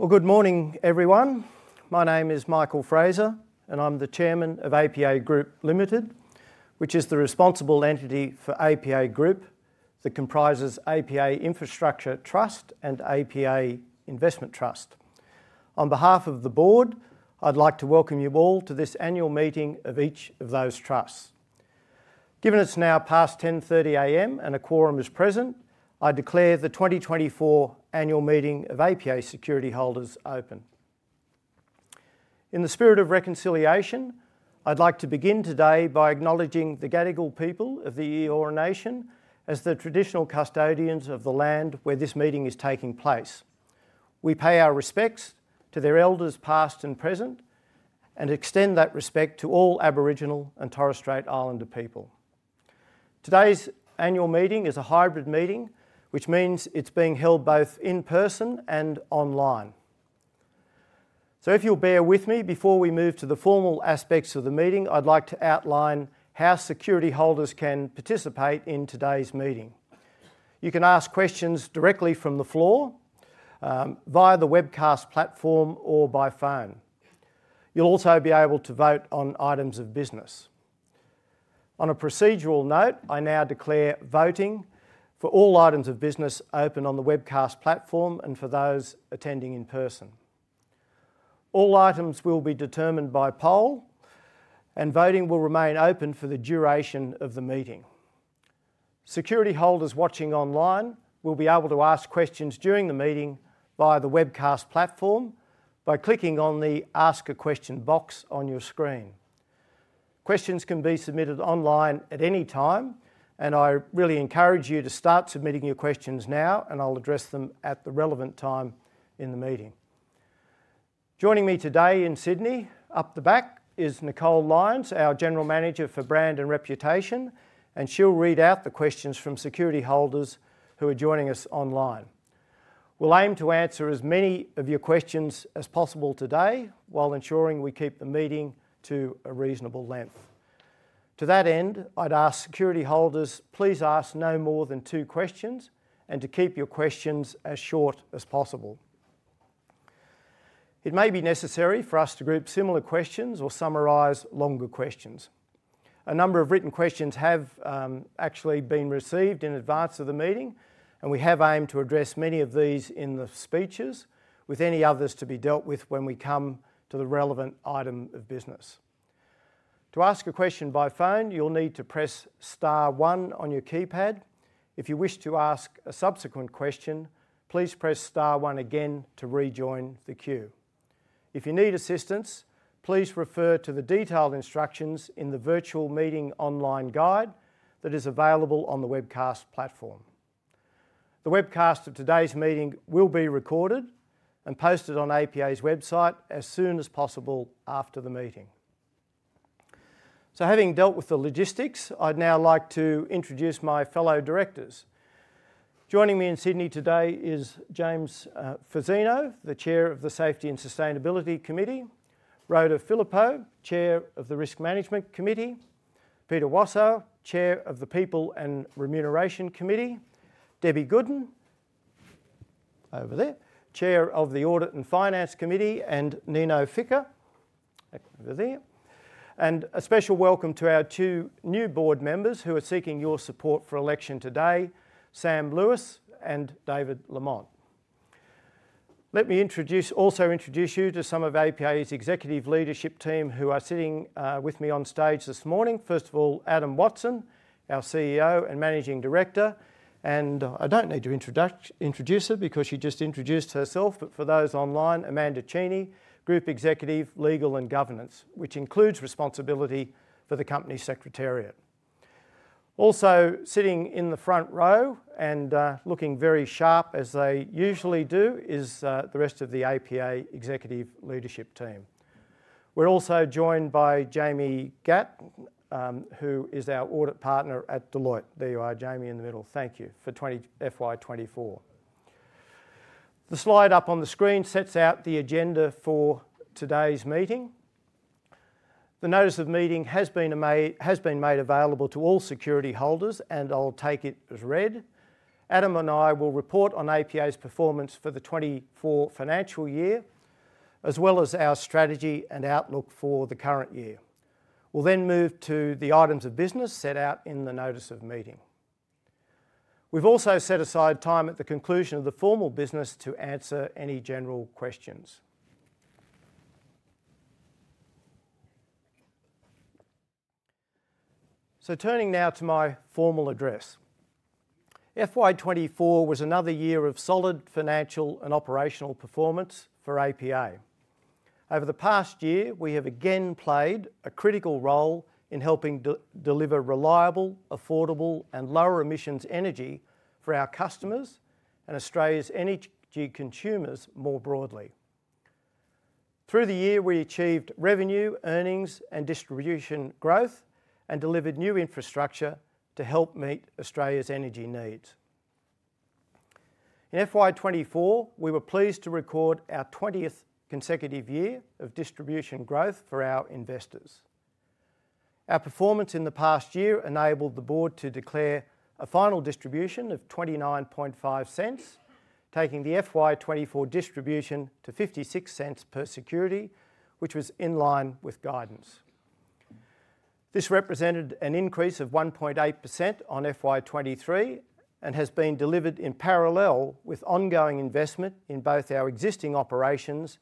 Well, good morning, everyone. My name is Michael Fraser, and I'm the Chairman of APA Group Limited, which is the responsible entity for APA Group that comprises APA Infrastructure Trust and APA Investment Trust. On behalf of the board, I'd like to welcome you all to this annual meeting of each of those trusts. Given it's now past 10:30 A.M. and a quorum is present, I declare the 2024 annual meeting of APA security holders open. In the spirit of reconciliation, I'd like to begin today by acknowledging the Gadigal people of the Eora Nation as the traditional custodians of the land where this meeting is taking place. We pay our respects to their elders, past and present, and extend that respect to all Aboriginal and Torres Strait Islander people. Today's annual meeting is a hybrid meeting, which means it's being held both in person and online. So if you'll bear with me, before we move to the formal aspects of the meeting, I'd like to outline how security holders can participate in today's meeting. You can ask questions directly from the floor, via the webcast platform, or by phone. You'll also be able to vote on items of business. On a procedural note, I now declare voting for all items of business open on the webcast platform and for those attending in person. All items will be determined by poll, and voting will remain open for the duration of the meeting. Security holders watching online will be able to ask questions during the meeting via the webcast platform by clicking on the Ask a Question box on your screen. Questions can be submitted online at any time, and I really encourage you to start submitting your questions now, and I'll address them at the relevant time in the meeting. Joining me today in Sydney, up the back, is Nicole Lyons, our General Manager for Brand and Reputation, and she'll read out the questions from security holders who are joining us online. We'll aim to answer as many of your questions as possible today, while ensuring we keep the meeting to a reasonable length. To that end, I'd ask security holders, please ask no more than two questions and to keep your questions as short as possible. It may be necessary for us to group similar questions or summarize longer questions. A number of written questions have actually been received in advance of the meeting, and we have aimed to address many of these in the speeches, with any others to be dealt with when we come to the relevant item of business. To ask a question by phone, you'll need to press star one on your keypad. If you wish to ask a subsequent question, please press star one again to rejoin the queue. If you need assistance, please refer to the detailed instructions in the Virtual Meeting Online Guide that is available on the webcast platform. The webcast of today's meeting will be recorded and posted on APA's website as soon as possible after the meeting. So having dealt with the logistics, I'd now like to introduce my fellow directors. Joining me in Sydney today is James Fazzino, the Chair of the Safety and Sustainability Committee. Rhoda Phillippo, Chair of the Risk Management Committee. Peter Wasow, Chair of the People and Remuneration Committee. Debbie Goodin, over there, Chair of the Audit and Finance Committee, and Nino Ficca, over there. A special welcome to our two new board members who are seeking your support for election today, Sam Lewis and David Lamont. Let me introduce you to some of APA's executive leadership team, who are sitting with me on stage this morning. First of all, Adam Watson, our CEO and Managing Director. And I don't need to introduce her because she just introduced herself, but for those online, Amanda Cheney, Group Executive, Legal and Governance, which includes responsibility for the company secretariat. Also sitting in the front row and looking very sharp, as they usually do, is the rest of the APA executive leadership team. We're also joined by Jamie Gatt, who is our audit partner at Deloitte. There you are, Jamie, in the middle. Thank you for FY 2024. The slide up on the screen sets out the agenda for today's meeting. The notice of meeting has been made available to all security holders, and I'll take it as read. Adam and I will report on APA's performance for the 2024 financial year, as well as our strategy and outlook for the current year. We'll then move to the items of business set out in the notice of meeting. We've also set aside time at the conclusion of the formal business to answer any general questions. So turning now to my formal address. FY 2024 was another year of solid financial and operational performance for APA. Over the past year, we have again played a critical role in helping deliver reliable, affordable, and lower emissions energy for our customers and Australia's energy consumers more broadly. Through the year, we achieved revenue, earnings, and distribution growth, and delivered new infrastructure to help meet Australia's energy needs. In FY 2024, we were pleased to record our 20th consecutive year of distribution growth for our investors. Our performance in the past year enabled the board to declare a final distribution of 0.295, taking the FY 2024 distribution to 0.56 per security, which was in line with guidance. This represented an increase of 1.8% on FY 2023, and has been delivered in parallel with ongoing investment in both our existing operations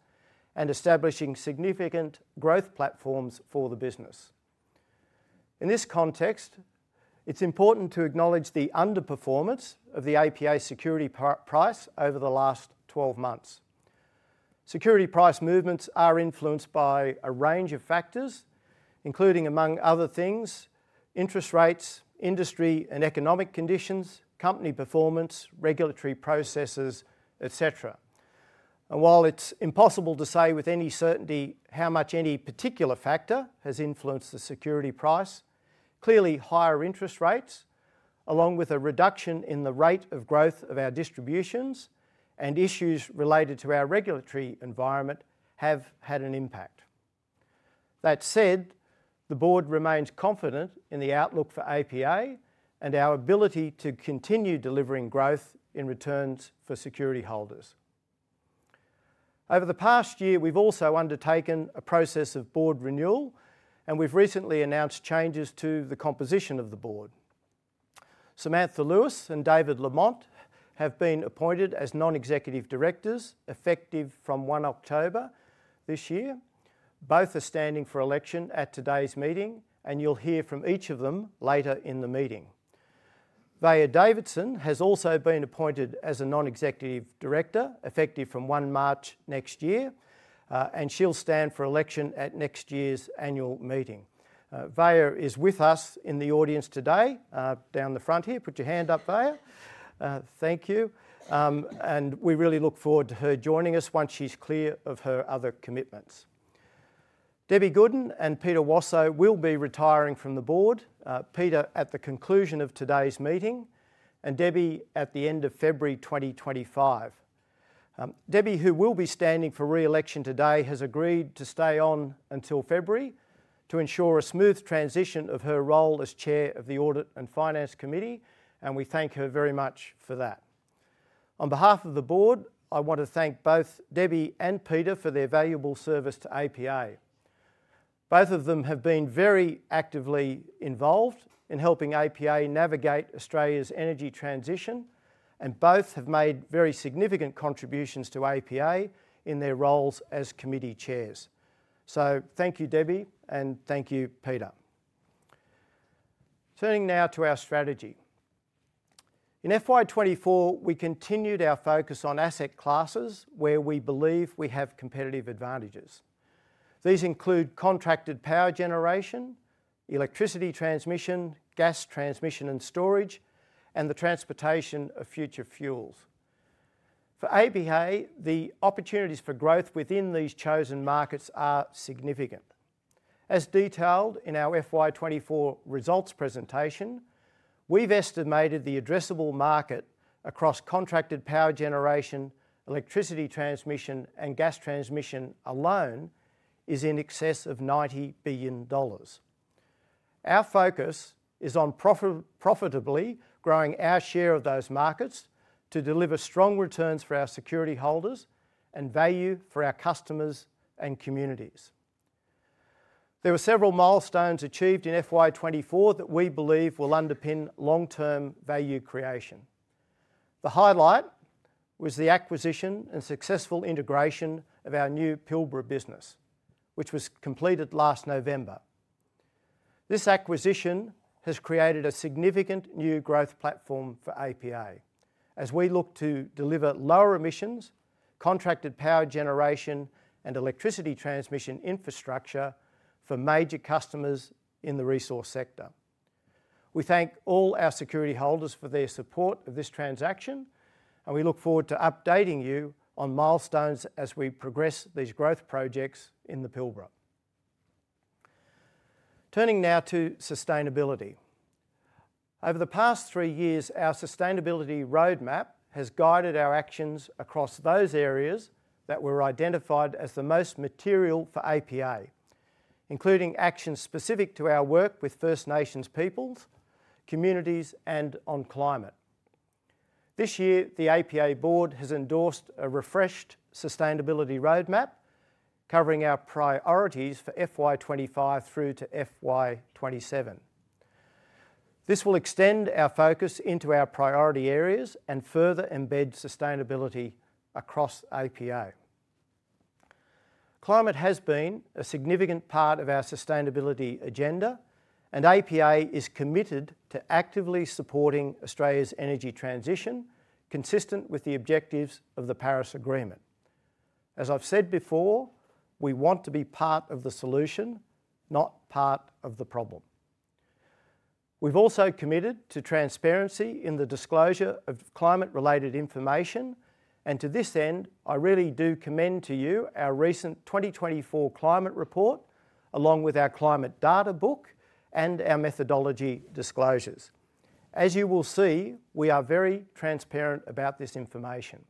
and establishing significant growth platforms for the business. In this context, it's important to acknowledge the underperformance of the APA security price over the last twelve months. Security price movements are influenced by a range of factors, including, among other things, interest rates, industry and economic conditions, company performance, regulatory processes, et cetera. And while it's impossible to say with any certainty how much any particular factor has influenced the security price, clearly, higher interest rates, along with a reduction in the rate of growth of our distributions and issues related to our regulatory environment, have had an impact. That said, the board remains confident in the outlook for APA and our ability to continue delivering growth in returns for security holders. Over the past year, we've also undertaken a process of board renewal, and we've recently announced changes to the composition of the board. Samantha Lewis and David Lamont have been appointed as non-executive directors, effective from one October this year. Both are standing for election at today's meeting, and you'll hear from each of them later in the meeting. Varya Davidson has also been appointed as a non-executive director, effective from March 1 next year, and she'll stand for election at next year's annual meeting. Varya is with us in the audience today, down the front here. Put your hand up, Varya. Thank you, and we really look forward to her joining us once she's clear of her other commitments. Debbie Goodin and Peter Wasow will be retiring from the board, Peter, at the conclusion of today's meeting, and Debbie at the end of February 2025. Debbie, who will be standing for re-election today, has agreed to stay on until February to ensure a smooth transition of her role as Chair of the Audit and Finance Committee, and we thank her very much for that. On behalf of the board, I want to thank both Debbie and Peter for their valuable service to APA. Both of them have been very actively involved in helping APA navigate Australia's energy transition, and both have made very significant contributions to APA in their roles as committee chairs. So thank you, Debbie, and thank you, Peter. Turning now to our strategy. In FY 2024, we continued our focus on asset classes where we believe we have competitive advantages. These include contracted power generation, electricity transmission, gas transmission and storage, and the transportation of future fuels. For APA, the opportunities for growth within these chosen markets are significant. As detailed in our FY 2024 results presentation, we've estimated the addressable market across contracted power generation, electricity transmission, and gas transmission alone is in excess of 90 billion dollars. Our focus is on profitably growing our share of those markets to deliver strong returns for our security holders and value for our customers and communities. There were several milestones achieved in FY 2024 that we believe will underpin long-term value creation. The highlight was the acquisition and successful integration of our new Pilbara business, which was completed last November. This acquisition has created a significant new growth platform for APA as we look to deliver lower emissions, contracted power generation, and electricity transmission infrastructure for major customers in the resource sector. We thank all our security holders for their support of this transaction, and we look forward to updating you on milestones as we progress these growth projects in the Pilbara. Turning now to sustainability. Over the past three years, our sustainability roadmap has guided our actions across those areas that were identified as the most material for APA, including actions specific to our work with First Nations peoples, communities, and on climate. This year, the APA board has endorsed a refreshed sustainability roadmap covering our priorities for FY 2025 through to FY 2027. This will extend our focus into our priority areas and further embed sustainability across APA. Climate has been a significant part of our sustainability agenda, and APA is committed to actively supporting Australia's energy transition, consistent with the objectives of the Paris Agreement. As I've said before, we want to be part of the solution, not part of the problem. We've also committed to transparency in the disclosure of climate-related information, and to this end, I really do commend to you our recent 2024 Climate Report, along with our climate data book and our methodology disclosures. As you will see, we are very transparent about this information.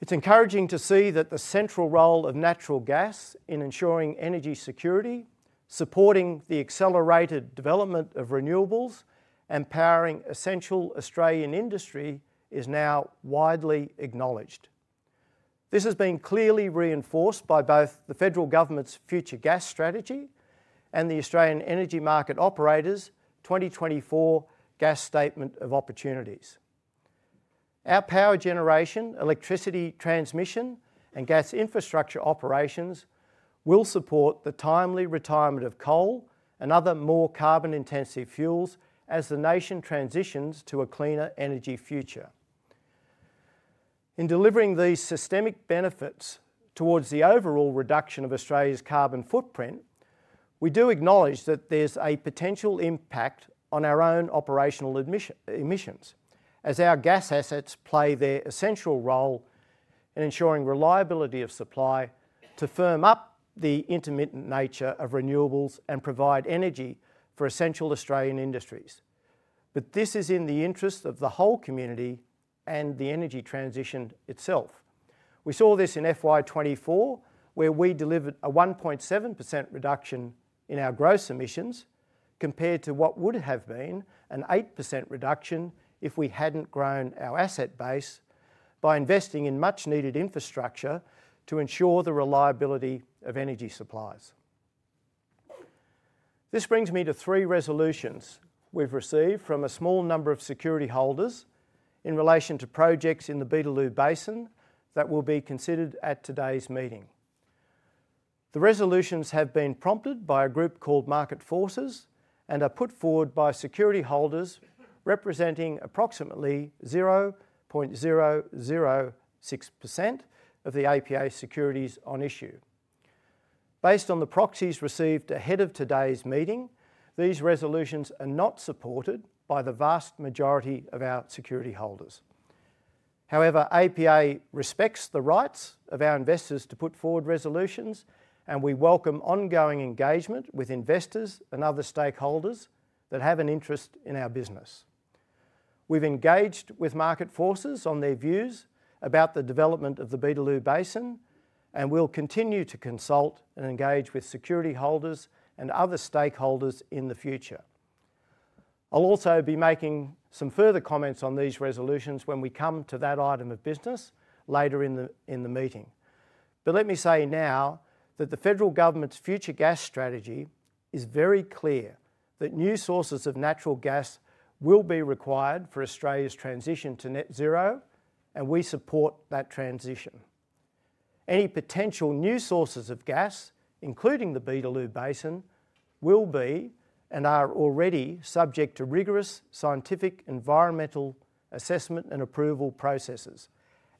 It's encouraging to see that the central role of natural gas in ensuring energy security, supporting the accelerated development of renewables, and powering essential Australian industry is now widely acknowledged. This has been clearly reinforced by both the Federal Government's Future Gas Strategy and the Australian Energy Market Operator's 2024 Gas Statement of Opportunities. Our power generation, electricity transmission, and gas infrastructure operations will support the timely retirement of coal and other more carbon-intensive fuels as the nation transitions to a cleaner energy future. In delivering these systemic benefits towards the overall reduction of Australia's carbon footprint, we do acknowledge that there's a potential impact on our own operational emissions, as our gas assets play their essential role in ensuring reliability of supply to firm up the intermittent nature of renewables and provide energy for essential Australian industries. But this is in the interest of the whole community and the energy transition itself. We saw this in FY 2024, where we delivered a 1.7% reduction in our gross emissions, compared to what would have been an 8% reduction if we hadn't grown our asset base by investing in much-needed infrastructure to ensure the reliability of energy supplies. This brings me to three resolutions we've received from a small number of security holders in relation to projects in the Beetaloo Basin that will be considered at today's meeting. The resolutions have been prompted by a group called Market Forces and are put forward by security holders representing approximately 0.006% of the APA securities on issue. Based on the proxies received ahead of today's meeting, these resolutions are not supported by the vast majority of our security holders. However, APA respects the rights of our investors to put forward resolutions, and we welcome ongoing engagement with investors and other stakeholders that have an interest in our business. We've engaged with Market Forces on their views about the development of the Beetaloo Basin, and we'll continue to consult and engage with security holders and other stakeholders in the future. I'll also be making some further comments on these resolutions when we come to that item of business later in the meeting. But let me say now that the Federal Government's Future Gas Strategy is very clear that new sources of natural gas will be required for Australia's transition to net zero, and we support that transition. Any potential new sources of gas, including the Beetaloo Basin, will be, and are already, subject to rigorous scientific environmental assessment and approval processes,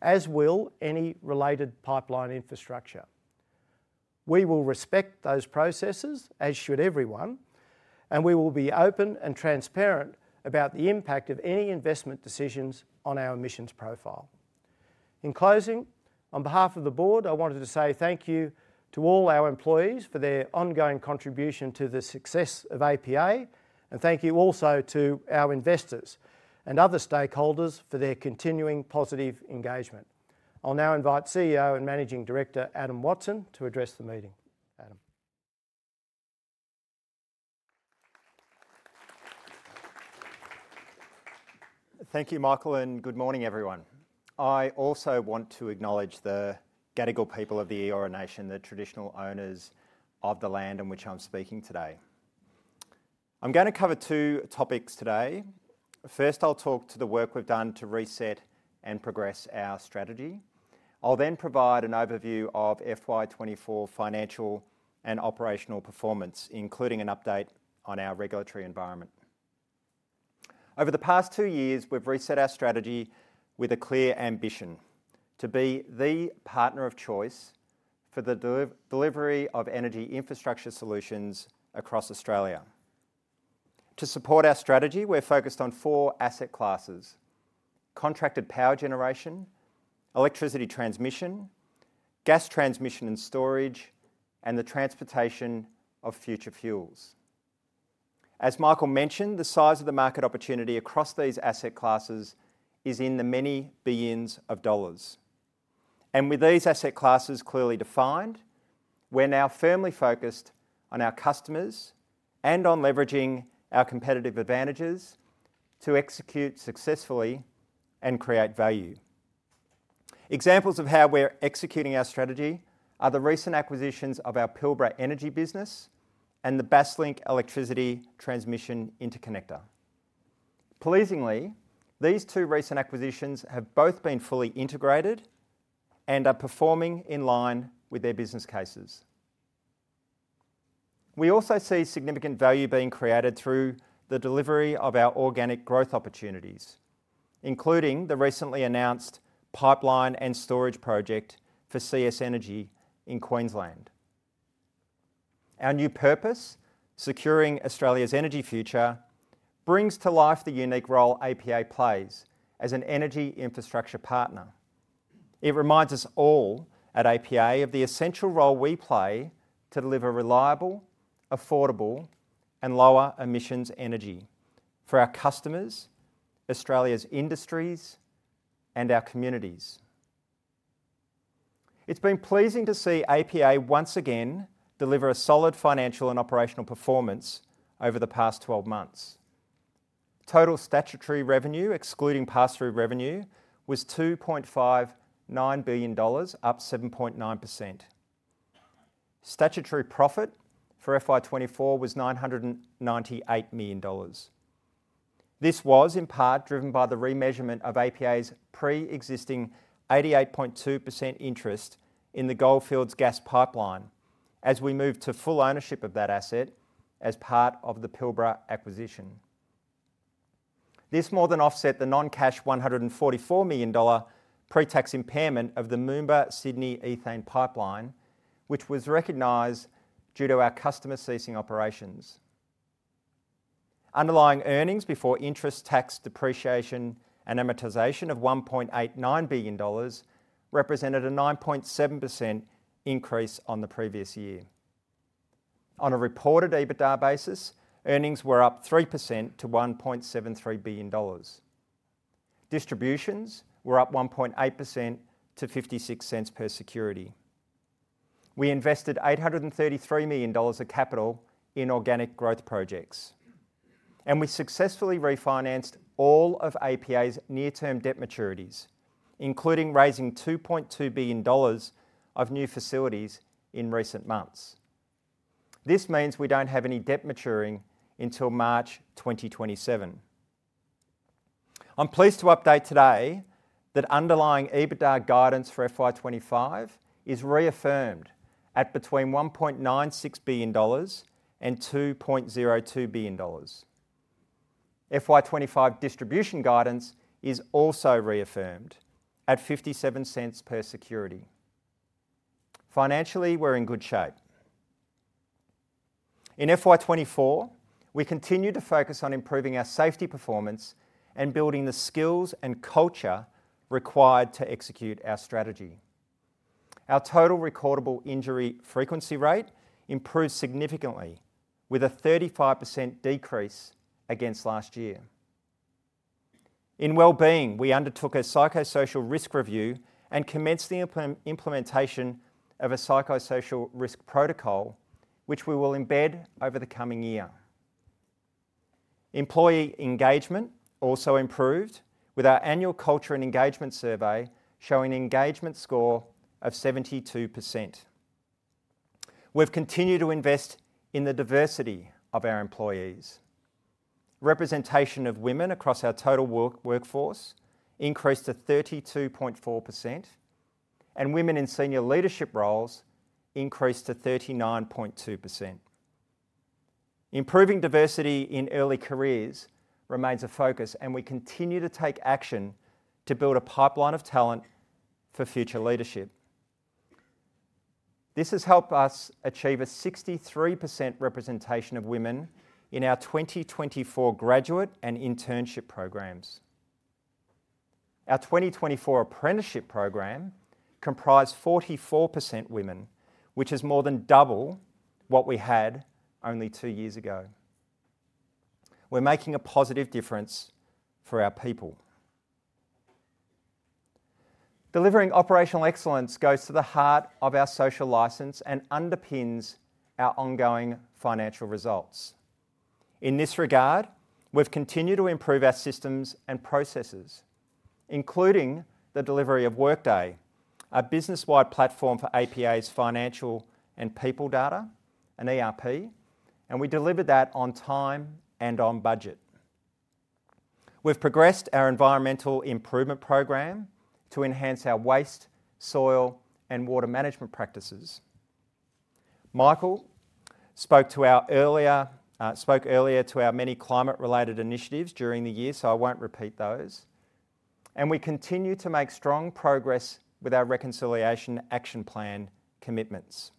as will any related pipeline infrastructure. We will respect those processes, as should everyone, and we will be open and transparent about the impact of any investment decisions on our emissions profile. In closing, on behalf of the board, I wanted to say thank you to all our employees for their ongoing contribution to the success of APA, and thank you also to our investors and other stakeholders for their continuing positive engagement. I'll now invite CEO and Managing Director Adam Watson to address the meeting. Adam? Thank you, Michael, and good morning, everyone. I also want to acknowledge the Gadigal people of the Eora Nation, the traditional owners of the land in which I'm speaking today. I'm gonna cover two topics today. First, I'll talk to the work we've done to reset and progress our strategy. I'll then provide an overview of FY 2024 financial and operational performance, including an update on our regulatory environment. Over the past two years, we've reset our strategy with a clear ambition: to be the partner of choice for the delivery of energy infrastructure solutions across Australia. To support our strategy, we're focused on four asset classes: contracted power generation, electricity transmission, gas transmission and storage, and the transportation of future fuels. As Michael mentioned, the size of the market opportunity across these asset classes is in the many billions of dollars, and with these asset classes clearly defined, we're now firmly focused on our customers and on leveraging our competitive advantages to execute successfully and create value. Examples of how we're executing our strategy are the recent acquisitions of our Pilbara Energy business and the Basslink electricity transmission interconnector. Pleasingly, these two recent acquisitions have both been fully integrated and are performing in line with their business cases. We also see significant value being created through the delivery of our organic growth opportunities, including the recently announced pipeline and storage project for CS Energy in Queensland. Our new purpose, securing Australia's energy future, brings to life the unique role APA plays as an energy infrastructure partner. It reminds us all at APA of the essential role we play to deliver reliable, affordable, and lower emissions energy for our customers, Australia's industries, and our communities. It's been pleasing to see APA once again deliver a solid financial and operational performance over the past twelve months. Total statutory revenue, excluding pass-through revenue, was 2.59 billion dollars, up 7.9%. Statutory profit for FY 2024 was 998 million dollars. This was in part driven by the remeasurement of APA's pre-existing 88.2% interest in the Goldfields Gas Pipeline as we move to full ownership of that asset as part of the Pilbara acquisition. This more than offset the non-cash 144 million dollar pre-tax impairment of the Moomba-Sydney Ethane Pipeline, which was recognized due to our customer ceasing operations. Underlying earnings before interest, tax, depreciation, and amortization of 1.89 billion dollars represented a 9.7% increase on the previous year. On a reported EBITDA basis, earnings were up 3% to 1.73 billion dollars. Distributions were up 1.8% to 0.56 per security. We invested 833 million dollars of capital in organic growth projects, and we successfully refinanced all of APA's near-term debt maturities, including raising 2.2 billion dollars of new facilities in recent months. This means we don't have any debt maturing until March 2027. I'm pleased to update today that underlying EBITDA guidance for FY 2025 is reaffirmed at between 1.96 billion dollars and 2.02 billion dollars. FY 2025 distribution guidance is also reaffirmed at 0.57 per security. Financially, we're in good shape. In FY 2024, we continued to focus on improving our safety performance and building the skills and culture required to execute our strategy. Our total recordable injury frequency rate improved significantly, with a 35% decrease against last year. In wellbeing, we undertook a psychosocial risk review and commenced the implementation of a psychosocial risk protocol, which we will embed over the coming year. Employee engagement also improved, with our annual culture and engagement survey showing engagement score of 72%. We've continued to invest in the diversity of our employees. Representation of women across our total workforce increased to 32.4%, and women in senior leadership roles increased to 39.2%. Improving diversity in early careers remains a focus, and we continue to take action to build a pipeline of talent for future leadership. This has helped us achieve a 63% representation of women in our 2024 graduate and internship programs. Our 2024 apprenticeship program comprised 44% women, which is more than double what we had only two years ago. We're making a positive difference for our people. Delivering operational excellence goes to the heart of our social license and underpins our ongoing financial results. In this regard, we've continued to improve our systems and processes, including the delivery of Workday, a business-wide platform for APA's financial and people data, and ERP, and we delivered that on time and on budget. We've progressed our environmental improvement program to enhance our waste, soil, and water management practices. Michael spoke earlier to our many climate-related initiatives during the year, so I won't repeat those, and we continue to make strong progress with our Reconciliation Action Plan commitments.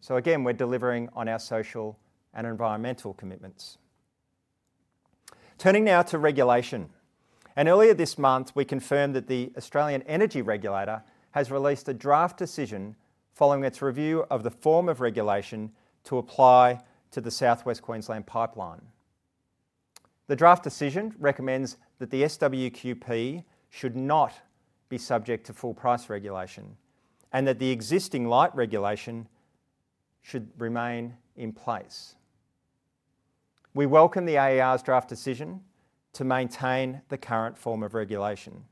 So again, we're delivering on our social and environmental commitments. Turning now to regulation, and earlier this month, we confirmed that the Australian Energy Regulator has released a draft decision following its review of the form of regulation to apply to the South West Queensland Pipeline. The draft decision recommends that the SWQP should not be subject to full price regulation and that the existing light regulation should remain in place. We welcome the AER's draft decision to maintain the current form of regulation,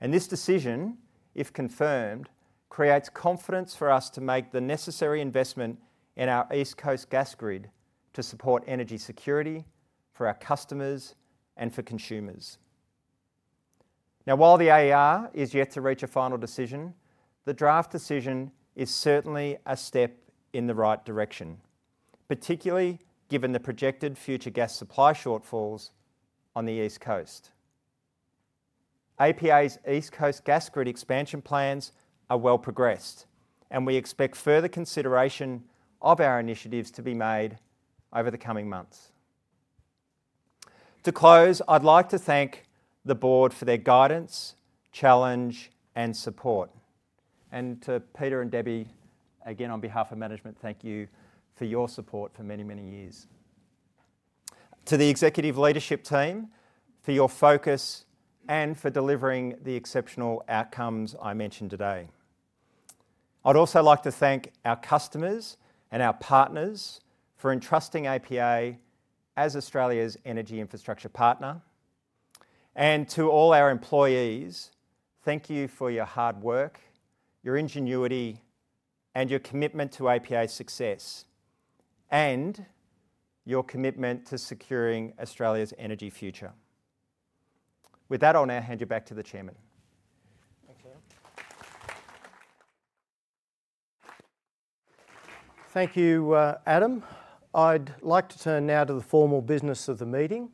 and this decision, if confirmed, creates confidence for us to make the necessary investment in our East Coast Gas Grid to support energy security for our customers and for consumers. Now, while the AER is yet to reach a final decision, the draft decision is certainly a step in the right direction, particularly given the projected future gas supply shortfalls on the East Coast. APA's East Coast Gas Grid expansion plans are well progressed, and we expect further consideration of our initiatives to be made over the coming months. To close, I'd like to thank the board for their guidance, challenge, and support. And to Peter and Debbie, again, on behalf of management, thank you for your support for many, many years. To the executive leadership team, for your focus and for delivering the exceptional outcomes I mentioned today. I'd also like to thank our customers and our partners for entrusting APA as Australia's energy infrastructure partner. And to all our employees, thank you for your hard work, your ingenuity, and your commitment to APA's success, and your commitment to securing Australia's energy future. With that, I'll now hand you back to the chairman. Thank you, Adam. I'd like to turn now to the formal business of the meeting.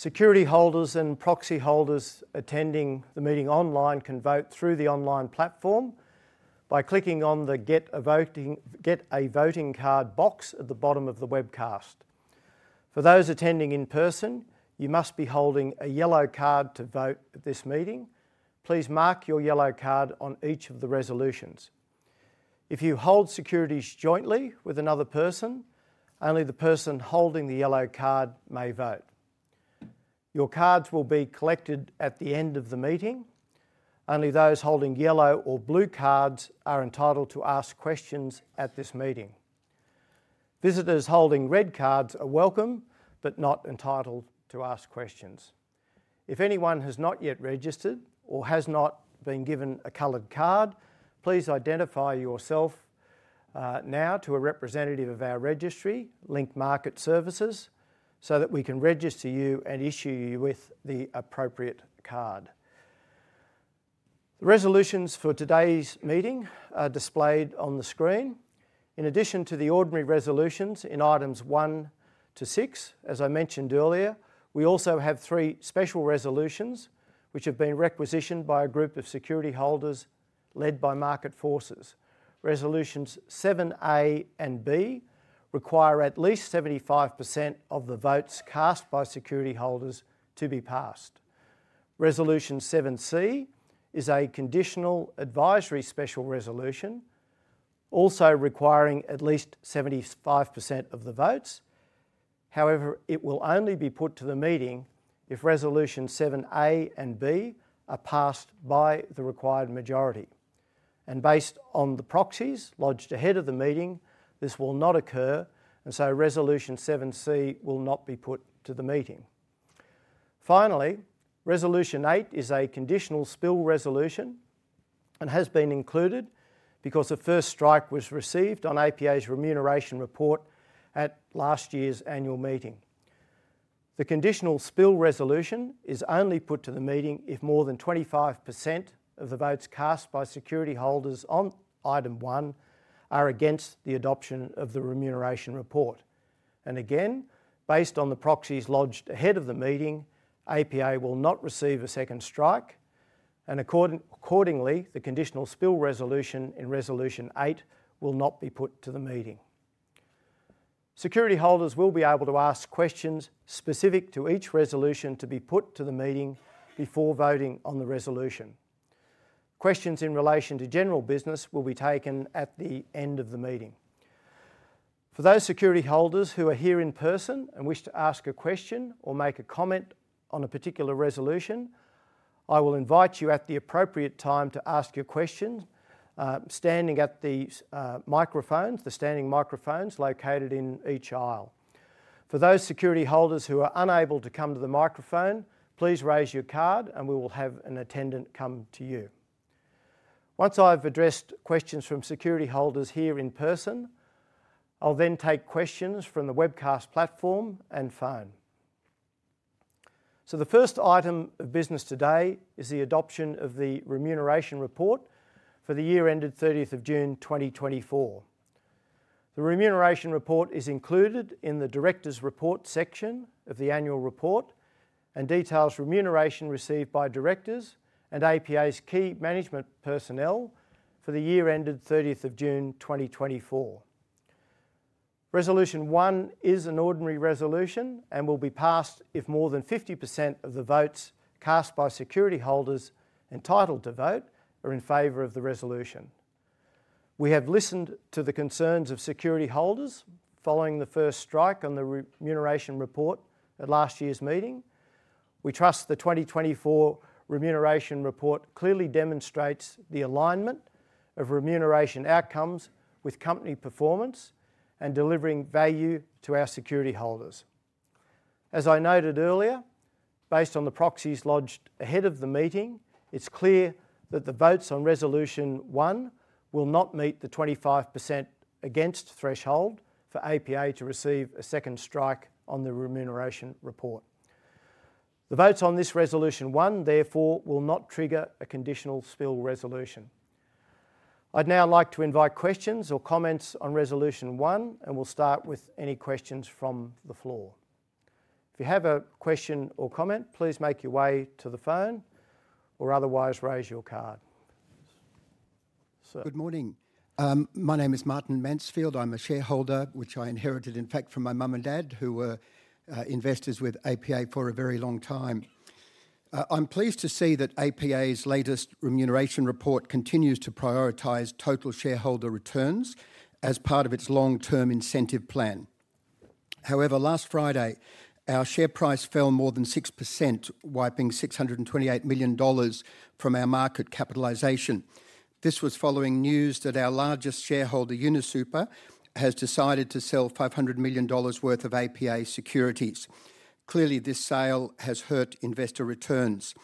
Security holders and proxy holders attending the meeting online can vote through the online platform by clicking on the Get a Voting Card box at the bottom of the webcast. For those attending in person, you must be holding a yellow card to vote at this meeting. Please mark your yellow card on each of the resolutions. If you hold securities jointly with another person, only the person holding the yellow card may vote. Your cards will be collected at the end of the meeting. Only those holding yellow or blue cards are entitled to ask questions at this meeting. Visitors holding red cards are welcome, but not entitled to ask questions. If anyone has not yet registered or has not been given a colored card, please identify yourself, now to a representative of our registry, Link Market Services, so that we can register you and issue you with the appropriate card. The resolutions for today's meeting are displayed on the screen. In addition to the ordinary resolutions in items one to six, as I mentioned earlier, we also have three special resolutions which have been requisitioned by a group of security holders led by Market Forces. Resolutions seven A and B require at least 75% of the votes cast by security holders to be passed. Resolution 7C is a conditional advisory special resolution, also requiring at least 75% of the votes. However, it will only be put to the meeting if Resolution 7A and B are passed by the required majority, and based on the proxies lodged ahead of the meeting, this will not occur, and so Resolution 7C will not be put to the meeting. Finally, resolution eight is a conditional spill resolution and has been included because the first strike was received on APA's Remuneration Report at last year's annual meeting. The conditional spill resolution is only put to the meeting if more than 25% of the votes cast by security holders on item one are against the adoption of the remuneration report, and again, based on the proxies lodged ahead of the meeting, APA will not receive a second strike, and accordingly, the conditional spill resolution in Resolution 8 will not be put to the meeting. Security holders will be able to ask questions specific to each resolution to be put to the meeting before voting on the resolution. Questions in relation to general business will be taken at the end of the meeting. For those security holders who are here in person and wish to ask a question or make a comment on a particular resolution, I will invite you at the appropriate time to ask your question, standing at the microphones, the standing microphones located in each aisle. For those security holders who are unable to come to the microphone, please raise your card and we will have an attendant come to you. Once I've addressed questions from security holders here in person, I'll then take questions from the webcast platform and phone. The first item of business today is the adoption of the remuneration report for the year ended June 13, 2024. The remuneration report is included in the Directors' Report section of the Annual Report and details remuneration received by directors and APA's key management personnel for the year ended June 30, 2024. Resolution one is an ordinary resolution and will be passed if more than 50% of the votes cast by security holders entitled to vote are in favor of the resolution. We have listened to the concerns of security holders following the first strike on the remuneration report at last year's meeting. We trust the 2024 remuneration report clearly demonstrates the alignment of remuneration outcomes with company performance and delivering value to our security holders. As I noted earlier, based on the proxies lodged ahead of the meeting, it's clear that the votes on Resolution 1 will not meet the 25% against threshold for APA to receive a second strike on the remuneration report. The votes on this Resolution 1, therefore, will not trigger a conditional spill resolution. I'd now like to invite questions or comments on Resolution 1, and we'll start with any questions from the floor. If you have a question or comment, please make your way to the phone or otherwise raise your card. Sir. Good morning. My name is Martin Mansfield. I'm a shareholder, which I inherited, in fact, from my mum and dad, who were investors with APA for a very long time. I'm pleased to see that APA's latest remuneration report continues to prioritize total shareholder returns as part of its long-term incentive plan... However, last Friday, our share price fell more than 6%, wiping 628 million dollars from our market capitalization. This was following news that our largest shareholder, UniSuper, has decided to sell 500 million dollars worth of APA securities. Clearly, this sale has hurt investor returns.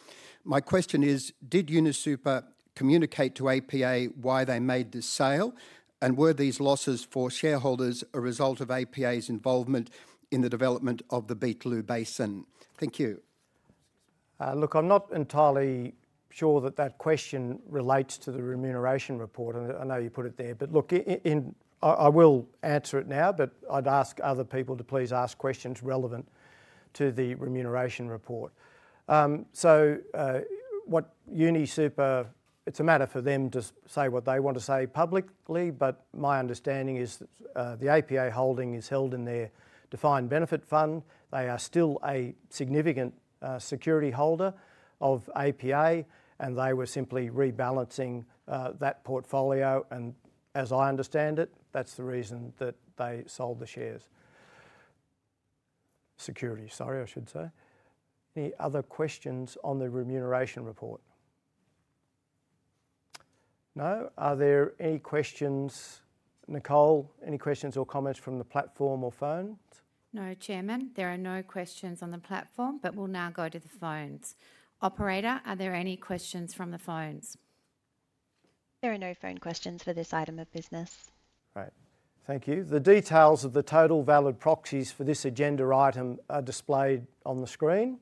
My question is: did UniSuper communicate to APA why they made this sale? And were these losses for shareholders a result of APA's involvement in the development of the Beetaloo Basin? Thank you. Look, I'm not entirely sure that that question relates to the remuneration report, and I know you put it there. But look, I will answer it now, but I'd ask other people to please ask questions relevant to the remuneration report. What UniSuper... It's a matter for them to say what they want to say publicly, but my understanding is that the APA holding is held in their defined benefit fund. They are still a significant security holder of APA, and they were simply rebalancing that portfolio. And as I understand it, that's the reason that they sold the shares. Securities, sorry, I should say. Any other questions on the remuneration report? No? Are there any questions, Nicole, any questions or comments from the platform or phone? No, Chairman, there are no questions on the platform, but we'll now go to the phones. Operator, are there any questions from the phones? There are no phone questions for this item of business. Great, thank you. The details of the total valid proxies for this agenda item are displayed on the screen.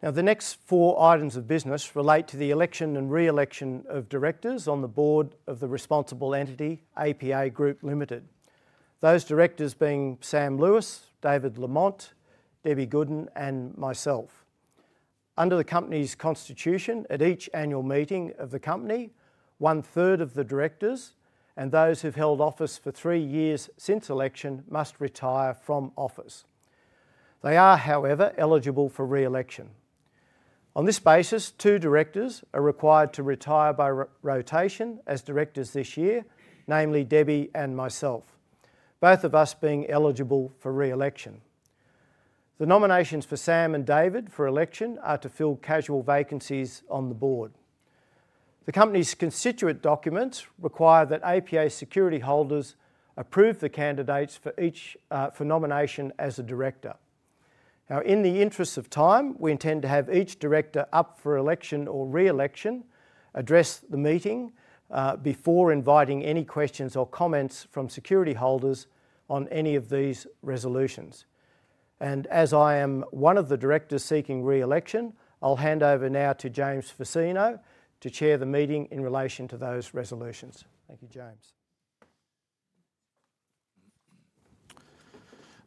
Now, the next four items of business relate to the election and re-election of directors on the board of the responsible entity, APA Group Limited. Those directors being Sam Lewis, David Lamont, Debbie Goodin, and myself. Under the company's constitution, at each annual meeting of the company, one-third of the directors, and those who've held office for three years since election, must retire from office. They are, however, eligible for re-election. On this basis, two directors are required to retire by rotation as directors this year, namely Debbie and myself, both of us being eligible for re-election. The nominations for Sam and David for election are to fill casual vacancies on the board. The company's constituent documents require that APA security holders approve the candidates for each, for nomination as a director. Now, in the interest of time, we intend to have each director up for election or re-election address the meeting, before inviting any questions or comments from security holders on any of these resolutions. As I am one of the directors seeking re-election, I'll hand over now to James Fazzino to chair the meeting in relation to those resolutions. Thank you, James.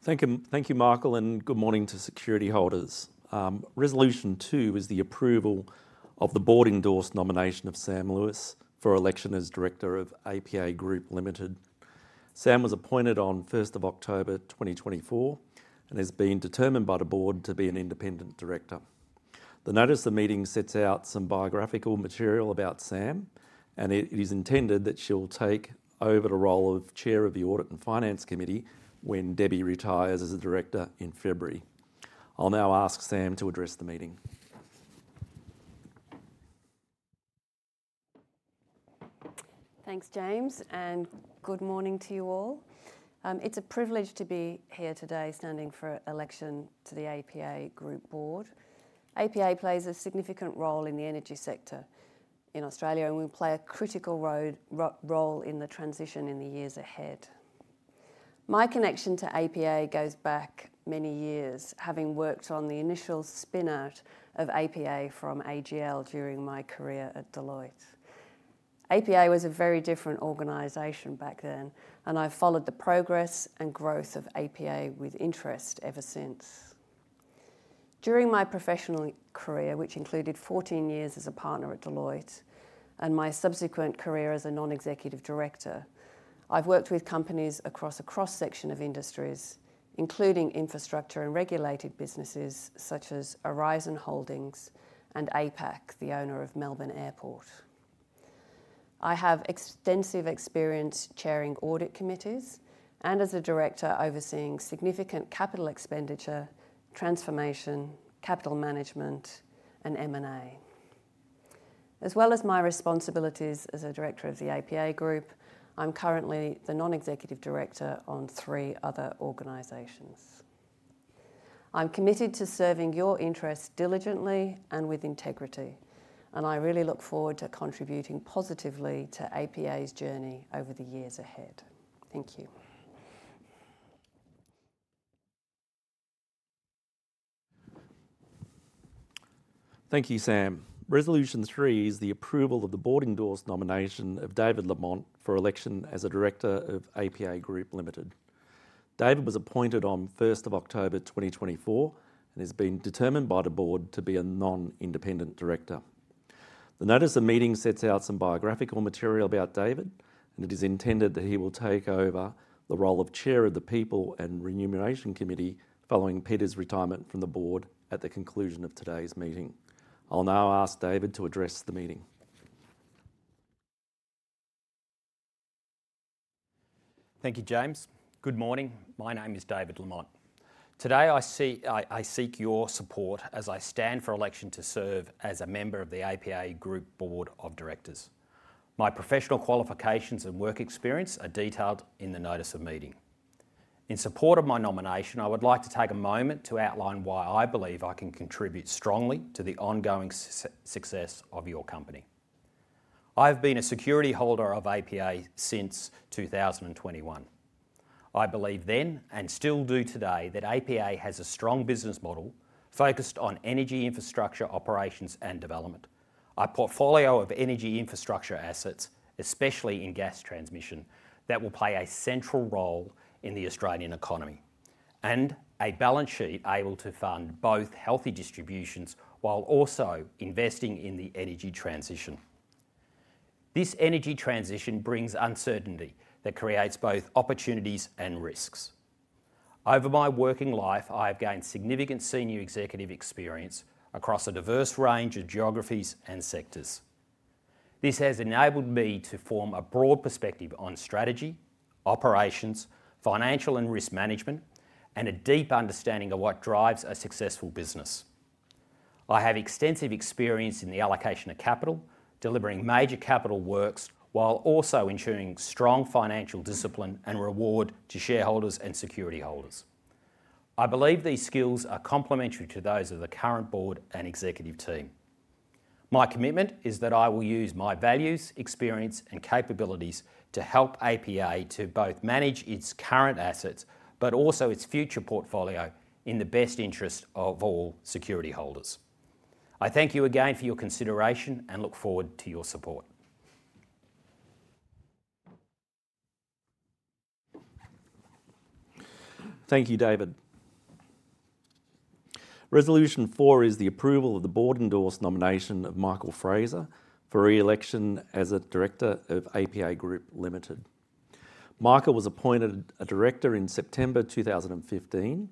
Thank you. Thank you, Michael, and good morning to security holders. Resolution 2 is the approval of the board-endorsed nomination of Sam Lewis for election as Director of APA Group Limited. Sam was appointed on first of October, 2024, and has been determined by the board to be an independent director. The notice of the meeting sets out some biographical material about Sam, and it, it is intended that she will take over the role of Chair of the Audit and Finance Committee when Debbie retires as a director in February. I'll now ask Sam to address the meeting. Thanks, James, and good morning to you all. It's a privilege to be here today standing for election to the APA Group board. APA plays a significant role in the energy sector in Australia, and we play a critical role in the transition in the years ahead. My connection to APA goes back many years, having worked on the initial spin-out of APA from AGL during my career at Deloitte. APA was a very different organization back then, and I followed the progress and growth of APA with interest ever since. During my professional career, which included fourteen years as a partner at Deloitte and my subsequent career as a non-executive director, I've worked with companies across a cross-section of industries, including infrastructure and regulated businesses such as Aurizon Holdings and APAC, the owner of Melbourne Airport. I have extensive experience chairing audit committees and as a director overseeing significant capital expenditure, transformation, capital management, and M&A. As well as my responsibilities as a director of the APA Group, I'm currently the non-executive director on three other organizations. I'm committed to serving your interests diligently and with integrity, and I really look forward to contributing positively to APA's journey over the years ahead. Thank you. Thank you, Sam. Resolution 3 is the approval of the board-endorsed nomination of David Lamont for election as a director of APA Group Limited. David was appointed on first of October 2024, and has been determined by the board to be a non-independent director. The notice of the meeting sets out some biographical material about David, and it is intended that he will take over the role of Chair of the People and Remuneration Committee, following Peter's retirement from the board at the conclusion of today's meeting. I'll now ask David to address the meeting. Thank you, James. Good morning. My name is David Lamont. Today, I seek your support as I stand for election to serve as a member of the APA Group Board of Directors. My professional qualifications and work experience are detailed in the notice of meeting. In support of my nomination, I would like to take a moment to outline why I believe I can contribute strongly to the ongoing success of your company. I've been a security holder of APA since 2021. I believed then, and still do today, that APA has a strong business model focused on energy infrastructure, operations, and development. A portfolio of energy infrastructure assets, especially in gas transmission, that will play a central role in the Australian economy, and a balance sheet able to fund both healthy distributions while also investing in the energy transition. This energy transition brings uncertainty that creates both opportunities and risks. Over my working life, I have gained significant senior executive experience across a diverse range of geographies and sectors. This has enabled me to form a broad perspective on strategy, operations, financial and risk management, and a deep understanding of what drives a successful business. I have extensive experience in the allocation of capital, delivering major capital works, while also ensuring strong financial discipline and reward to shareholders and security holders. I believe these skills are complementary to those of the current board and executive team. My commitment is that I will use my values, experience, and capabilities to help APA to both manage its current assets, but also its future portfolio in the best interest of all security holders. I thank you again for your consideration and look forward to your support. Thank you, David. Resolution 4 is the approval of the board-endorsed nomination of Michael Fraser for re-election as a director of APA Group Limited. Michael was appointed a director in September 2015,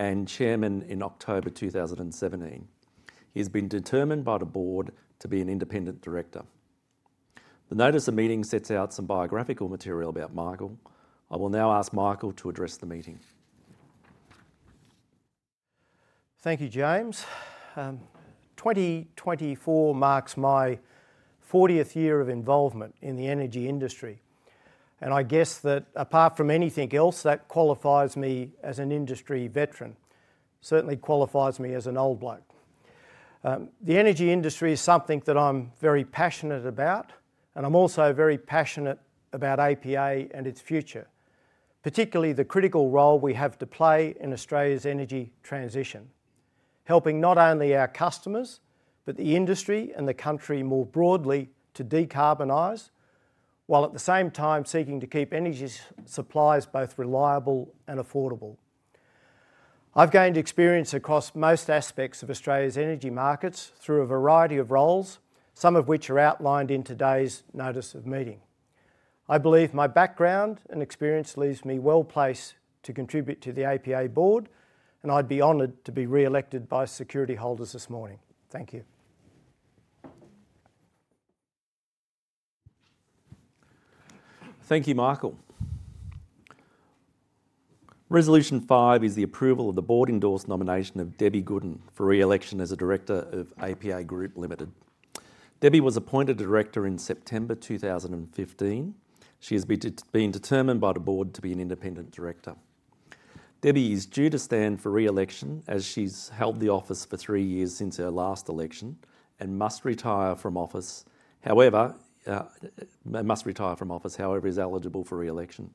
and chairman in October 2017. He's been determined by the board to be an independent director. The notice of meeting sets out some biographical material about Michael. I will now ask Michael to address the meeting. Thank you, James. 2024 marks my fortieth year of involvement in the energy industry, and I guess that apart from anything else, that qualifies me as an industry veteran. Certainly qualifies me as an old bloke. The energy industry is something that I'm very passionate about, and I'm also very passionate about APA and its future, particularly the critical role we have to play in Australia's energy transition. Helping not only our customers, but the industry and the country more broadly to decarbonize, while at the same time seeking to keep energy supplies both reliable and affordable. I've gained experience across most aspects of Australia's energy markets through a variety of roles, some of which are outlined in today's notice of meeting. I believe my background and experience leaves me well-placed to contribute to the APA board, and I'd be honored to be re-elected by security holders this morning. Thank you. Thank you, Michael. Resolution 5 is the approval of the board-endorsed nomination of Debbie Goodin for re-election as a director of APA Group Limited. Debbie was appointed director in September 2015. She has been determined by the board to be an independent director. Debbie is due to stand for re-election, as she's held the office for three years since her last election, and must retire from office. However, is eligible for re-election.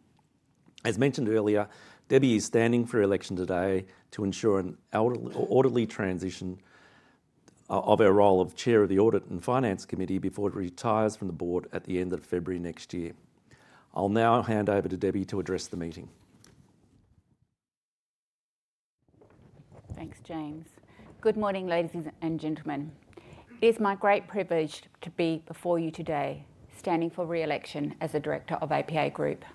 As mentioned earlier, Debbie is standing for election today to ensure an orderly transition of her role of Chair of the Audit and Finance Committee before she retires from the board at the end of February next year. I'll now hand over to Debbie to address the meeting. Thanks, James. Good morning, ladies and gentlemen. It is my great privilege to be before you today, standing for re-election as a director of APA Group.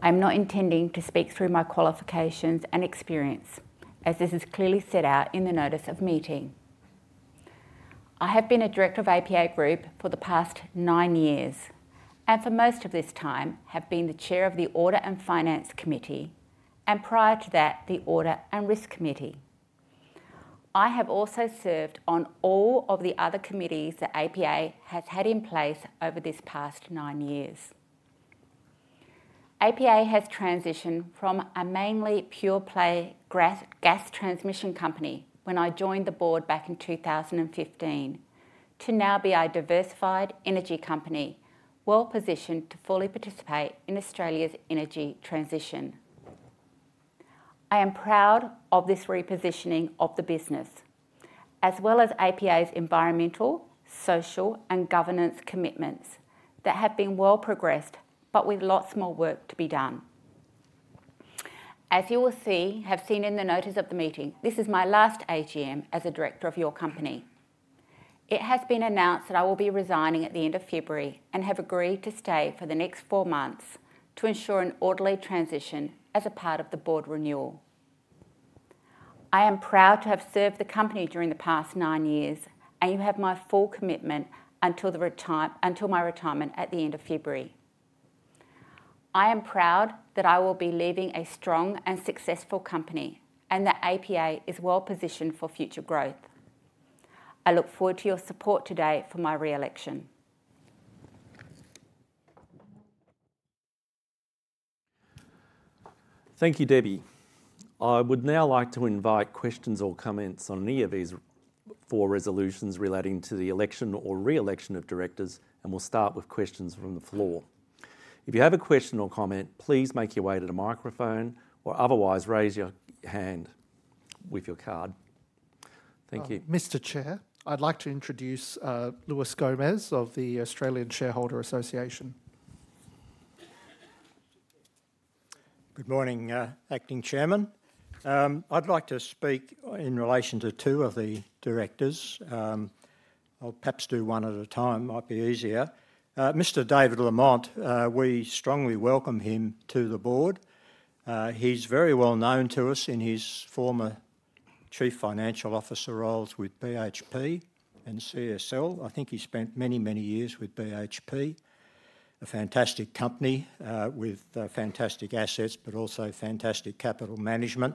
I'm not intending to speak through my qualifications and experience, as this is clearly set out in the notice of meeting. I have been a director of APA Group for the past nine years, and for most of this time have been the Chair of the Audit and Finance Committee, and prior to that, the Audit and Risk Committee. I have also served on all of the other committees that APA has had in place over this past nine years. APA has transitioned from a mainly pure play gas transmission company when I joined the board back in 2015, to now be a diversified energy company, well positioned to fully participate in Australia's energy transition. I am proud of this repositioning of the business, as well as APA's environmental, social, and governance commitments that have been well progressed, but with lots more work to be done. As you will see, have seen in the notice of the meeting, this is my last AGM as a director of your company. It has been announced that I will be resigning at the end of February and have agreed to stay for the next four months to ensure an orderly transition as a part of the board renewal. I am proud to have served the company during the past nine years, and you have my full commitment until until my retirement at the end of February. I am proud that I will be leaving a strong and successful company, and that APA is well-positioned for future growth. I look forward to your support today for my re-election. Thank you, Debbie. I would now like to invite questions or comments on any of these four resolutions relating to the election or re-election of directors, and we'll start with questions from the floor. If you have a question or comment, please make your way to the microphone, or otherwise raise your hand with your card. Thank you. Mr. Chair, I'd like to introduce Lewis Gomez of the Australian Shareholders' Association. Good morning, Acting Chairman. I'd like to speak in relation to two of the directors. I'll perhaps do one at a time, might be easier. Mr. David Lamont, we strongly welcome him to the board. He's very well known to us in his former chief financial officer roles with BHP and CSL. I think he spent many, many years with BHP, a fantastic company, with fantastic assets, but also fantastic capital management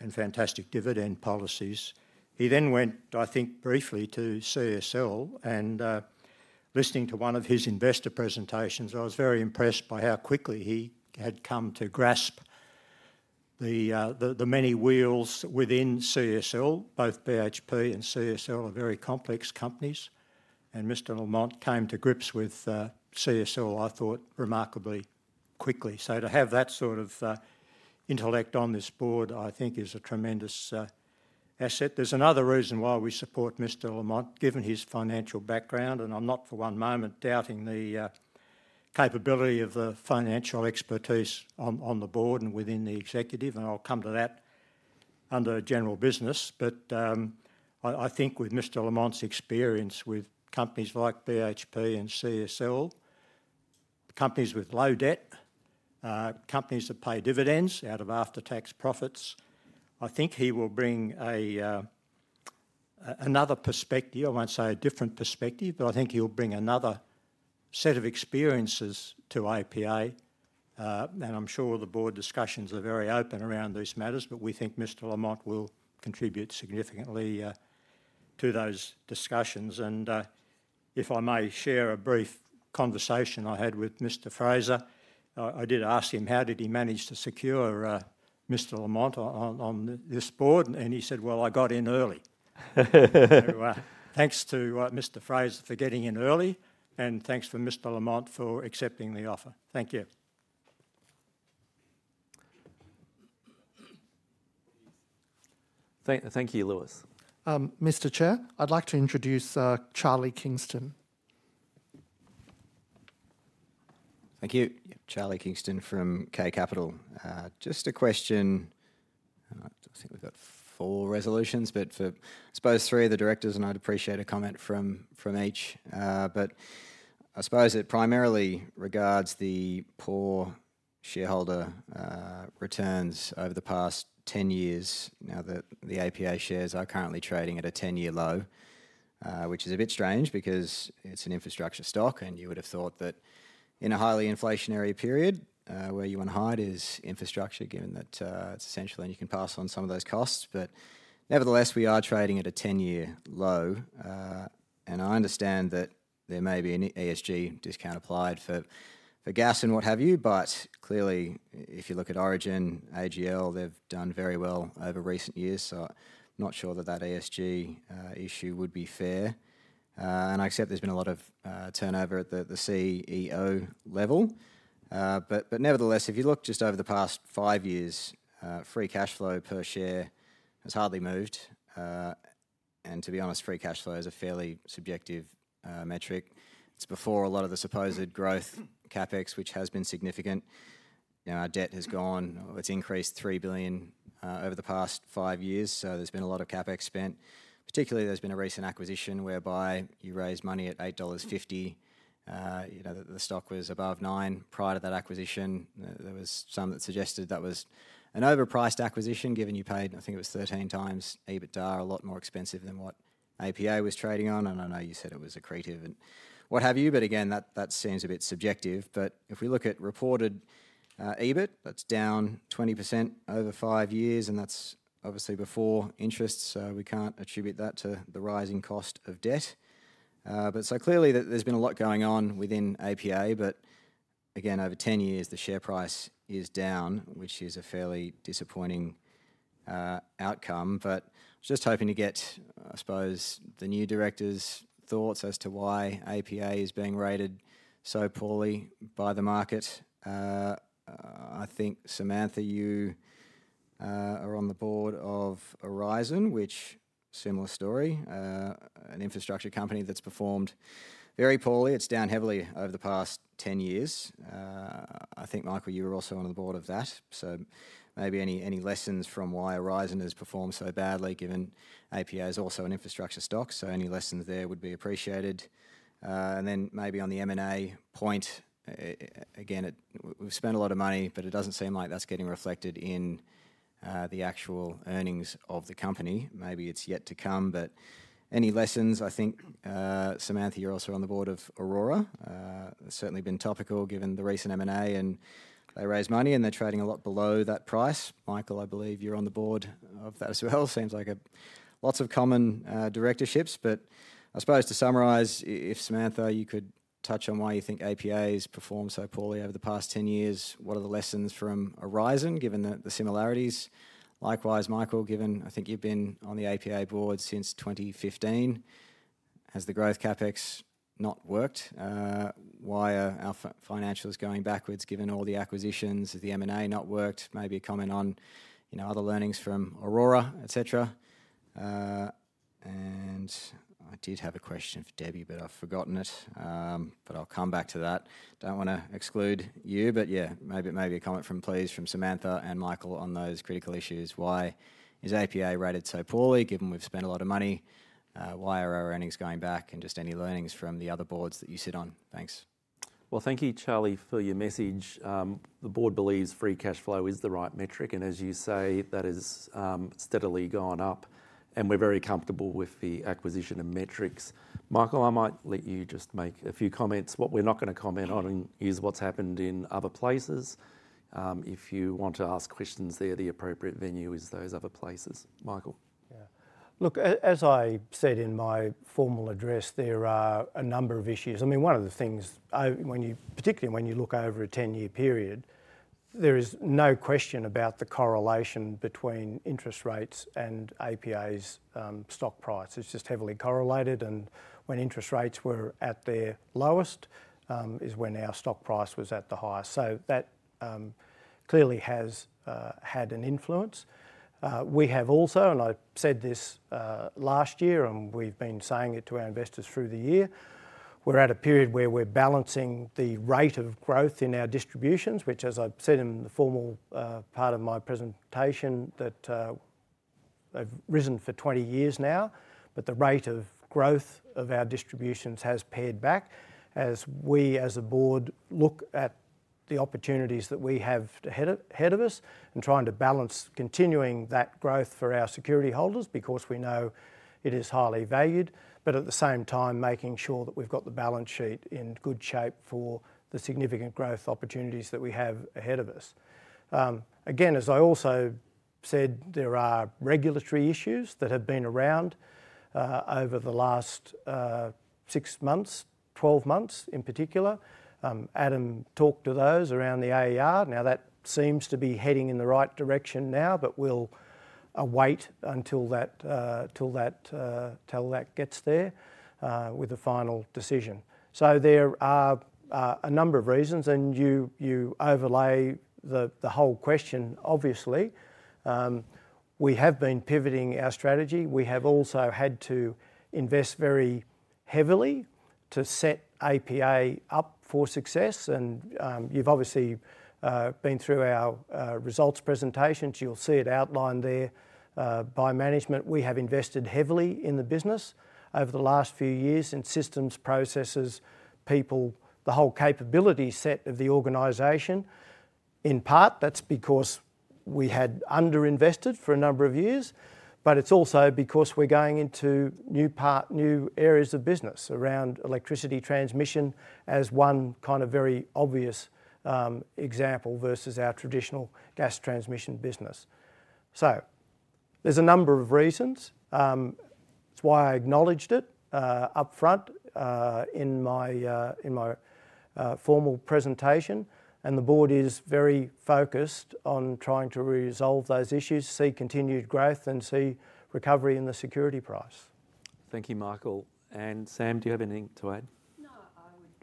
and fantastic dividend policies. He then went, I think, briefly to CSL, and listening to one of his investor presentations, I was very impressed by how quickly he had come to grasp the many wheels within CSL. Both BHP and CSL are very complex companies, and Mr. Lamont came to grips with CSL, I thought, remarkably quickly. So to have that sort of intellect on this board, I think is a tremendous asset. There's another reason why we support Mr. Lamont, given his financial background, and I'm not for one moment doubting the capability of the financial expertise on the board and within the executive, and I'll come to that under general business. But I think with Mr. Lamont's experience with companies like BHP and CSL, companies with low debt, companies that pay dividends out of after-tax profits, I think he will bring another perspective. I won't say a different perspective, but I think he'll bring another set of experiences to APA. And I'm sure the board discussions are very open around these matters, but we think Mr. Lamont will contribute significantly to those discussions. And, if I may share a brief conversation I had with Mr. Fraser, I did ask him, how did he manage to secure Mr. Lamont on this board? And he said, "Well, I got in early." So, thanks to Mr. Fraser for getting in early, and thanks for Mr. Lamont for accepting the offer. Thank you. Thank you, Lewis. Mr. Chair, I'd like to introduce Charlie Kingston. Thank you. Charlie Kingston from K Capital. Just a question, and I think we've got 4 resolutions, but for, I suppose 3 of the directors, and I'd appreciate a comment from, from each. But I suppose it primarily regards the poor shareholder returns over the past 10 years, now that the APA shares are currently trading at a 10-year low. Which is a bit strange because it's an infrastructure stock, and you would have thought that in a highly inflationary period, where you want to hide is infrastructure, given that, it's essential and you can pass on some of those costs. But nevertheless, we are trading at a ten-year low, and I understand that there may be an ESG discount applied for gas and what have you, but clearly, if you look at Origin, AGL, they've done very well over recent years, so not sure that ESG issue would be fair. And I accept there's been a lot of turnover at the CEO level. But nevertheless, if you look just over the past five years, free cash flow per share has hardly moved. And to be honest, free cash flow is a fairly subjective metric. It's before a lot of the supposed growth CapEx, which has been significant. Now, our debt has gone. It's increased 3 billion over the past five years, so there's been a lot of CapEx spent. Particularly, there's been a recent acquisition whereby you raised money at 8.50 dollars. You know, the stock was above nine prior to that acquisition. There was some that suggested that was an overpriced acquisition, given you paid, I think it was thirteen times EBITDA, a lot more expensive than what APA was trading on. And I know you said it was accretive and what have you, but again, that seems a bit subjective. But if we look at reported EBIT, that's down 20% over five years, and that's obviously before interest, so we can't attribute that to the rising cost of debt. But so clearly, there's been a lot going on within APA, but again, over 10 years, the share price is down, which is a fairly disappointing outcome. But just hoping to get, I suppose, the new directors' thoughts as to why APA is being rated so poorly by the market. I think, Samantha, you are on the board of Aurizon, which similar story, an infrastructure company that's performed very poorly. It's down heavily over the past 10 years. I think, Michael, you were also on the board of that, so maybe any lessons from why Aurizon has performed so badly, given APA is also an infrastructure stock, so any lessons there would be appreciated. And then maybe on the M&A point, again, we've spent a lot of money, but it doesn't seem like that's getting reflected in the actual earnings of the company, maybe it's yet to come, but any lessons? I think, Samantha, you're also on the board of Orora. Certainly been topical given the recent M&A, and they raised money, and they're trading a lot below that price. Michael, I believe you're on the board of that as well. Seems like a lot of common directorships, but I suppose to summarize, if Samantha, you could touch on why you think APA has performed so poorly over the past 10 years, what are the lessons from Aurizon, given the similarities? Likewise, Michael, given I think you've been on the APA board since 2015, has the growth CapEx not worked? Why are our financials going backwards, given all the acquisitions, has the M&A not worked? Maybe comment on, you know, other learnings from Orora, et cetera. And I did have a question for Debbie, but I've forgotten it, but I'll come back to that. Don't wanna exclude you, but yeah, maybe a comment from, please, from Samantha and Michael on those critical issues. Why is APA rated so poorly, given we've spent a lot of money? Why are our earnings going back, and just any learnings from the other boards that you sit on? Thanks. Thank you, Charlie, for your message. The board believes free cash flow is the right metric, and as you say, that has steadily gone up, and we're very comfortable with the acquisition and metrics. Michael, I might let you just make a few comments. What we're not gonna comment on is what's happened in other places. If you want to ask questions there, the appropriate venue is those other places. Michael? Yeah. Look, as I said in my formal address, there are a number of issues. I mean, one of the things, particularly when you look over a ten-year period, there is no question about the correlation between interest rates and APA's stock price. It's just heavily correlated, and when interest rates were at their lowest, is when our stock price was at the highest. So that clearly has had an influence. We have also, and I said this last year, and we've been saying it to our investors through the year. We're at a period where we're balancing the rate of growth in our distributions, which, as I've said in the formal part of my presentation, that they've risen for 20 years now, but the rate of growth of our distributions has pared back, as we as a board look at the opportunities that we have ahead of us and trying to balance continuing that growth for our security holders because we know it is highly valued, but at the same time making sure that we've got the balance sheet in good shape for the significant growth opportunities that we have ahead of us. Again, as I also said, there are regulatory issues that have been around over the last six months, twelve months in particular. Adam talked to those around the AER. Now, that seems to be heading in the right direction now, but we'll wait until that gets there with a final decision. So there are a number of reasons, and you overlay the whole question obviously. We have been pivoting our strategy. We have also had to invest very heavily to set APA up for success, and you've obviously been through our results presentations. You'll see it outlined there by management. We have invested heavily in the business over the last few years in systems, processes, people, the whole capability set of the organization. In part, that's because we had underinvested for a number of years, but it's also because we're going into new part, new areas of business around electricity transmission as one kind of very obvious example versus our traditional gas transmission business. So there's a number of reasons. That's why I acknowledged it upfront in my formal presentation, and the board is very focused on trying to resolve those issues, see continued growth, and see recovery in the share price. Thank you, Michael, and Sam, do you have anything to add?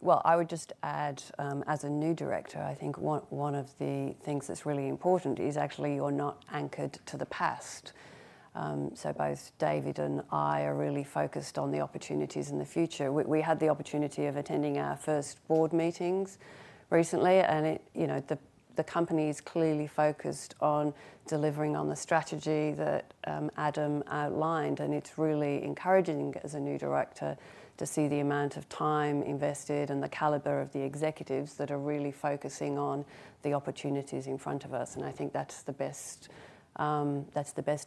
No, I would just add, as a new director, I think one of the things that's really important is actually you're not anchored to the past. So both David and I are really focused on the opportunities in the future. We had the opportunity of attending our first board meetings recently, and you know, the company is clearly focused on delivering on the strategy that Adam outlined, and it's really encouraging as a new director to see the amount of time invested and the caliber of the executives that are really focusing on the opportunities in front of us. And I think that's the best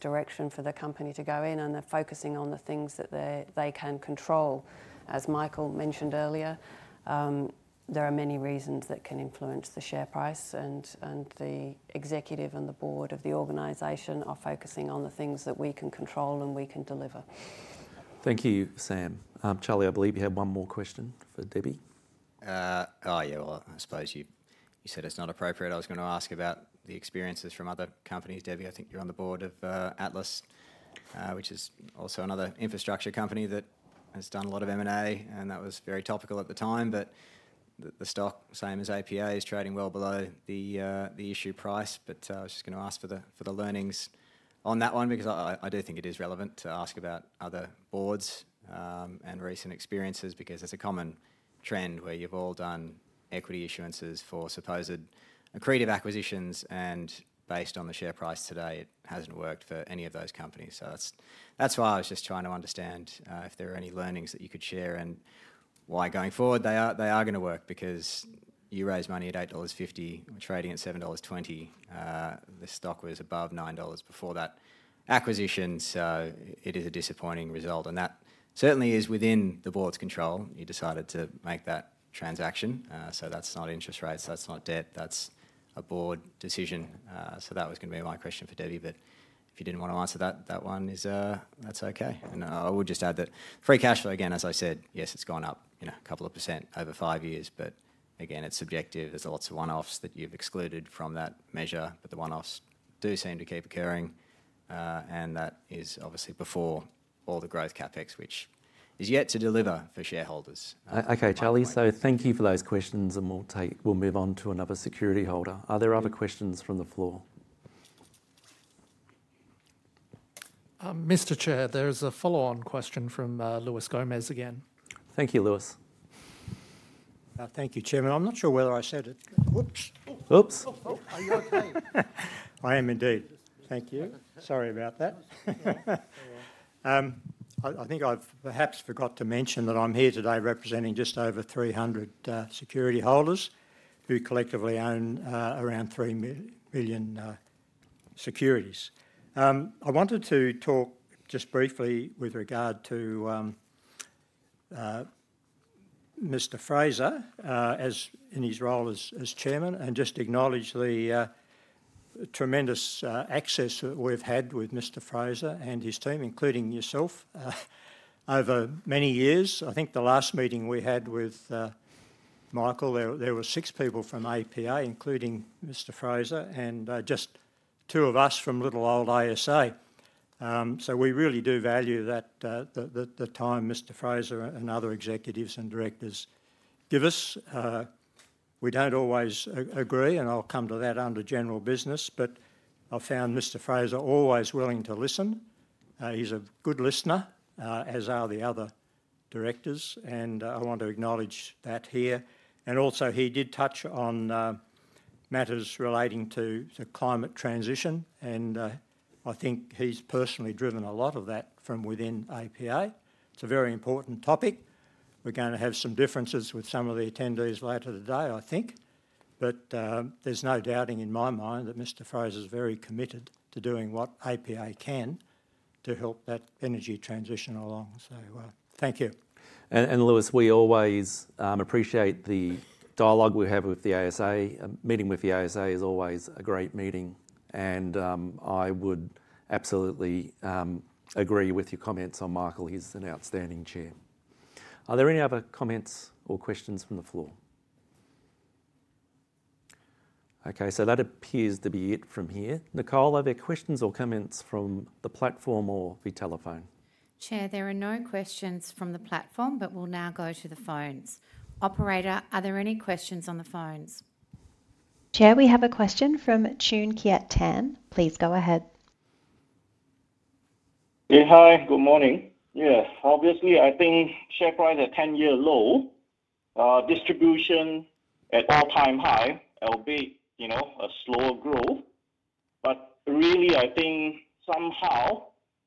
direction for the company to go in, and they're focusing on the things that they can control. As Michael mentioned earlier, there are many reasons that can influence the share price, and the executive and the board of the organization are focusing on the things that we can control and we can deliver. Thank you, Sam. Charlie, I believe you had one more question for Debbie. Well, I suppose you said it's not appropriate. I was gonna ask about the experiences from other companies. Debbie, I think you're on the board of Atlas, which is also another infrastructure company that has done a lot of M&A, and that was very topical at the time, but the stock, same as APA, is trading well below the issue price. But I was just gonna ask for the learnings on that one because I do think it is relevant to ask about other boards and recent experiences, because it's a common trend where you've all done equity issuances for supposed accretive acquisitions, and based on the share price today, it hasn't worked for any of those companies. So that's, that's why I was just trying to understand if there are any learnings that you could share and why, going forward, they are, they are gonna work, because you raised money at 8.50 dollars, trading at 7.20 dollars. The stock was above 9 dollars before that acquisition, so it is a disappointing result, and that certainly is within the board's control. You decided to make that transaction, so that's not interest rates, that's not debt, that's a board decision. So that was gonna be my question for Debbie, but if you didn't want to answer that, that's okay. And I would just add that free cash flow, again, as I said, yes, it's gone up, you know, a couple of % over five years, but again, it's subjective. There's lots of one-offs that you've excluded from that measure, but the one-offs do seem to keep occurring, and that is obviously before all the growth CapEx, which is yet to deliver for shareholders. Okay, Charlie, so thank you for those questions, and we'll move on to another securityholder. Are there other questions from the floor? Mr. Chair, there is a follow-on question from Lewis Gomez again. Thank you, Lewis. Thank you, Chairman. I'm not sure whether I said it. Oops! Oops. Oh, are you okay? I am indeed. Thank you. Sorry about that. I think I've perhaps forgot to mention that I'm here today representing just over three hundred securityholders, who collectively own around three million securities. I wanted to talk just briefly with regard to Mr. Fraser, as in his role as chairman, and just acknowledge the tremendous access that we've had with Mr. Fraser and his team, including yourself, over many years. I think the last meeting we had with Michael there were six people from APA, including Mr. Fraser, and just two of us from little old ASA. So we really do value that, the time Mr. Fraser and other executives and directors give us. We don't always agree, and I'll come to that under general business, but I've found Mr. Fraser always willing to listen. He's a good listener, as are the other directors, and I want to acknowledge that here. And also, he did touch on matters relating to the climate transition, and I think he's personally driven a lot of that from within APA. It's a very important topic. We're gonna have some differences with some of the attendees later today, I think. But there's no doubting in my mind that Mr. Fraser is very committed to doing what APA can to help that energy transition along. So, thank you. Lewis, we always appreciate the dialogue we have with the ASA. Meeting with the ASA is always a great meeting, and I would absolutely agree with your comments on Michael. He's an outstanding chair. Are there any other comments or questions from the floor? Okay, so that appears to be it from here. Nicole, are there questions or comments from the platform or via telephone? Chair, there are no questions from the platform, but we'll now go to the phones. Operator, are there any questions on the phones? Chair, we have a question from Choon Kiat Tan. Please go ahead. Yeah, hi. Good morning. Yeah, obviously, I think share price at ten-year low, distribution at all-time high, albeit, you know, a slower growth. But really, I think somehow,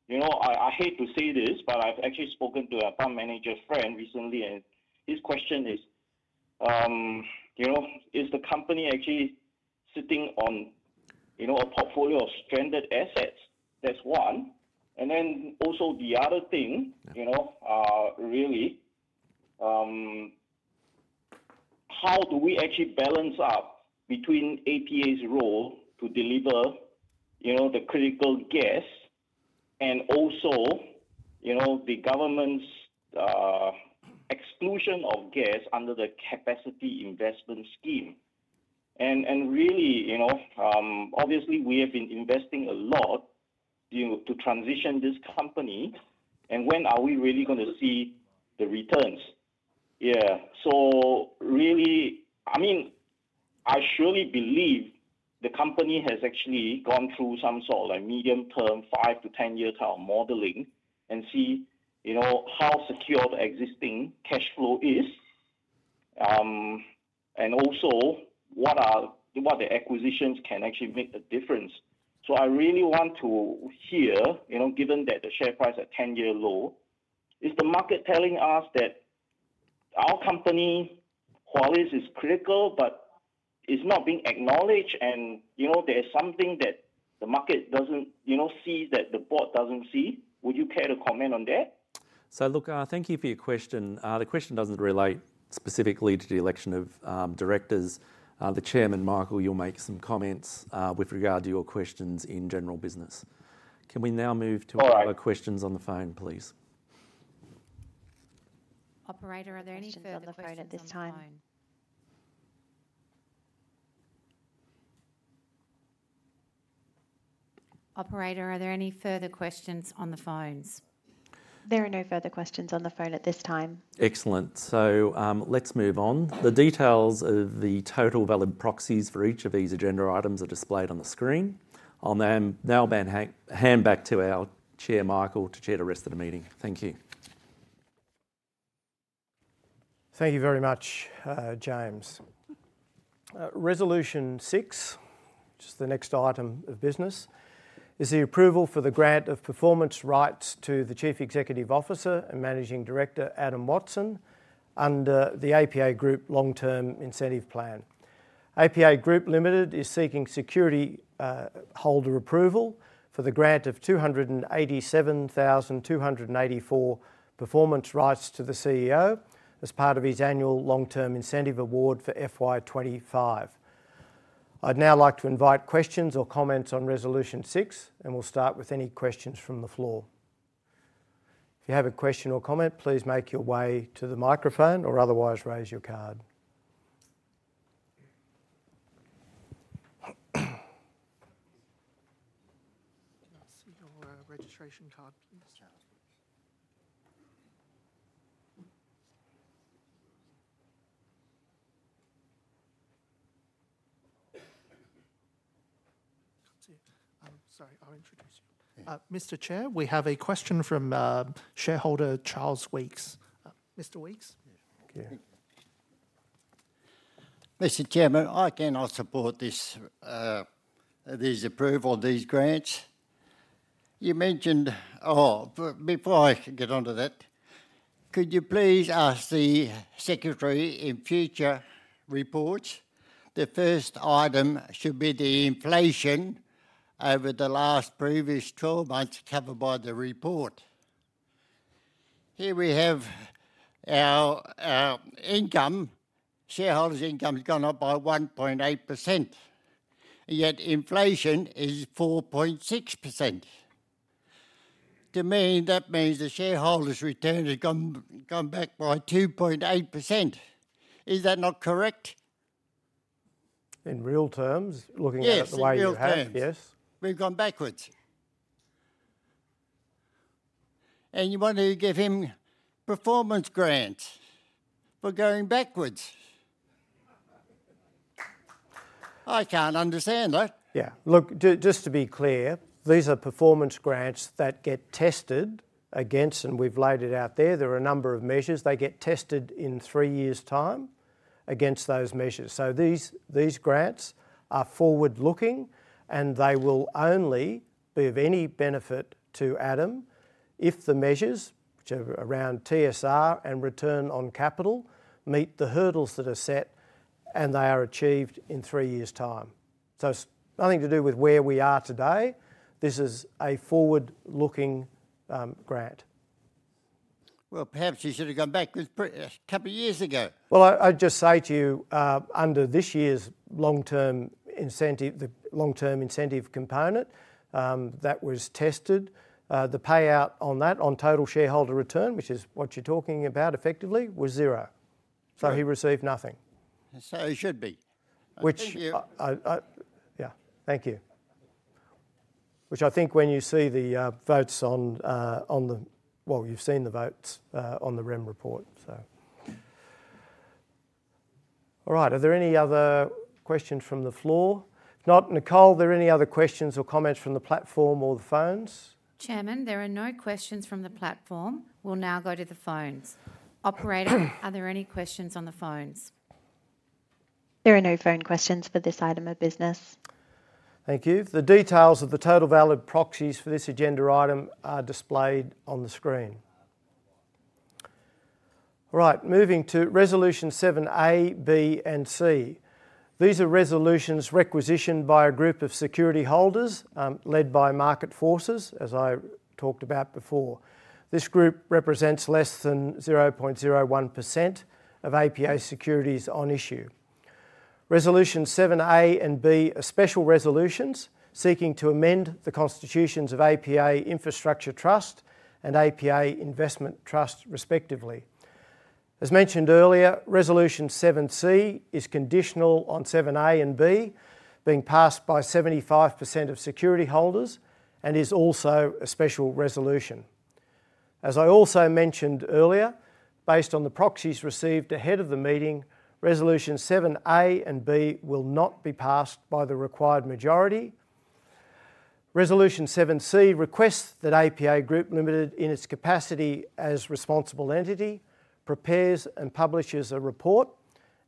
you know, I, I hate to say this, but I've actually spoken to a fund manager friend recently, and his question is, you know, "Is the company actually sitting on, you know, a portfolio of stranded assets?" That's one. And then also the other thing, you know, really, how do we actually balance out between APA's role to deliver, you know, the critical gas and also, you know, the government's exclusion of gas under the Capacity Investment Scheme? And, and really, you know, obviously, we have been investing a lot, you know, to transition this company, and when are we really gonna see the returns? Yeah, so really, I mean, I surely believe the company has actually gone through some sort of a medium-term, five- to ten-year type of modeling and see, you know, how secure the existing cash flow is, and also what are, what the acquisitions can actually make a difference. So I really want to hear, you know, given that the share price at ten-year low, is the market telling us that our company, while this is critical, but it's not being acknowledged, and, you know, there's something that the market doesn't, you know, see, that the board doesn't see? Would you care to comment on that? So look, thank you for your question. The question doesn't relate specifically to the election of directors. The chairman, Michael, you'll make some comments with regard to your questions in general business. Can we now move to- All right... other questions on the phone, please? Operator, are there any further questions on the phone? On the phone at this time. Operator, are there any further questions on the phones? There are no further questions on the phone at this time. Excellent. So, let's move on. The details of the total valid proxies for each of these agenda items are displayed on the screen. I'll then now hand back to our Chair, Michael, to chair the rest of the meeting. Thank you. Thank you very much, James. Resolution 6 which is the next item of business, is the approval for the grant of performance rights to the Chief Executive Officer and Managing Director, Adam Watson, under the APA Group Long Term Incentive Plan. APA Group Limited is seeking security holder approval for the grant of 287,284 performance rights to the CEO as part of his annual long-term incentive award for FY 2025. I'd now like to invite questions or comments on Resolution 6, and we'll start with any questions from the floor. If you have a question or comment, please make your way to the microphone or otherwise raise your card. Can I see your registration card, please? Charles. That's it. Sorry, I'll introduce you. Mr. Chair, we have a question from shareholder Charles Weeks. Mr. Weeks? Yeah. Mr. Chairman, I cannot support this, this approval, these grants. You mentioned... Oh, before I get onto that, could you please ask the secretary in future reports, the first item should be the inflation over the last previous twelve months covered by the report. Here we have our income, shareholders' income has gone up by 1.8%, yet inflation is 4.6%. To me, that means the shareholders' return has gone back by 2.8%. Is that not correct? In real terms, looking at it the way you have- Yes, in real terms. Yes. We've gone backwards. And you want to give him performance grants for going backwards? I can't understand that. Yeah. Look, just to be clear, these are performance grants that get tested against, and we've laid it out there. There are a number of measures. They get tested in three years' time against those measures. So these grants are forward-looking, and they will only be of any benefit to Adam if the measures, which are around TSR and return on capital, meet the hurdles that are set, and they are achieved in three years' time. So it's nothing to do with where we are today. This is a forward-looking grant. Perhaps he should have gone back this couple years ago. I'd just say to you, under this year's long-term incentive, the long-term incentive component, that was tested, the payout on that, on total shareholder return, which is what you're talking about, effectively was zero. True. So he received nothing. And so he should be. Which- Thank you. Yeah. Thank you. Which I think when you see the votes on the... Well, you've seen the votes on the REM report, so. All right, are there any other questions from the floor? If not, Nicole, are there any other questions or comments from the platform or the phones? Chairman, there are no questions from the platform. We'll now go to the phones. Operator, are there any questions on the phones? There are no phone questions for this item of business. Thank you. The details of the total valid proxies for this agenda item are displayed on the screen. Right, moving to Resolution 7A, B, and C. These are resolutions requisitioned by a group of security holders, led by Market Forces, as I talked about before. This group represents less than 0.01% of APA securities on issue. Resolution 7A and B are special resolutions seeking to amend the constitutions of APA Infrastructure Trust and APA Investment Trust, respectively. As mentioned earlier, Resolution 7C is conditional on seven A and B being passed by 75% of security holders and is also a special resolution. As I also mentioned earlier, based on the proxies received ahead of the meeting, Resolution 7A and B will not be passed by the required majority. Resolution 7C requests that APA Group Limited, in its capacity as responsible entity, prepares and publishes a report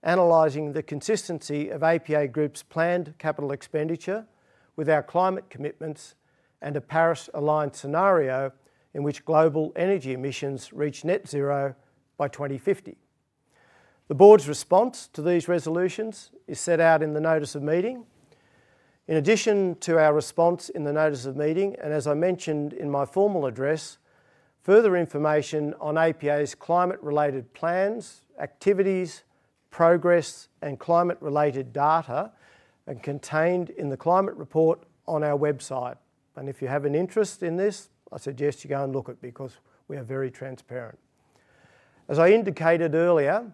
analyzing the consistency of APA Group's planned capital expenditure with our climate commitments and a Paris-aligned scenario in which global energy emissions reach net zero by 2050. The board's response to these resolutions is set out in the notice of meeting. In addition to our response in the notice of meeting, and as I mentioned in my formal address, further information on APA's climate-related plans, activities, progress, and climate-related data are contained in the climate report on our website. And if you have an interest in this, I suggest you go and look at it because we are very transparent. As I indicated earlier,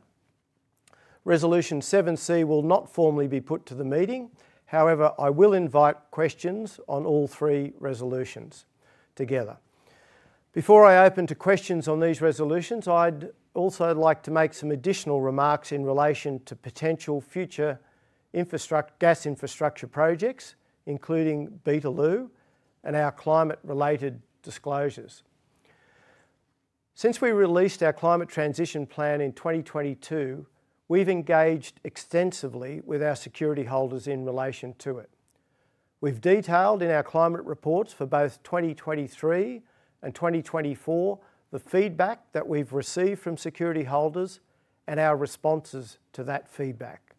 Resolution 7C will not formally be put to the meeting. However, I will invite questions on all three resolutions together. Before I open to questions on these resolutions, I'd also like to make some additional remarks in relation to potential future gas infrastructure projects, including Beetaloo and our climate-related disclosures. Since we released our climate transition plan in 2022, we've engaged extensively with our security holders in relation to it. We've detailed in our climate reports for both 2023 and 2024, the feedback that we've received from security holders and our responses to that feedback.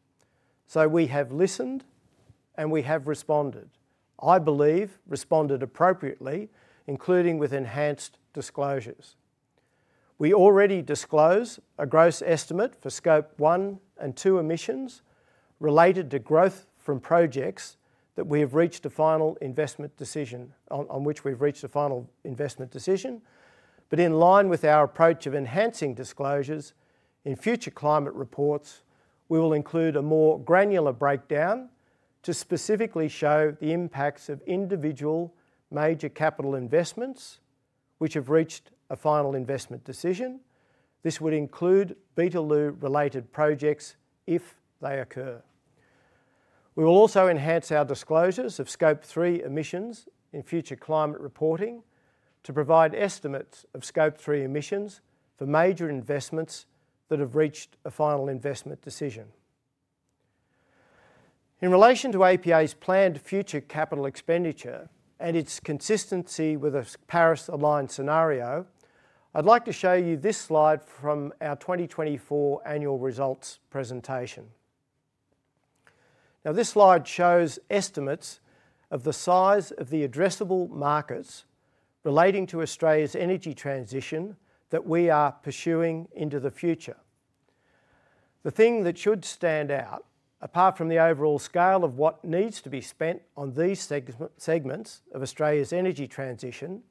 So we have listened, and we have responded. I believe, responded appropriately, including with enhanced disclosures. We already disclose a gross estimate for Scope 1 and 2 emissions related to growth from projects on which we've reached a final investment decision. But in line with our approach of enhancing disclosures, in future climate reports, we will include a more granular breakdown to specifically show the impacts of individual major capital investments which have reached a final investment decision. This would include Beetaloo-related projects if they occur. We will also enhance our disclosures of Scope 3 emissions in future climate reporting, to provide estimates of Scope 3 emissions for major investments that have reached a final investment decision. In relation to APA's planned future capital expenditure and its consistency with a Paris-aligned scenario, I'd like to show you this slide from our 2024 annual results presentation. Now, this slide shows estimates of the size of the addressable markets relating to Australia's energy transition that we are pursuing into the future. The thing that should stand out, apart from the overall scale of what needs to be spent on these segments of Australia's energy transition,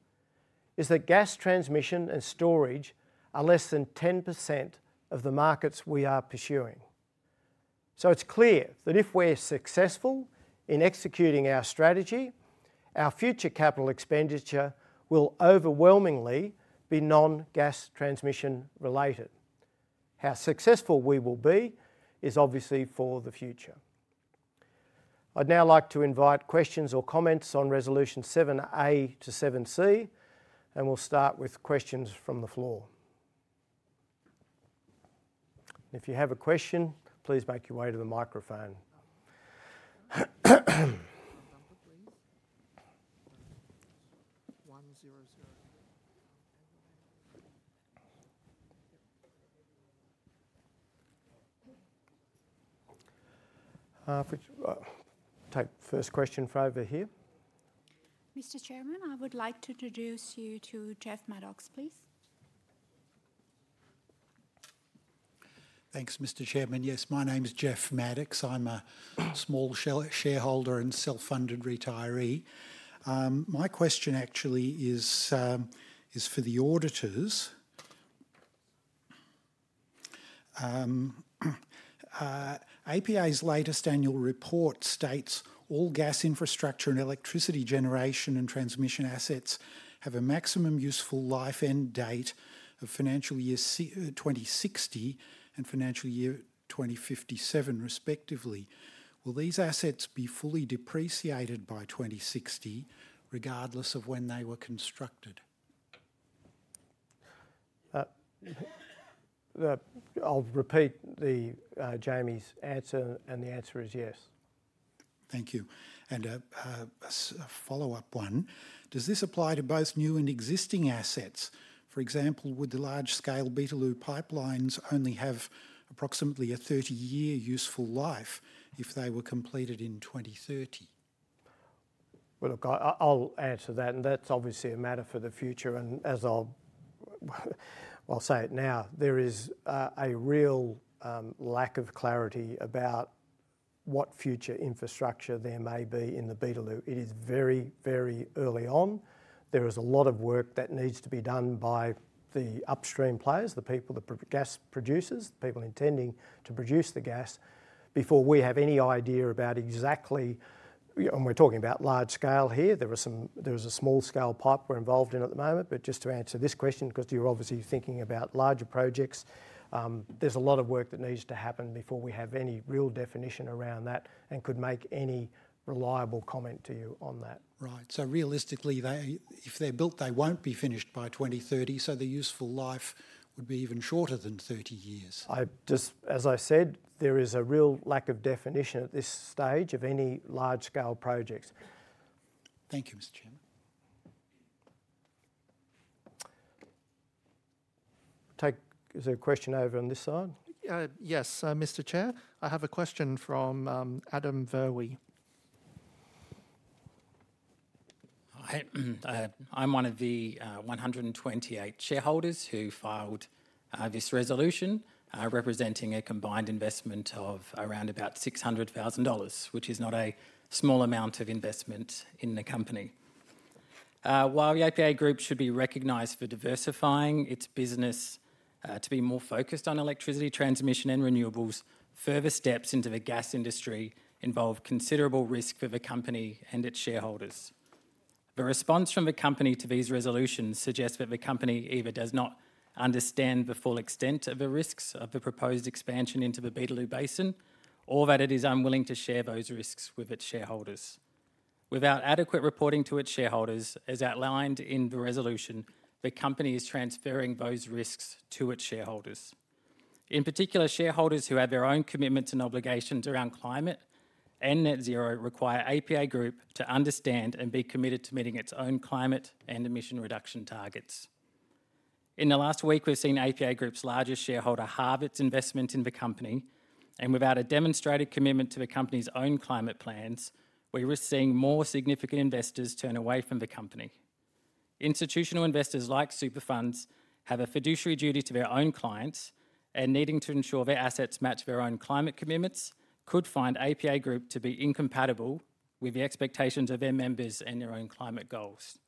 is that gas transmission and storage are less than 10% of the markets we are pursuing. So it's clear that if we're successful in executing our strategy, our future capital expenditure will overwhelmingly be non-gas transmission related. How successful we will be is obviously for the future. I'd now like to invite questions or comments on Resolution 7A to Seven C, and we'll start with questions from the floor. If you have a question, please make your way to the microphone. One zero zero. We'll take first question from over here. Mr. Chairman, I would like to introduce you to Jeff Maddox, please. Thanks, Mr. Chairman. Yes, my name is Jeff Maddox. I'm a small shareholder and self-funded retiree. My question actually is for the auditors. APA's latest annual report states, "All gas infrastructure and electricity generation and transmission assets have a maximum useful life end date of financial year 2060 and financial year 2057, respectively." Will these assets be fully depreciated by 2060, regardless of when they were constructed? I'll repeat Jamie's answer, and the answer is yes. Thank you. And a follow-up one: Does this apply to both new and existing assets? For example, would the large-scale Beetaloo pipelines only have approximately a thirty-year useful life if they were completed in 2030? Well, look, I, I'll answer that, and that's obviously a matter for the future, and as I'll, well, I'll say it now, there is a real lack of clarity about what future infrastructure there may be in the Beetaloo. It is very, very early on. There is a lot of work that needs to be done by the upstream players, the people, gas producers, the people intending to produce the gas, before we have any idea about exactly... And we're talking about large scale here. There is a small scale pipe we're involved in at the moment, but just to answer this question, because you're obviously thinking about larger projects, there's a lot of work that needs to happen before we have any real definition around that and could make any reliable comment to you on that. Right. So realistically, they, if they're built, they won't be finished by 2030, so their useful life would be even shorter than 30 years. I just, as I said, there is a real lack of definition at this stage of any large-scale projects. Thank you, Mr. Chairman. There's a question over on this side? Yes, Mr. Chair, I have a question from Adam Verwey. Hi, I'm one of the 128 shareholders who filed this resolution, representing a combined investment of around about 600,000 dollars, which is not a small amount of investment in the company. While the APA Group should be recognized for diversifying its business to be more focused on electricity transmission and renewables, further steps into the gas industry involve considerable risk for the company and its shareholders. The response from the company to these resolutions suggests that the company either does not understand the full extent of the risks of the proposed expansion into the Beetaloo Basin, or that it is unwilling to share those risks with its shareholders. Without adequate reporting to its shareholders, as outlined in the resolution, the company is transferring those risks to its shareholders. In particular, shareholders who have their own commitments and obligations around climate and net zero require APA Group to understand and be committed to meeting its own climate and emission reduction targets. In the last week, we've seen APA Group's largest shareholder halve its investment in the company, and without a demonstrated commitment to the company's own climate plans, we risk seeing more significant investors turn away from the company. Institutional investors like super funds have a fiduciary duty to their own clients, and needing to ensure their assets match their own climate commitments, could find APA Group to be incompatible with the expectations of their members and their own climate goals.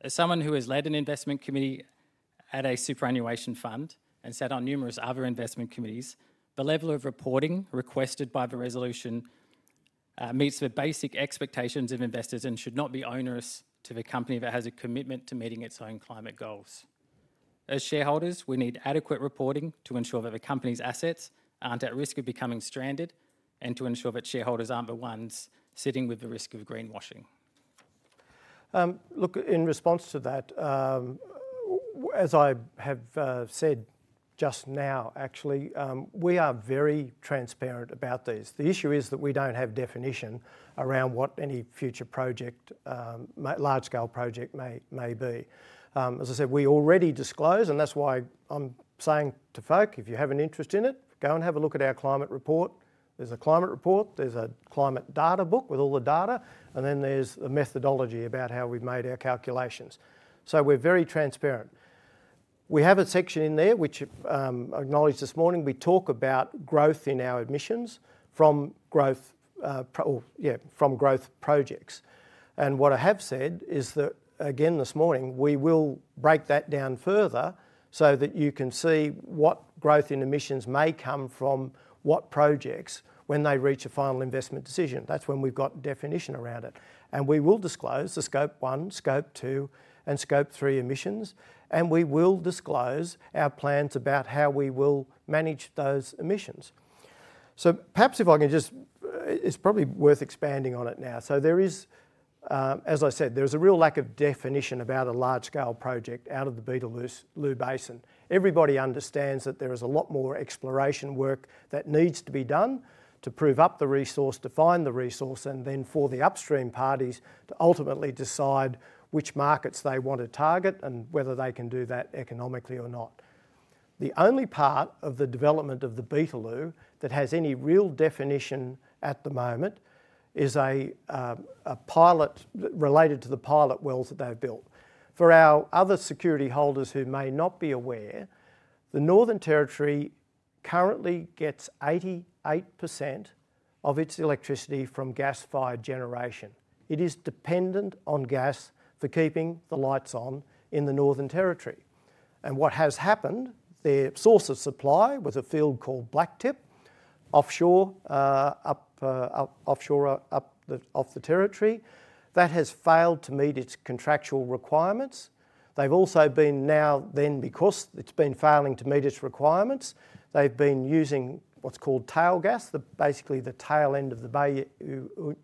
As someone who has led an investment committee at a superannuation fund and sat on numerous other investment committees, the level of reporting requested by the resolution meets the basic expectations of investors and should not be onerous to the company that has a commitment to meeting its own climate goals. As shareholders, we need adequate reporting to ensure that the company's assets aren't at risk of becoming stranded, and to ensure that shareholders aren't the ones sitting with the risk of greenwashing. Look, in response to that, as I have said just now, actually, we are very transparent about this. The issue is that we don't have definition around what any future project may, large-scale project may be. As I said, we already disclose, and that's why I'm saying to folk, if you have an interest in it, go and have a look at our climate report. There's a climate report, there's a climate data book with all the data, and then there's a methodology about how we've made our calculations. So we're very transparent. We have a section in there which, I acknowledged this morning, we talk about growth in our emissions from growth, yeah, from growth projects. What I have said is that, again, this morning, we will break that down further so that you can see what growth in emissions may come from what projects when they reach a final investment decision. That's when we've got definition around it. We will disclose the Scope One, Scope Two, and Scope Three emissions, and we will disclose our plans about how we will manage those emissions. Perhaps if I can just. It's probably worth expanding on it now. There is, as I said, there is a real lack of definition about a large-scale project out of the Beetaloo Basin. Everybody understands that there is a lot more exploration work that needs to be done to prove up the resource, to find the resource, and then for the upstream parties to ultimately decide which markets they want to target and whether they can do that economically or not. The only part of the development of the Beetaloo that has any real definition at the moment is a pilot, related to the pilot wells that they've built. For our other security holders who may not be aware, the Northern Territory currently gets 88% of its electricity from gas-fired generation. It is dependent on gas for keeping the lights on in the Northern Territory. What has happened, their source of supply was a field called Blacktip, offshore up off the territory. That has failed to meet its contractual requirements. They've also been now, then, because it's been failing to meet its requirements, they've been using what's called tail gas, basically the tail end of the Bayu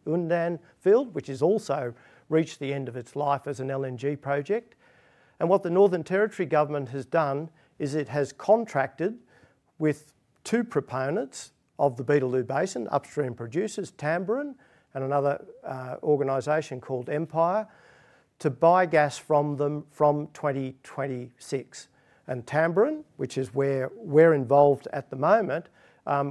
Undan field, which has also reached the end of its life as an LNG project. And what the Northern Territory government has done is it has contracted with two proponents of the Beetaloo Basin, upstream producers, Tamboran and another organization called Empire, to buy gas from them from 2026. And Tamboran, which is where we're involved at the moment,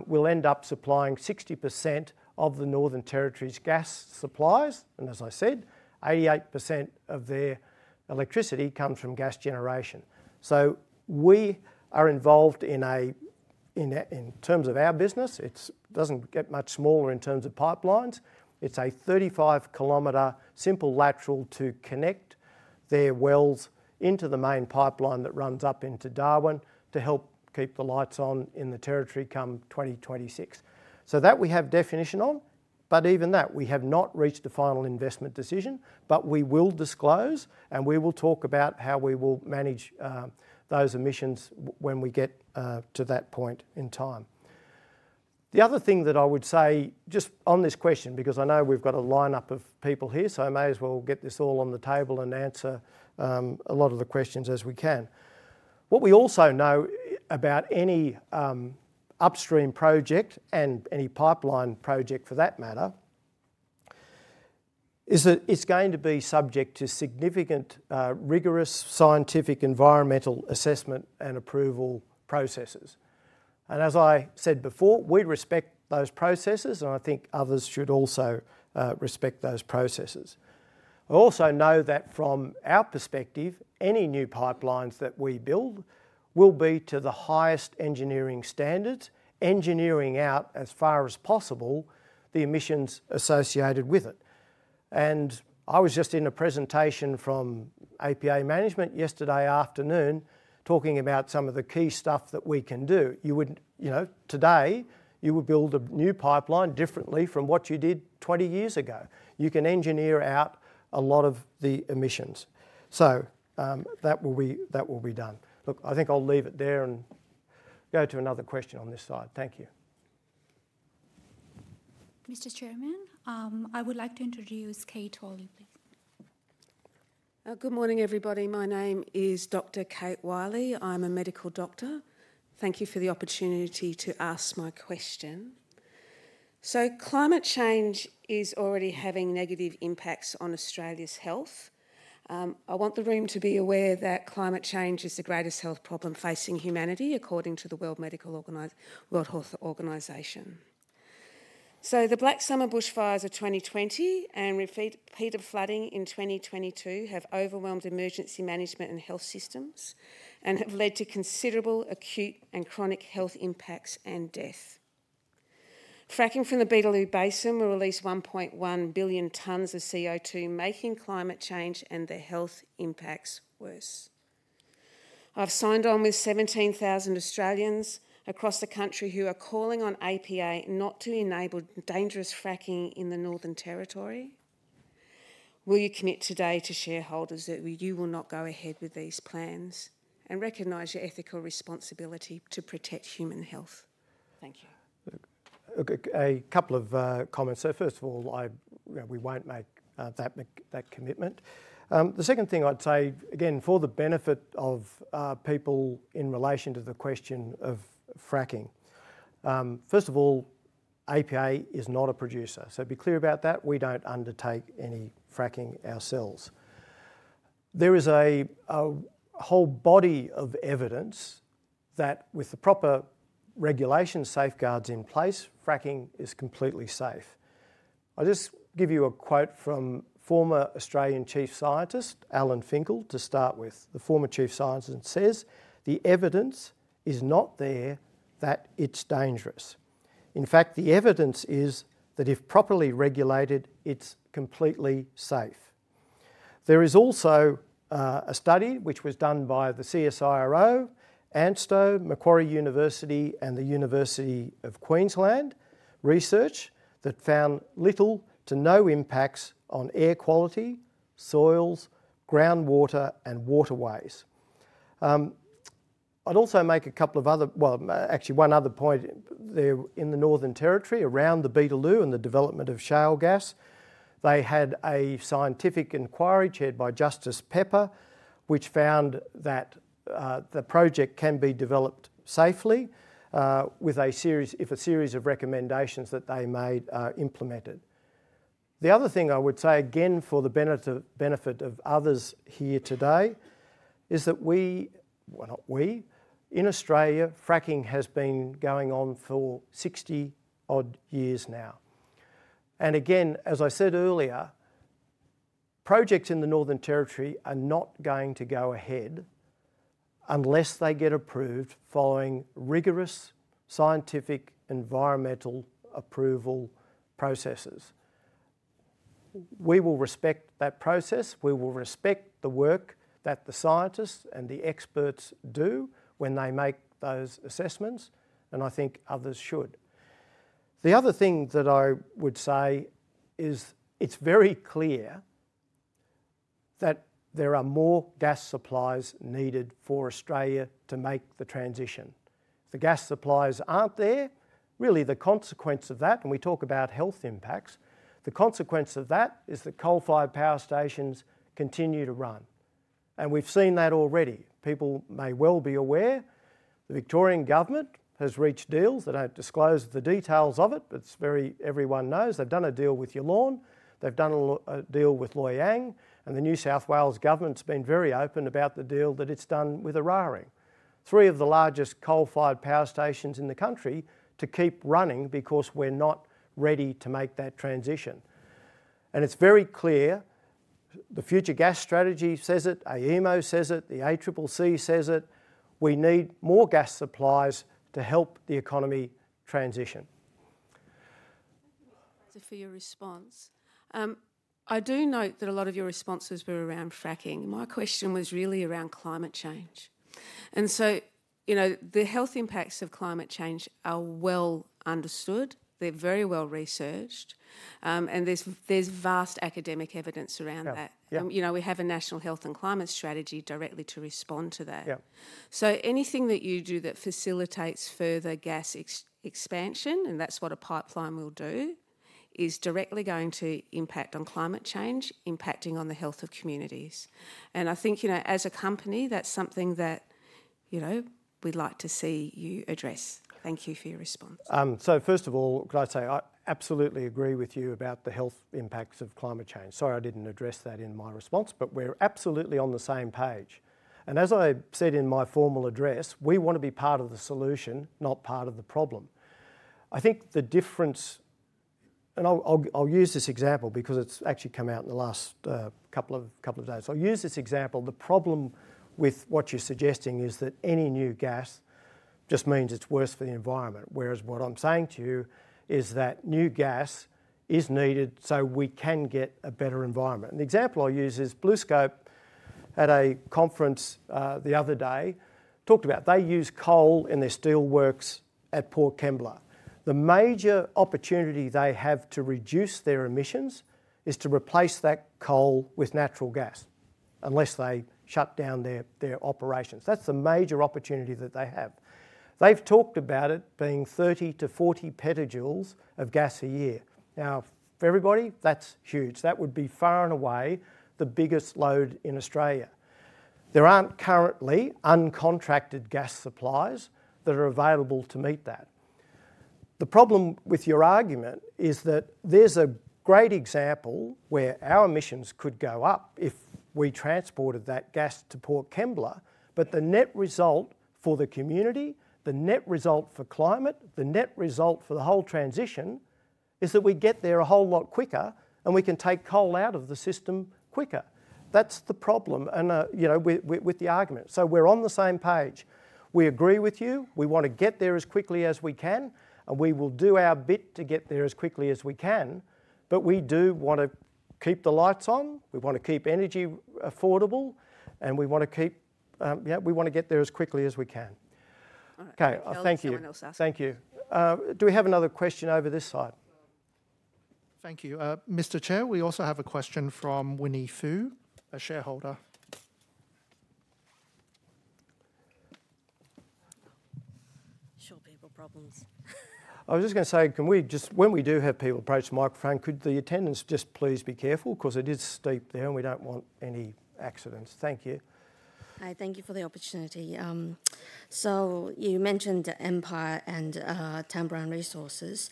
will end up supplying 60% of the Northern Territory's gas supplies. And as I said, 88% of their electricity comes from gas generation. So we are involved in, in terms of our business, it doesn't get much smaller in terms of pipelines. It's a 35 km simple lateral to connect their wells into the main pipeline that runs up into Darwin to help keep the lights on in the territory come 2026. So that we have definition on, but even that, we have not reached a final investment decision, but we will disclose, and we will talk about how we will manage those emissions when we get to that point in time. The other thing that I would say, just on this question, because I know we've got a lineup of people here, so I may as well get this all on the table and answer a lot of the questions as we can. What we also know about any upstream project, and any pipeline project for that matter, is that it's going to be subject to significant rigorous scientific environmental assessment and approval processes. And as I said before, we respect those processes, and I think others should also respect those processes. I also know that from our perspective, any new pipelines that we build will be to the highest engineering standards, engineering out, as far as possible, the emissions associated with it. And I was just in a presentation from APA management yesterday afternoon, talking about some of the key stuff that we can do. You would, you know, today, you would build a new pipeline differently from what you did 20 years ago. You can engineer out a lot of the emissions. So, that will be, that will be done. Look, I think I'll leave it there and go to another question on this side. Thank you. Mr. Chairman, I would like to introduce Kate Wylie, please. Good morning, everybody. My name is Dr. Kate Wylie. I'm a medical doctor. Thank you for the opportunity to ask my question. So climate change is already having negative impacts on Australia's health. I want the room to be aware that climate change is the greatest health problem facing humanity, according to the World Health Organization. So the Black Summer bushfires of 2020 and repeated flooding in 2022 have overwhelmed emergency management and health systems and have led to considerable acute and chronic health impacts and death. Fracking from the Beetaloo Basin will release 1.1 billion tons of CO2, making climate change and the health impacts worse. I've signed on with 17,000 Australians across the country who are calling on APA not to enable dangerous fracking in the Northern Territory. Will you commit today to shareholders that you will not go ahead with these plans and recognize your ethical responsibility to protect human health? Thank you. Okay, a couple of comments. So first of all, we won't make that commitment. The second thing I'd say, again, for the benefit of people in relation to the question of fracking. First of all, APA is not a producer, so be clear about that. We don't undertake any fracking ourselves. There is a whole body of evidence that with the proper regulation safeguards in place, fracking is completely safe. I'll just give you a quote from former Australian Chief Scientist, Alan Finkel, to start with. The former Chief Scientist says, "The evidence is not there that it's dangerous. In fact, the evidence is that if properly regulated, it's completely safe." There is also a study which was done by the CSIRO, ANSTO, Macquarie University, and the University of Queensland, research that found little to no impacts on air quality, soils, groundwater, and waterways. I'd also make a couple of other... well, actually one other point. There in the Northern Territory, around the Beetaloo and the development of shale gas, they had a scientific inquiry chaired by Justice Pepper, which found that the project can be developed safely with a series of recommendations that they made are implemented. The other thing I would say, again, for the benefit of others here today, is that we, well, not we, in Australia, fracking has been going on for sixty-odd years now. And again, as I said earlier, projects in the Northern Territory are not going to go ahead unless they get approved following rigorous scientific environmental approval processes. We will respect that process. We will respect the work that the scientists and the experts do when they make those assessments, and I think others should. The other thing that I would say is it's very clear that there are more gas supplies needed for Australia to make the transition. If the gas supplies aren't there, really the consequence of that, when we talk about health impacts, the consequence of that is that coal-fired power stations continue to run, and we've seen that already. People may well be aware, the Victorian government has reached deals. They don't disclose the details of it, but it's very, everyone knows they've done a deal with Yallourn, they've done a deal with Loy Yang, and the New South Wales government's been very open about the deal that it's done with Eraring. Three of the largest coal-fired power stations in the country to keep running because we're not ready to make that transition. And it's very clear, the Future Gas Strategy says it, AEMO says it, the ACCC says it, we need more gas supplies to help the economy transition. Thank you for your response. I do note that a lot of your responses were around fracking. My question was really around climate change, and so, you know, the health impacts of climate change are well understood. They're very well researched, and there's vast academic evidence around that. Yeah. Yeah. You know, we have a National Health and Climate Strategy directly to respond to that. Yeah. So anything that you do that facilitates further gas expansion, and that's what a pipeline will do, is directly going to impact on climate change, impacting on the health of communities. And I think, you know, as a company, that's something that, you know, we'd like to see you address. Thank you for your response. So first of all, can I say, I absolutely agree with you about the health impacts of climate change. Sorry, I didn't address that in my response, but we're absolutely on the same page. And as I said in my formal address, we want to be part of the solution, not part of the problem. I think the difference, and I'll use this example because it's actually come out in the last couple of days. I'll use this example. The problem with what you're suggesting is that any new gas just means it's worse for the environment, whereas what I'm saying to you is that new gas is needed so we can get a better environment. And the example I use is BlueScope at a conference the other day talked about. They use coal in their steelworks at Port Kembla. The major opportunity they have to reduce their emissions is to replace that coal with natural gas, unless they shut down their operations. That's the major opportunity that they have. They've talked about it being 30-40 petajoules of gas a year. Now, for everybody, that's huge. That would be far and away the biggest load in Australia. There aren't currently uncontracted gas supplies that are available to meet that. The problem with your argument is that there's a great example where our emissions could go up if we transported that gas to Port Kembla, but the net result for the community, the net result for climate, the net result for the whole transition, is that we get there a whole lot quicker, and we can take coal out of the system quicker. That's the problem, and, you know, with the argument. So we're on the same page. We agree with you. We wanna get there as quickly as we can, and we will do our bit to get there as quickly as we can, but we do wanna keep the lights on, we wanna keep energy affordable, and we wanna get there as quickly as we can. All right. Okay, thank you. Thank you. Do we have another question over this side? Thank you. Mr. Chair, we also have a question from Winnie Fu, a shareholder. Short people problems. I was just gonna say, can we just, when we do have people approach the microphone, could the attendants just please be careful? 'Cause it is steep there, and we don't want any accidents. Thank you. Hi, thank you for the opportunity. So you mentioned Empire and Tamboran Resources.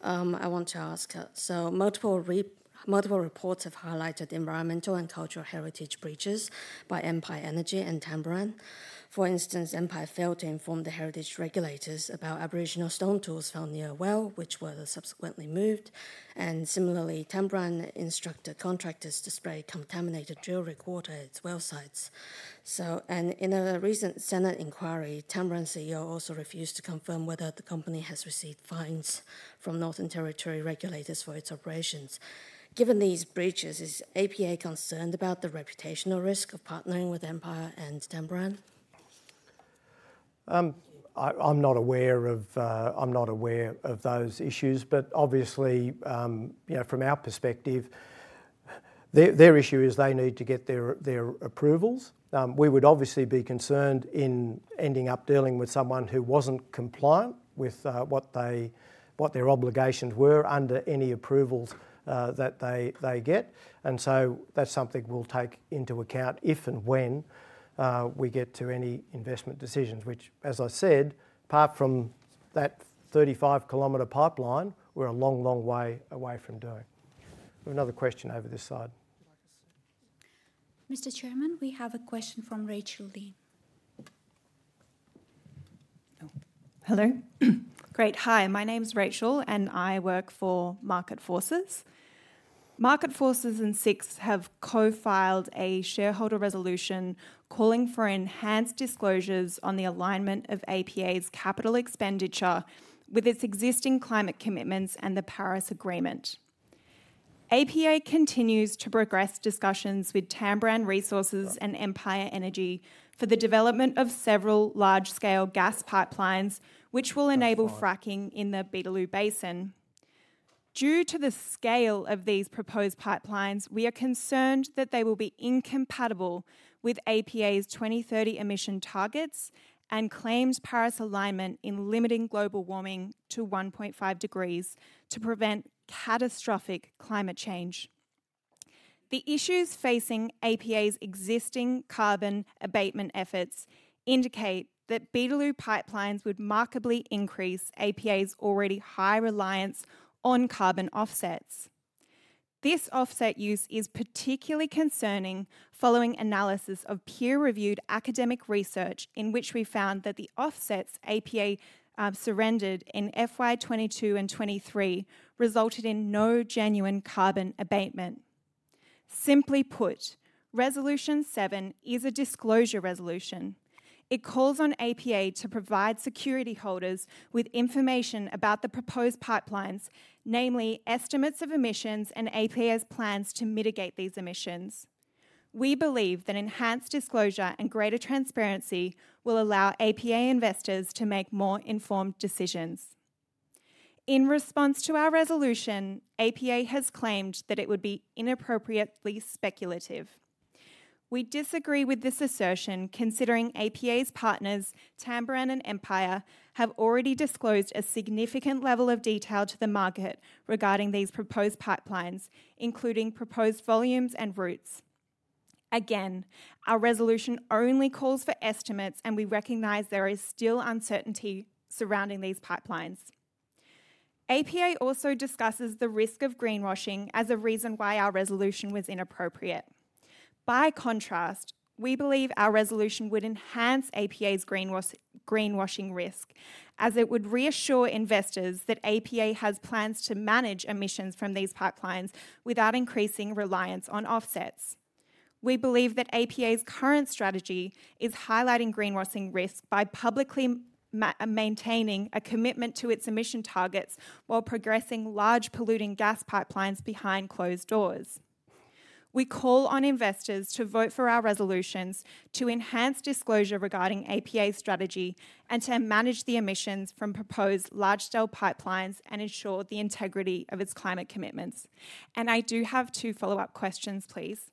I want to ask, so multiple reports have highlighted environmental and cultural heritage breaches by Empire Energy and Tamboran. For instance, Empire failed to inform the heritage regulators about Aboriginal stone tools found near a well, which were subsequently moved, and similarly, Tamboran instructed contractors to spray contaminated drilling water at well sites. So, and in a recent Senate inquiry, Tamboran's CEO also refused to confirm whether the company has received fines from Northern Territory regulators for its operations. Given these breaches, is APA concerned about the reputational risk of partnering with Empire and Tamboran? I'm not aware of those issues, but obviously, you know, from our perspective, their issue is they need to get their approvals. We would obviously be concerned in ending up dealing with someone who wasn't compliant with what their obligations were under any approvals that they get. And so that's something we'll take into account if and when we get to any investment decisions, which, as I said, apart from that 35 km pipeline, we're a long, long way away from doing. We have another question over this side. Mr. Chairman, we have a question from Rachel Deans. Oh, hello. Great. Hi, my name is Rachel, and I work for Market Forces. Market Forces and SIX have co-filed a shareholder resolution calling for enhanced disclosures on the alignment of APA's capital expenditure with its existing climate commitments and the Paris Agreement. APA continues to progress discussions with Tamboran Resources and Empire Energy for the development of several large-scale gas pipelines, which will enable fracking in the Beetaloo Basin. Due to the scale of these proposed pipelines, we are concerned that they will be incompatible with APA's 2030 emission targets and claims Paris alignment in limiting global warming to 1.5 degrees to prevent catastrophic climate change. The issues facing APA's existing carbon abatement efforts indicate that Beetaloo pipelines would markedly increase APA's already high reliance on carbon offsets. This offset use is particularly concerning following analysis of peer-reviewed academic research, in which we found that the offsets APA surrendered in FY 2022 and 2023 resulted in no genuine carbon abatement. Simply put, Resolution 7 is a disclosure resolution. It calls on APA to provide security holders with information about the proposed pipelines, namely estimates of emissions and APA's plans to mitigate these emissions. We believe that enhanced disclosure and greater transparency will allow APA investors to make more informed decisions. In response to our resolution, APA has claimed that it would be inappropriately speculative. We disagree with this assertion, considering APA's partners, Tamboran and Empire, have already disclosed a significant level of detail to the market regarding these proposed pipelines, including proposed volumes and routes. Again, our resolution only calls for estimates, and we recognize there is still uncertainty surrounding these pipelines. APA also discusses the risk of greenwashing as a reason why our resolution was inappropriate. By contrast, we believe our resolution would enhance APA's greenwashing risk, as it would reassure investors that APA has plans to manage emissions from these pipelines without increasing reliance on offsets. We believe that APA's current strategy is highlighting greenwashing risk by publicly maintaining a commitment to its emission targets while progressing large polluting gas pipelines behind closed doors. We call on investors to vote for our resolutions to enhance disclosure regarding APA's strategy and to manage the emissions from proposed large-scale pipelines and ensure the integrity of its climate commitments. I do have two follow-up questions, please.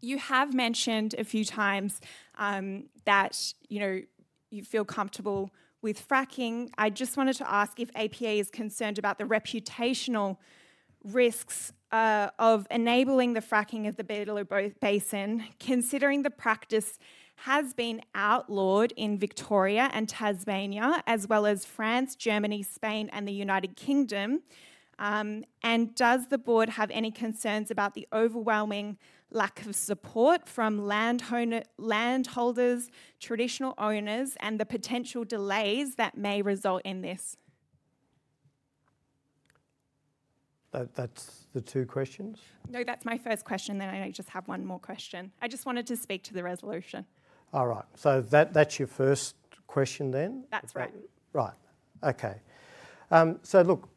You have mentioned a few times that you know you feel comfortable with fracking. I just wanted to ask if APA is concerned about the reputational risks of enabling the fracking of the Beetaloo Basin, considering the practice has been outlawed in Victoria and Tasmania, as well as France, Germany, Spain, and the United Kingdom? Does the board have any concerns about the overwhelming lack of support from landholders, traditional owners, and the potential delays that may result in this? That, that's the two questions? No, that's my first question, then I just have one more question. I just wanted to speak to the resolution. All right, so that, that's your first question then? That's right. Right. Okay. So look,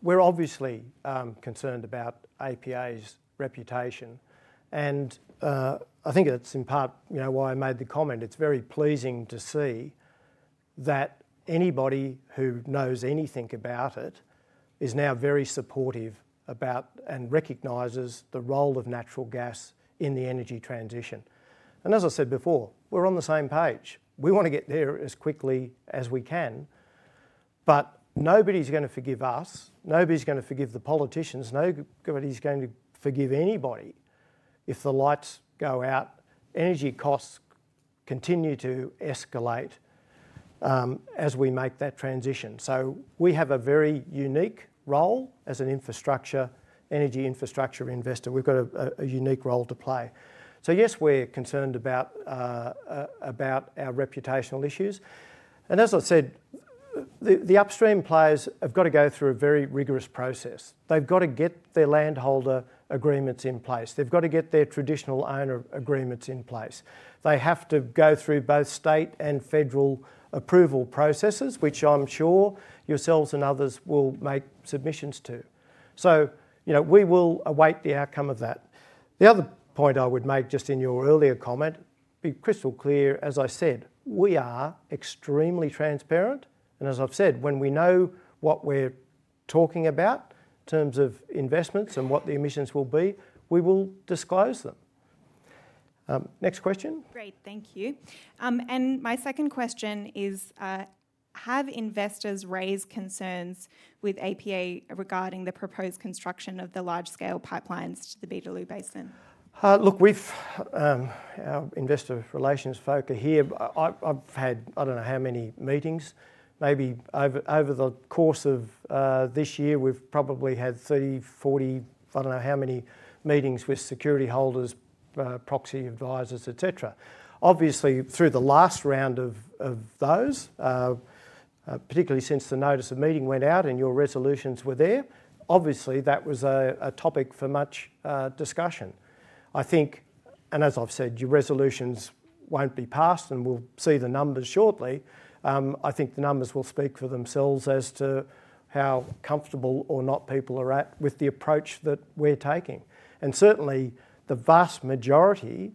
we're obviously concerned about APA's reputation, and I think it's in part, you know, why I made the comment. It's very pleasing to see that anybody who knows anything about it is now very supportive about, and recognizes the role of natural gas in the energy transition. And as I said before, we're on the same page. We wanna get there as quickly as we can, but nobody's gonna forgive us, nobody's gonna forgive the politicians, nobody's going to forgive anybody, if the lights go out, energy costs continue to escalate, as we make that transition. So we have a very unique role as an infrastructure, energy infrastructure investor. We've got a unique role to play. So yes, we're concerned about our reputational issues, and as I said, the upstream players have got to go through a very rigorous process. They've got to get their landholder agreements in place. They've got to get their traditional owner agreements in place. They have to go through both state and federal approval processes, which I'm sure yourselves and others will make submissions to. So, you know, we will await the outcome of that. The other point I would make, just in your earlier comment, be crystal clear, as I said, we are extremely transparent, and as I've said, when we know what we're talking about in terms of investments and what the emissions will be, we will disclose them. Next question? Great, thank you. And my second question is: have investors raised concerns with APA regarding the proposed construction of the large-scale pipelines to the Beetaloo Basin? Look, we've, our investor relations folk are here. I've had I don't know how many meetings, maybe over the course of this year. We've probably had 30, 40, I don't know how many meetings with security holders, proxy advisors, et cetera. Obviously, through the last round of those, particularly since the notice of meeting went out and your resolutions were there, obviously that was a topic for much discussion. I think, and as I've said, your resolutions won't be passed, and we'll see the numbers shortly. I think the numbers will speak for themselves as to how comfortable or not people are with the approach that we're taking. Certainly, the vast majority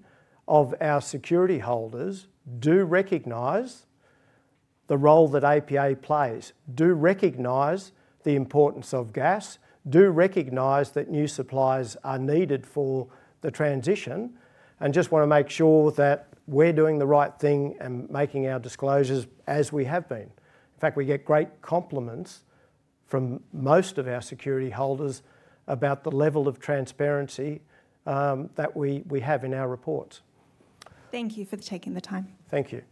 of our security holders do recognize the role that APA plays, do recognize the importance of gas, do recognize that new supplies are needed for the transition, and just want to make sure that we're doing the right thing and making our disclosures as we have been. In fact, we get great compliments from most of our security holders about the level of transparency that we have in our reports. Thank you for taking the time. Thank you.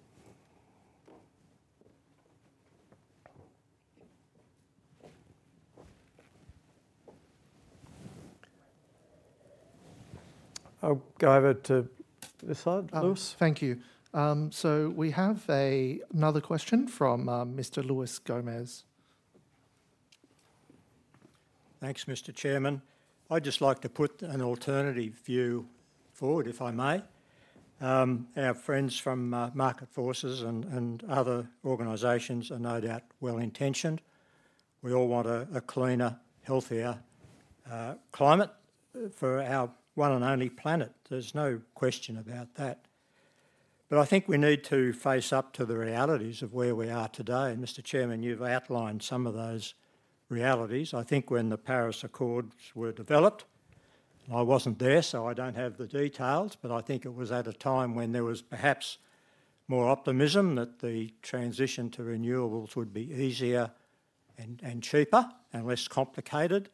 I'll go over to this side. Lewis? Thank you. So we have another question from Mr. Lewis Gomez. Thanks, Mr. Chairman. I'd just like to put an alternative view forward, if I may. Our friends from Market Forces and other organizations are no doubt well-intentioned. We all want a cleaner, healthier climate for our one and only planet. There's no question about that, but I think we need to face up to the realities of where we are today. Mr. Chairman, you've outlined some of those realities. I think when the Paris Accords were developed, I wasn't there, so I don't have the details, but I think it was at a time when there was perhaps more optimism that the transition to renewables would be easier and cheaper and less complicated.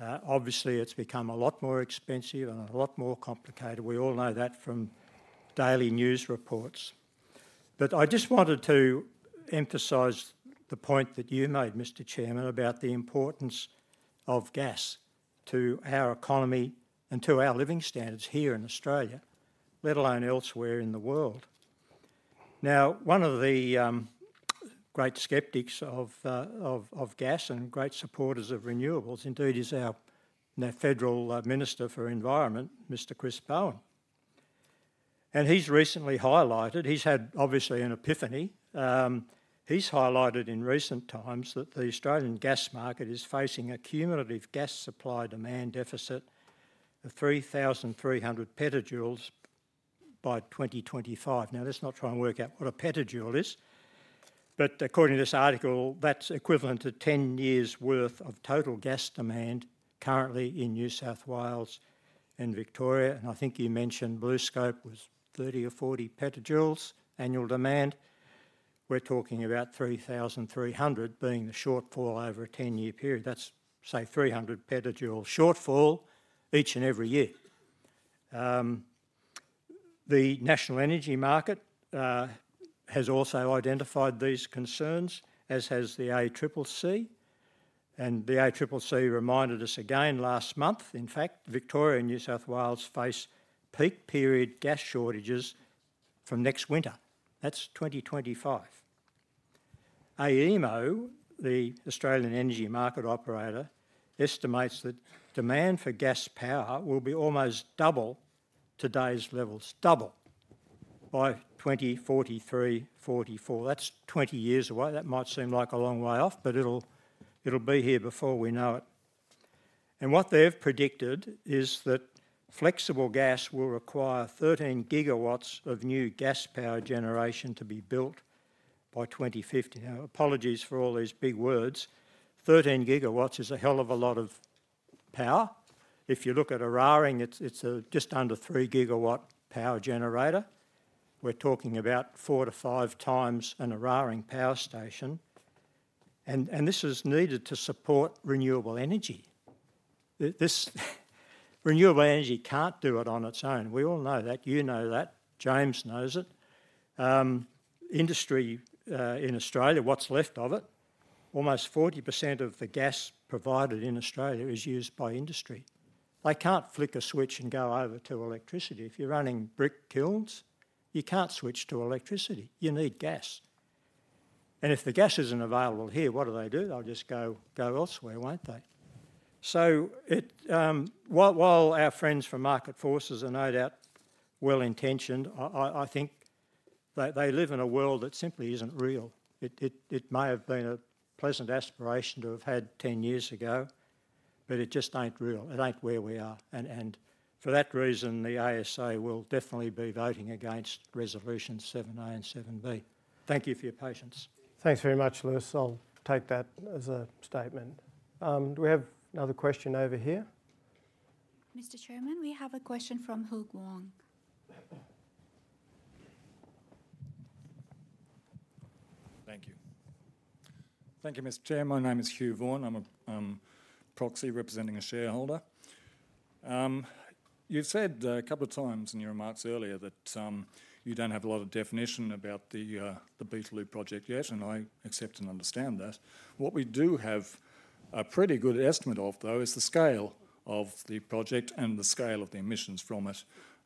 Obviously, it's become a lot more expensive and a lot more complicated. We all know that from daily news reports. But I just wanted to emphasize the point that you made, Mr. Chairman, about the importance of gas to our economy and to our living standards here in Australia, let alone elsewhere in the world. Now, one of the great skeptics of gas and great supporters of renewables, indeed, is our federal minister for environment, Mr. Chris Bowen, and he's recently highlighted. He's had, obviously, an epiphany. He's highlighted in recent times that the Australian gas market is facing a cumulative gas supply-demand deficit of 300,300 petajoules by 2025. Now, let's not try and work out what a petajoule is, but according to this article, that's equivalent to ten years' worth of total gas demand currently in New South Wales and Victoria, and I think you mentioned BlueScope was thirty or forty petajoules annual demand. We're talking about 300,300 being the shortfall over a ten-year period. That's, say, three hundred petajoule shortfall each and every year. The National Energy Market has also identified these concerns, as has the ACCC, and the ACCC reminded us again last month, in fact, Victoria and New South Wales face peak period gas shortages from next winter. That's 2025. AEMO, the Australian Energy Market Operator, estimates that demand for gas power will be almost double today's levels, double, by 2043, 2044. That's 20 years away. That might seem like a long way off, but it'll be here before we know it. And what they've predicted is that flexible gas will require thirteen gigawatts of new gas power generation to be built by 2050. Now, apologies for all these big words. Thirteen gigawatts is a hell of a lot of power. If you look at Eraring, it's just under a 3-gigawatt power generator. We're talking about four to five times an Eraring Power Station, and this is needed to support renewable energy. This renewable energy can't do it on its own. We all know that. You know that. James knows it. Industry in Australia, what's left of it, almost 40% of the gas provided in Australia is used by industry. They can't flick a switch and go over to electricity. If you're running brick kilns, you can't switch to electricity, you need gas, and if the gas isn't available here, what do they do? They'll just go elsewhere, won't they? So it. While our friends from Market Forces are no doubt well-intentioned, I think they live in a world that simply isn't real. It may have been a pleasant aspiration to have had ten years ago, but it just ain't real. It ain't where we are, and for that reason, the ASA will definitely be voting against Resolutions 7A and 7B. Thank you for your patience. Thanks very much, Lewis. I'll take that as a statement. Do we have another question over here? Mr. Chairman, we have a question from Hugh Vaughn. Thank you. Thank you, Mr. Chair. My name is Hugh Vaughn. I'm a proxy representing a shareholder. You've said a couple of times in your remarks earlier that you don't have a lot of definition about the the Beetaloo project yet, and I accept and understand that. What we do have a pretty good estimate of, though, is the scale of the project and the scale of the emissions from it.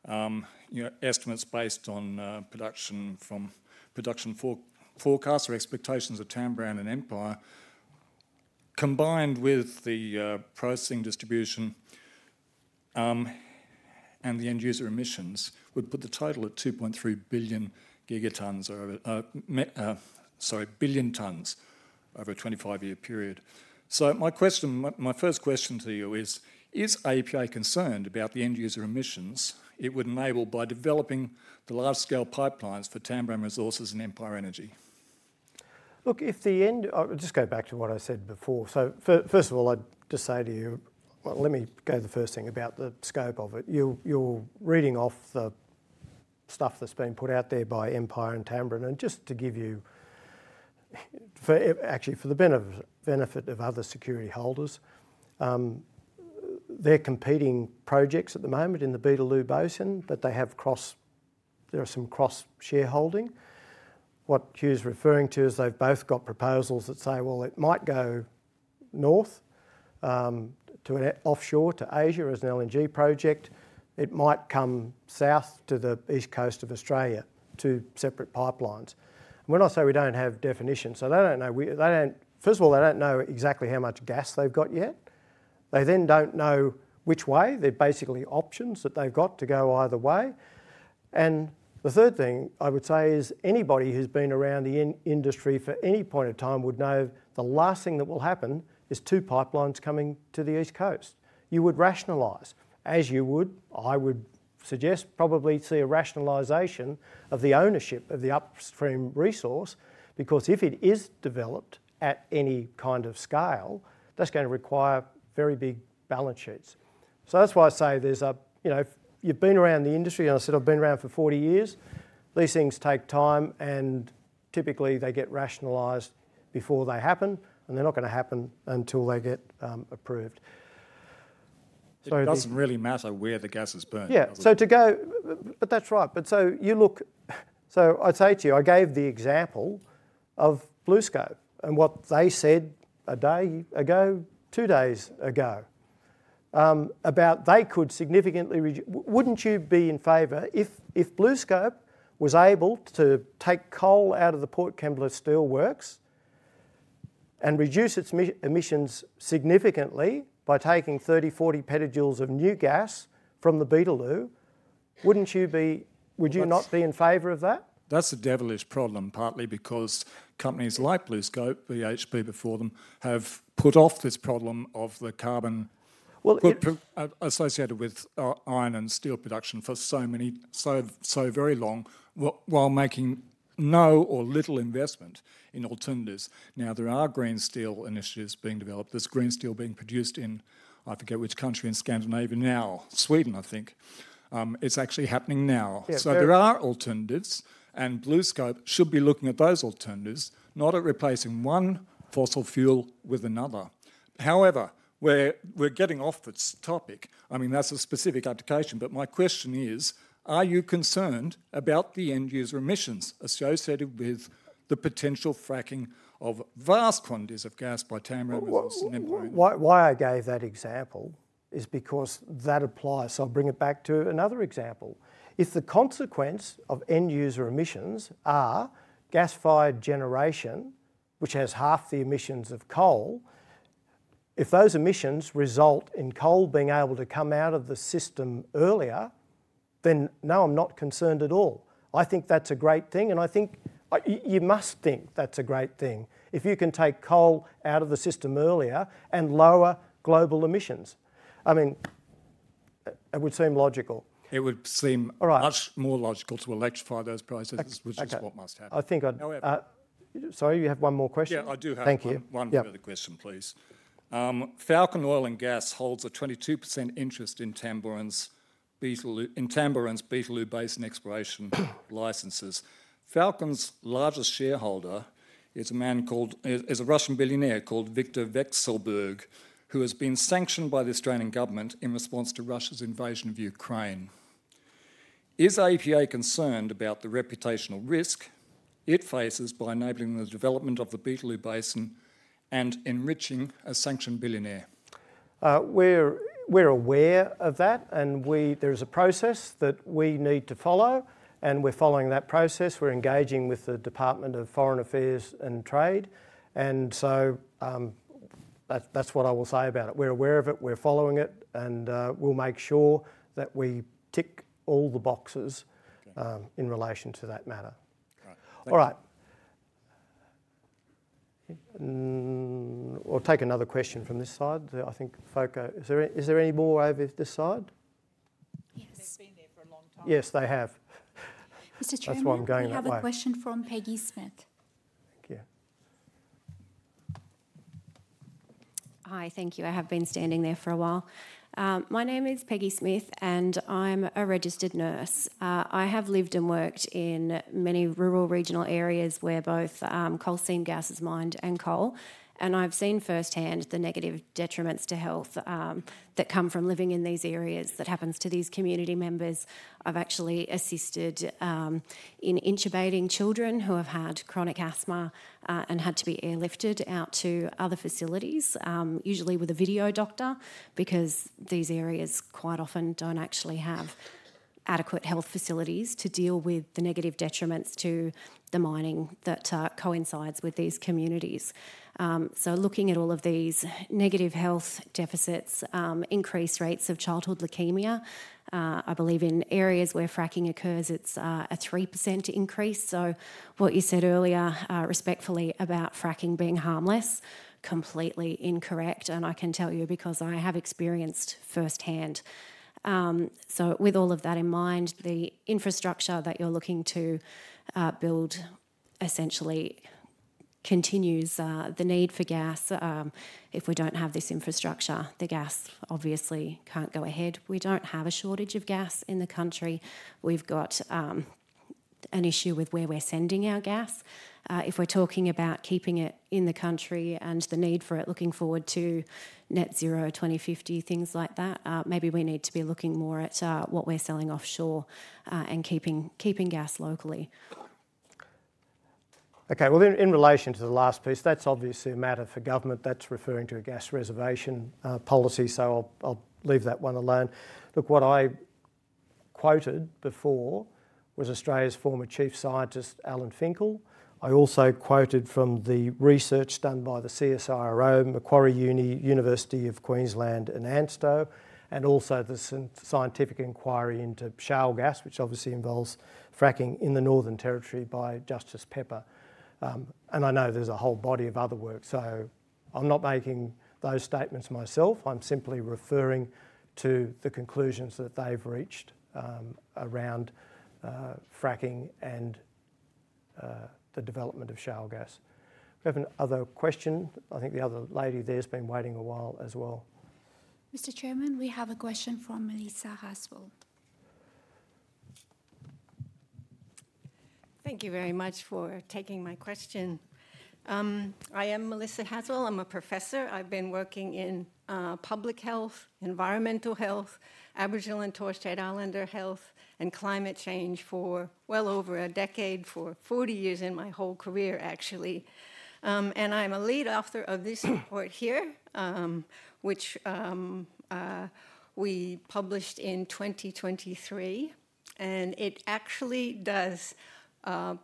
You know, estimates based on production forecasts or expectations of Tamboran and Empire, combined with the pricing distribution, and the end-user emissions, would put the total at two point three billion gigatons over, sorry, billion tonnes over a 2025 year period. So my question, my first question to you is, is APA concerned about the end-user emissions it would enable by developing the large-scale pipelines for Tamboran Resources and Empire Energy? I'll just go back to what I said before. So first of all, I'd just say to you, well, let me go to the first thing about the scope of it. You're reading off the stuff that's been put out there by Empire Energy and Tamboran Resources, and just to give you, actually, for the benefit of other security holders, there are competing projects at the moment in the Beetaloo Basin, but they have cross- there are some cross-shareholdings. What Hugh's referring to is they've both got proposals that say, "Well, it might go north, to an offshore to Asia as an LNG project. It might come south to the east coast of Australia, two separate pipelines. When I say we don't have definitions, so they don't know where, first of all, they don't know exactly how much gas they've got yet. They then don't know which way. They've basically options that they've got to go either way. And the third thing I would say is anybody who's been around the industry for any point of time would know the last thing that will happen is two pipelines coming to the East Coast. You would rationalize, as you would, I would suggest, probably see a rationalization of the ownership of the upstream resource, because if it is developed at any kind of scale, that's going to require very big balance sheets. So that's why I say there's a, you know, you've been around the industry, and I said I've been around for forty years. These things take time, and typically they get rationalized before they happen, and they're not gonna happen until they get approved. So the- It doesn't really matter where the gas is burned. Yeah. But that's right. So you look. So I'd say to you, I gave the example of BlueScope and what they said a day ago, two days ago, about they could significantly. Wouldn't you be in favor if BlueScope was able to take coal out of the Port Kembla steelworks and reduce its emissions significantly by taking 30-40 petajoules of new gas from the Beetaloo? Wouldn't you be- That's- Would you not be in favor of that? That's a devilish problem, partly because companies like BlueScope, BHP before them, have put off this problem of the carbon- Well, it- Associated with iron and steel production for so, so very long, while making no or little investment in alternatives. Now, there are green steel initiatives being developed. There's green steel being produced in, I forget which country, in Scandinavia now. Sweden, I think. It's actually happening now. Yeah, but- So there are alternatives, and BlueScope should be looking at those alternatives, not at replacing one fossil fuel with another. However, we're getting off this topic. I mean, that's a specific application, but my question is: are you concerned about the end-user emissions associated with the potential fracking of vast quantities of gas by Tamboran and- Why I gave that example is because that applies. So I'll bring it back to another example. If the consequence of end-user emissions are gas-fired generation, which has half the emissions of coal, if those emissions result in coal being able to come out of the system earlier, then no, I'm not concerned at all. I think that's a great thing, and I think you must think that's a great thing. If you can take coal out of the system earlier and lower global emissions, I mean, it would seem logical. It would seem. All right... much more logical to electrify those processes- Ex- okay... which is what must happen. I think I'd- However- Sorry, you have one more question? Yeah, I do have- Thank you... one other question, please. Falcon Oil and Gas holds a 22% interest in Tamboran's Beetaloo Basin exploration licenses. Falcon's largest shareholder is a man called a Russian billionaire called Viktor Vekselberg, who has been sanctioned by the Australian government in response to Russia's invasion of Ukraine. Is APA concerned about the reputational risk it faces by enabling the development of the Beetaloo Basin and enriching a sanctioned billionaire? We're aware of that, and there is a process that we need to follow, and we're following that process. We're engaging with the Department of Foreign Affairs and Trade, and so, that's what I will say about it. We're aware of it, we're following it, and we'll make sure that we tick all the boxes in relation to that matter. Right. Thank you. All right. We'll take another question from this side. Is there any more over this side? Yes. They've been there for a long time. Yes, they have. Mr. Chairman- That's why I'm going that way.... we have a question from Peggy Smith. Thank you. Hi, thank you. I have been standing there for a while. My name is Peggy Smith, and I'm a registered nurse. I have lived and worked in many rural regional areas where both, coal seam gas is mined and coal, and I've seen firsthand the negative detriments to health, that come from living in these areas, that happens to these community members. I've actually assisted, in intubating children who have had chronic asthma, and had to be airlifted out to other facilities, usually with a video doctor, because these areas quite often don't actually have adequate health facilities to deal with the negative detriments to the mining that, coincides with these communities. So looking at all of these negative health deficits, increased rates of childhood leukemia, I believe in areas where fracking occurs, it's, a 3% increase. So what you said earlier, respectfully, about fracking being harmless, completely incorrect, and I can tell you because I have experienced firsthand. With all of that in mind, the infrastructure that you're looking to build essentially continues the need for gas. If we don't have this infrastructure, the gas obviously can't go ahead. We don't have a shortage of gas in the country. We've got an issue with where we're sending our gas. If we're talking about keeping it in the country and the need for it, looking forward to net zero 2050, things like that, maybe we need to be looking more at what we're selling offshore and keeping gas locally. Okay. Well, in relation to the last piece, that's obviously a matter for government. That's referring to a gas reservation policy, so I'll leave that one alone. Look, what I quoted before was Australia's former chief scientist, Alan Finkel. I also quoted from the research done by the CSIRO, Macquarie University, University of Queensland, and ANSTO, and also the scientific inquiry into shale gas, which obviously involves fracking in the Northern Territory by Justice Pepper. And I know there's a whole body of other work, so I'm not making those statements myself. I'm simply referring to the conclusions that they've reached around fracking and the development of shale gas. We have another question. I think the other lady there has been waiting a while as well. Mr. Chairman, we have a question from Melissa Haswell. Thank you very much for taking my question. I am Melissa Haswell. I'm a professor. I've been working in public health, environmental health, Aboriginal and Torres Strait Islander health, and climate change for well over a decade, for forty years in my whole career, actually, and I'm a lead author of this report here, which we published in 2023.... and it actually does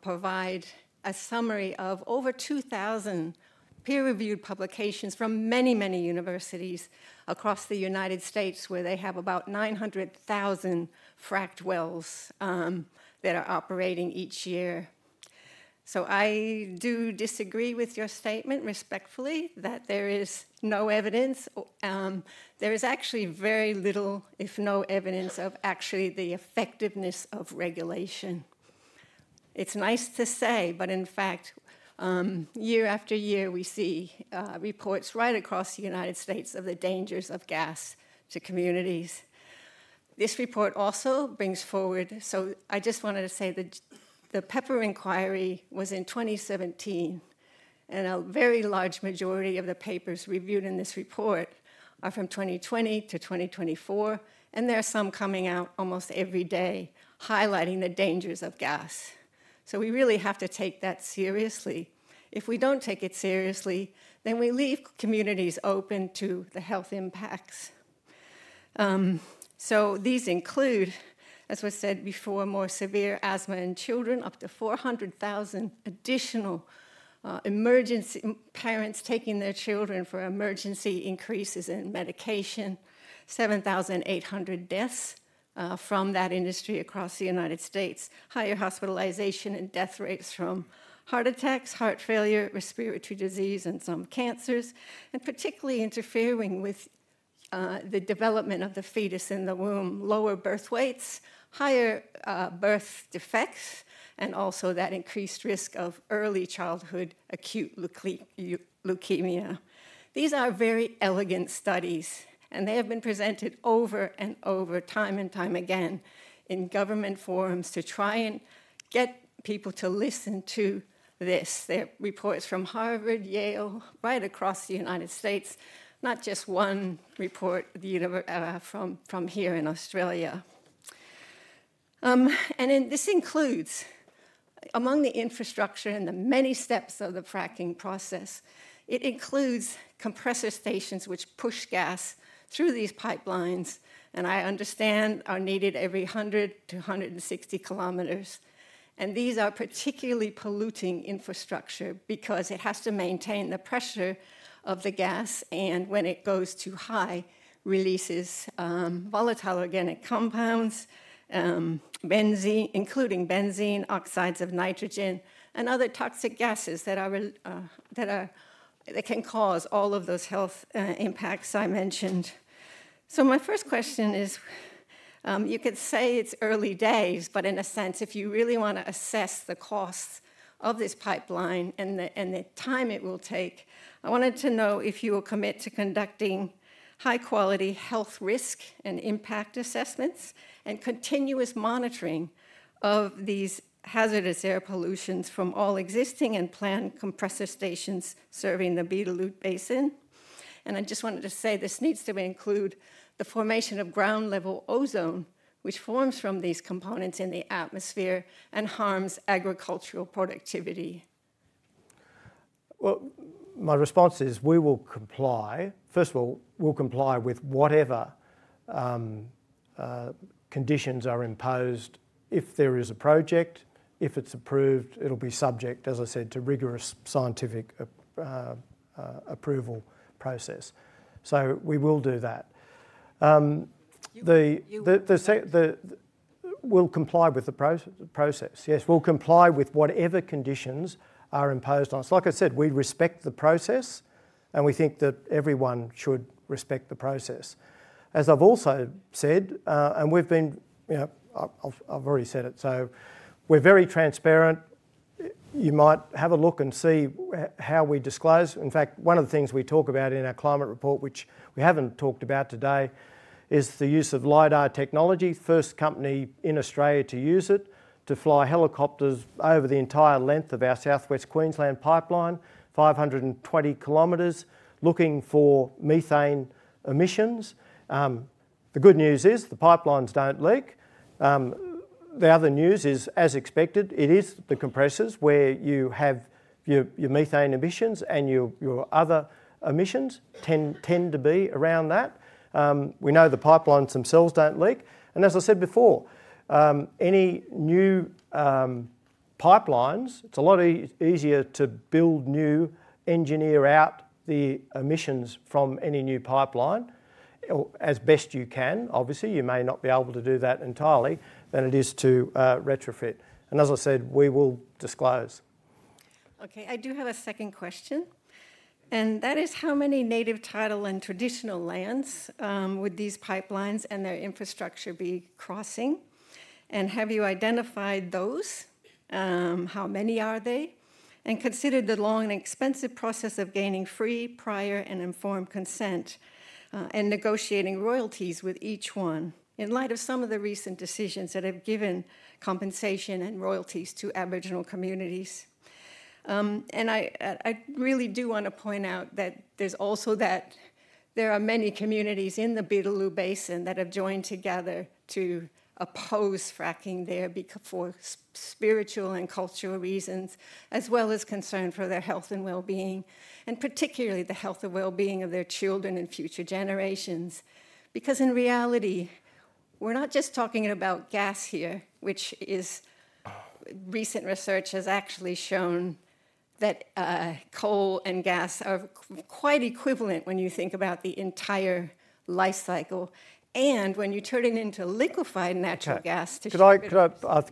provide a summary of over 2,000 peer-reviewed publications from many, many universities across the United States, where they have about 900,000 fracked wells that are operating each year. So I do disagree with your statement, respectfully, that there is no evidence. There is actually very little, if no evidence, of actually the effectiveness of regulation. It's nice to say, but in fact, year after year, we see reports right across the United States of the dangers of gas to communities. This report also brings forward, so I just wanted to say that the Pepper inquiry was in 2017, and a very large majority of the papers reviewed in this report are from 2020 to 2024, and there are some coming out almost every day, highlighting the dangers of gas. So we really have to take that seriously. If we don't take it seriously, then we leave communities open to the health impacts. So these include, as was said before, more severe asthma in children, up to 400,000 additional emergency parents taking their children for emergency increases in medication, 7,800 deaths from that industry across the United States, higher hospitalization and death rates from heart attacks, heart failure, respiratory disease, and some cancers, and particularly interfering with the development of the fetus in the womb, lower birth weights, higher birth defects, and also that increased risk of early childhood acute leukemia. These are very elegant studies, and they have been presented over and over, time and time again, in government forums to try and get people to listen to this. There are reports from Harvard, Yale, right across the United States, not just one report from here in Australia, and then this includes among the infrastructure and the many steps of the fracking process, it includes compressor stations, which push gas through these pipelines, and I understand are needed every 100 km-160 km, and these are particularly polluting infrastructure because it has to maintain the pressure of the gas, and when it goes too high, releases volatile organic compounds, including benzene, oxides of nitrogen, and other toxic gases that can cause all of those health impacts I mentioned. So my first question is, you could say it's early days, but in a sense, if you really wanna assess the costs of this pipeline and the time it will take, I wanted to know if you will commit to conducting high-quality health risk and impact assessments, and continuous monitoring of these hazardous air pollutions from all existing and planned compressor stations serving the Beetaloo Basin. And I just wanted to say this needs to include the formation of ground-level ozone, which forms from these components in the atmosphere and harms agricultural productivity. Well, my response is, we will comply. First of all, we'll comply with whatever conditions are imposed if there is a project. If it's approved, it'll be subject, as I said, to rigorous scientific approval process. So we will do that. The- You-... we'll comply with the process. Yes, we'll comply with whatever conditions are imposed on us. Like I said, we respect the process, and we think that everyone should respect the process. As I've also said, and we've been, you know, I've already said it, so we're very transparent. You might have a look and see how we disclose. In fact, one of the things we talk about in our climate report, which we haven't talked about today, is the use of LIDAR technology. First company in Australia to use it, to fly helicopters over the entire length of our South West Queensland pipeline, 520 km, looking for methane emissions. The good news is, the pipelines don't leak. The other news is, as expected, it is the compressors where you have your methane emissions and your other emissions tend to be around that. We know the pipelines themselves don't leak, and as I said before, any new pipelines, it's a lot easier to build new, engineer out the emissions from any new pipeline, or as best you can. Obviously, you may not be able to do that entirely, than it is to retrofit. And as I said, we will disclose. Okay, I do have a second question, and that is, how many native title and traditional lands would these pipelines and their infrastructure be crossing? And have you identified those? How many are they? And considered the long and expensive process of gaining free, prior, and informed consent, and negotiating royalties with each one, in light of some of the recent decisions that have given compensation and royalties to Aboriginal communities. And I really do want to point out that there are many communities in the Beetaloo Basin that have joined together to oppose fracking there for spiritual and cultural reasons, as well as concern for their health and well-being, and particularly the health and well-being of their children and future generations. Because in reality we're not just talking about gas here, which is, recent research has actually shown that coal and gas are quite equivalent when you think about the entire life cycle, and when you turn it into liquefied natural gas to ship it-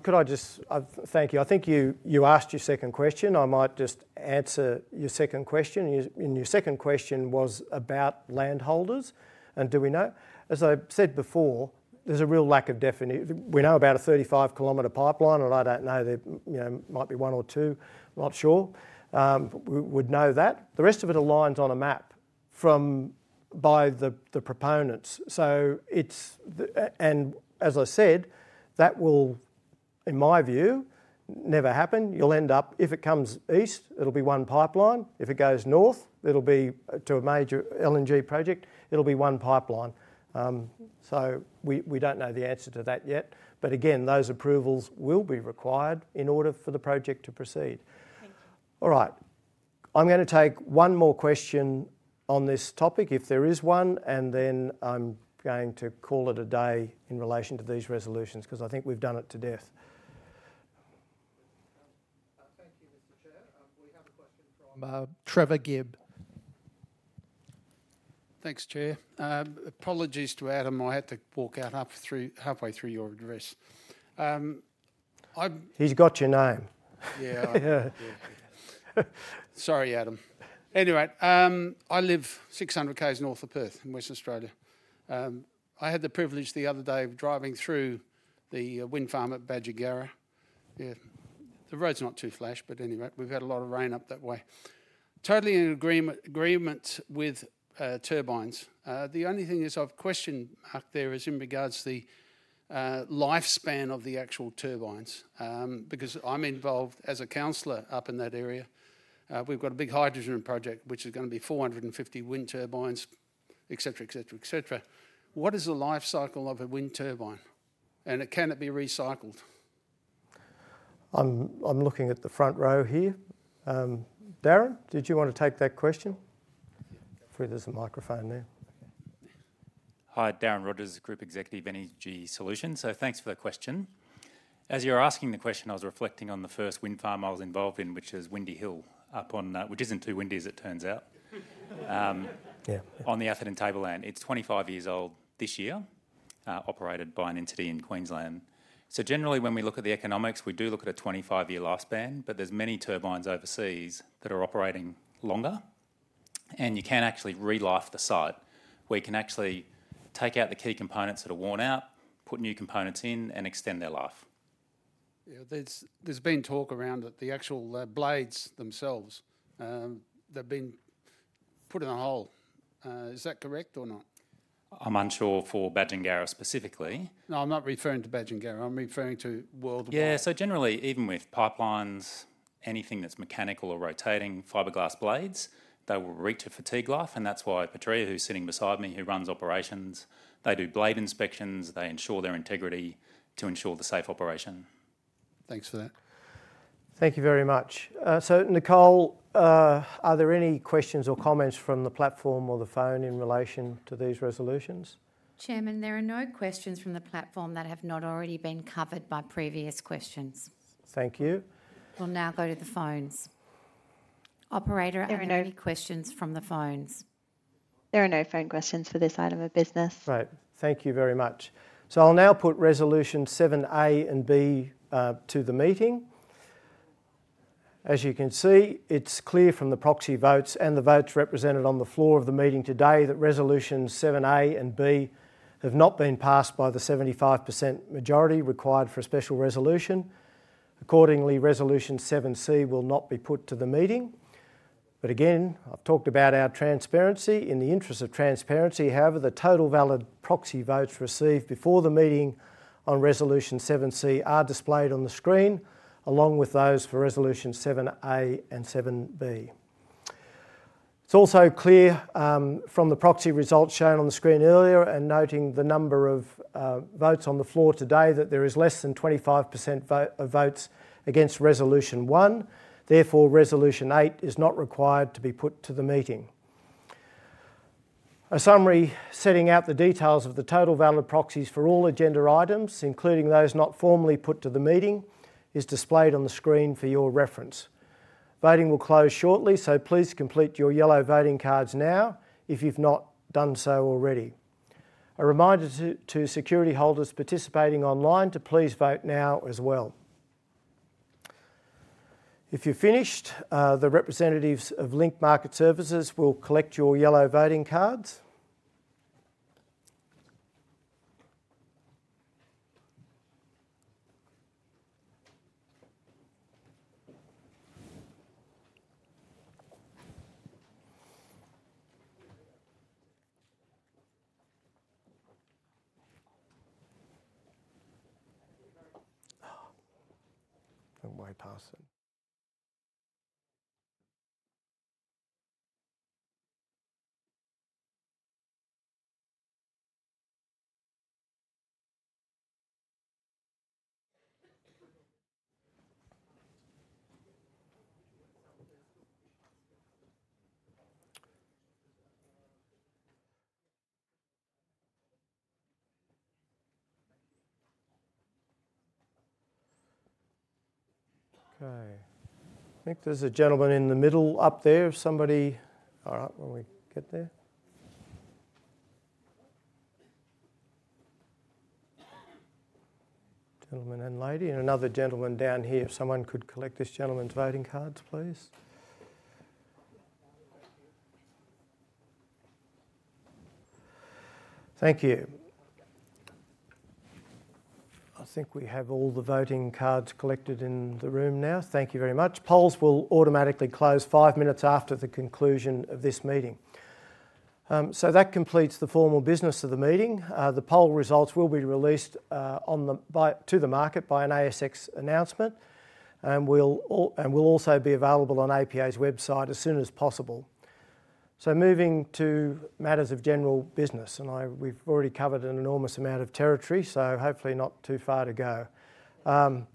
Could I just thank you. I think you asked your second question. I might just answer your second question. Your second question was about landholders, and do we know? As I said before, there's a real lack of definite. We know about a 35 km pipeline, and I don't know, there, you know, might be one or two, not sure. We would know that. The rest of it are lines on a map from the proponents. So it's, and as I said, that will, in my view, never happen. You'll end up, if it comes east, it'll be one pipeline. If it goes north, it'll be to a major LNG project, it'll be one pipeline. So we don't know the answer to that yet. But again, those approvals will be required in order for the project to proceed. Thank you. All right. I'm gonna take one more question on this topic, if there is one, and then I'm going to call it a day in relation to these resolutions, 'cause I think we've done it to death. Thank you, Mr. Chair. We have a question from Trevor Gibb. Thanks, Chair. Apologies to Adam, I had to walk out half through, halfway through your address. I- He's got your name. Yeah. Yeah. Sorry, Adam. Anyway, I live 600 km north of Perth in Western Australia. I had the privilege the other day of driving through the wind farm at Badgingarra. Yeah, the road's not too flash, but anyway, we've had a lot of rain up that way. Totally in agreement with turbines. The only thing is I've question marked there is in regards to the lifespan of the actual turbines. Because I'm involved as a councilor up in that area. We've got a big hydrogen project, which is gonna be 450 wind turbines, et cetera, et cetera, et cetera. What is the life cycle of a wind turbine, and can it be recycled? I'm looking at the front row here. Darren, did you want to take that question? There's a microphone there. Hi, Darren Rogers, Group Executive, Energy Solutions. So thanks for the question. As you were asking the question, I was reflecting on the first wind farm I was involved in, which is Windy Hill, up on... which isn't too windy, as it turns out. Yeah. On the Atherton Tableland. It's 25 years old this year, operated by an entity in Queensland. So generally, when we look at the economics, we do look at a 25-year lifespan, but there's many turbines overseas that are operating longer, and you can actually re-life the site. We can actually take out the key components that are worn out, put new components in, and extend their life. Yeah, there's been talk around that the actual blades themselves, they've been put in a hole. Is that correct or not? I'm unsure for Badgingarra specifically. No, I'm not referring to Badgingarra. I'm referring to worldwide. Yeah, so generally, even with pipelines, anything that's mechanical or rotating, fiberglass blades, they will reach a fatigue life, and that's why Petrea, who's sitting beside me, who runs operations, they do blade inspections, they ensure their integrity to ensure the safe operation. Thanks for that. Thank you very much. So Nicole, are there any questions or comments from the platform or the phone in relation to these resolutions? Chairman, there are no questions from the platform that have not already been covered by previous questions. Thank you. We'll now go to the phones. Operator, are there any questions from the phones? There are no phone questions for this item of business. Right. Thank you very much. So I'll now put Resolution 7A and B to the meeting. As you can see, it's clear from the proxy votes and the votes represented on the floor of the meeting today that Resolution 7A and B have not been passed by the 75% majority required for a special resolution. Accordingly, Resolution 7C will not be put to the meeting. But again, I've talked about our transparency. In the interest of transparency, however, the total valid proxy votes received before the meeting on Resolution 7C are displayed on the screen, along with those for Resolution 7A and 7B. It's also clear, from the proxy results shown on the screen earlier and noting the number of votes on the floor today, that there is less than 25% votes against Resolution 1. Therefore, Resolution 8 is not required to be put to the meeting. A summary setting out the details of the total valid proxies for all agenda items, including those not formally put to the meeting, is displayed on the screen for your reference. Voting will close shortly, so please complete your yellow voting cards now if you've not done so already. A reminder to security holders participating online to please vote now as well. If you've finished, the representatives of Link Market Services will collect your yellow voting cards. Oh, and why pass it? Okay. I think there's a gentleman in the middle up there. Somebody. All right, when we get there. Gentleman and lady, and another gentleman down here. If someone could collect this gentleman's voting cards, please. Thank you. I think we have all the voting cards collected in the room now. Thank you very much. Polls will automatically close five minutes after the conclusion of this meeting. That completes the formal business of the meeting. The poll results will be released to the market by an ASX announcement, and will also be available on APA's website as soon as possible. Moving to matters of general business, and we've already covered an enormous amount of territory, so hopefully not too far to go.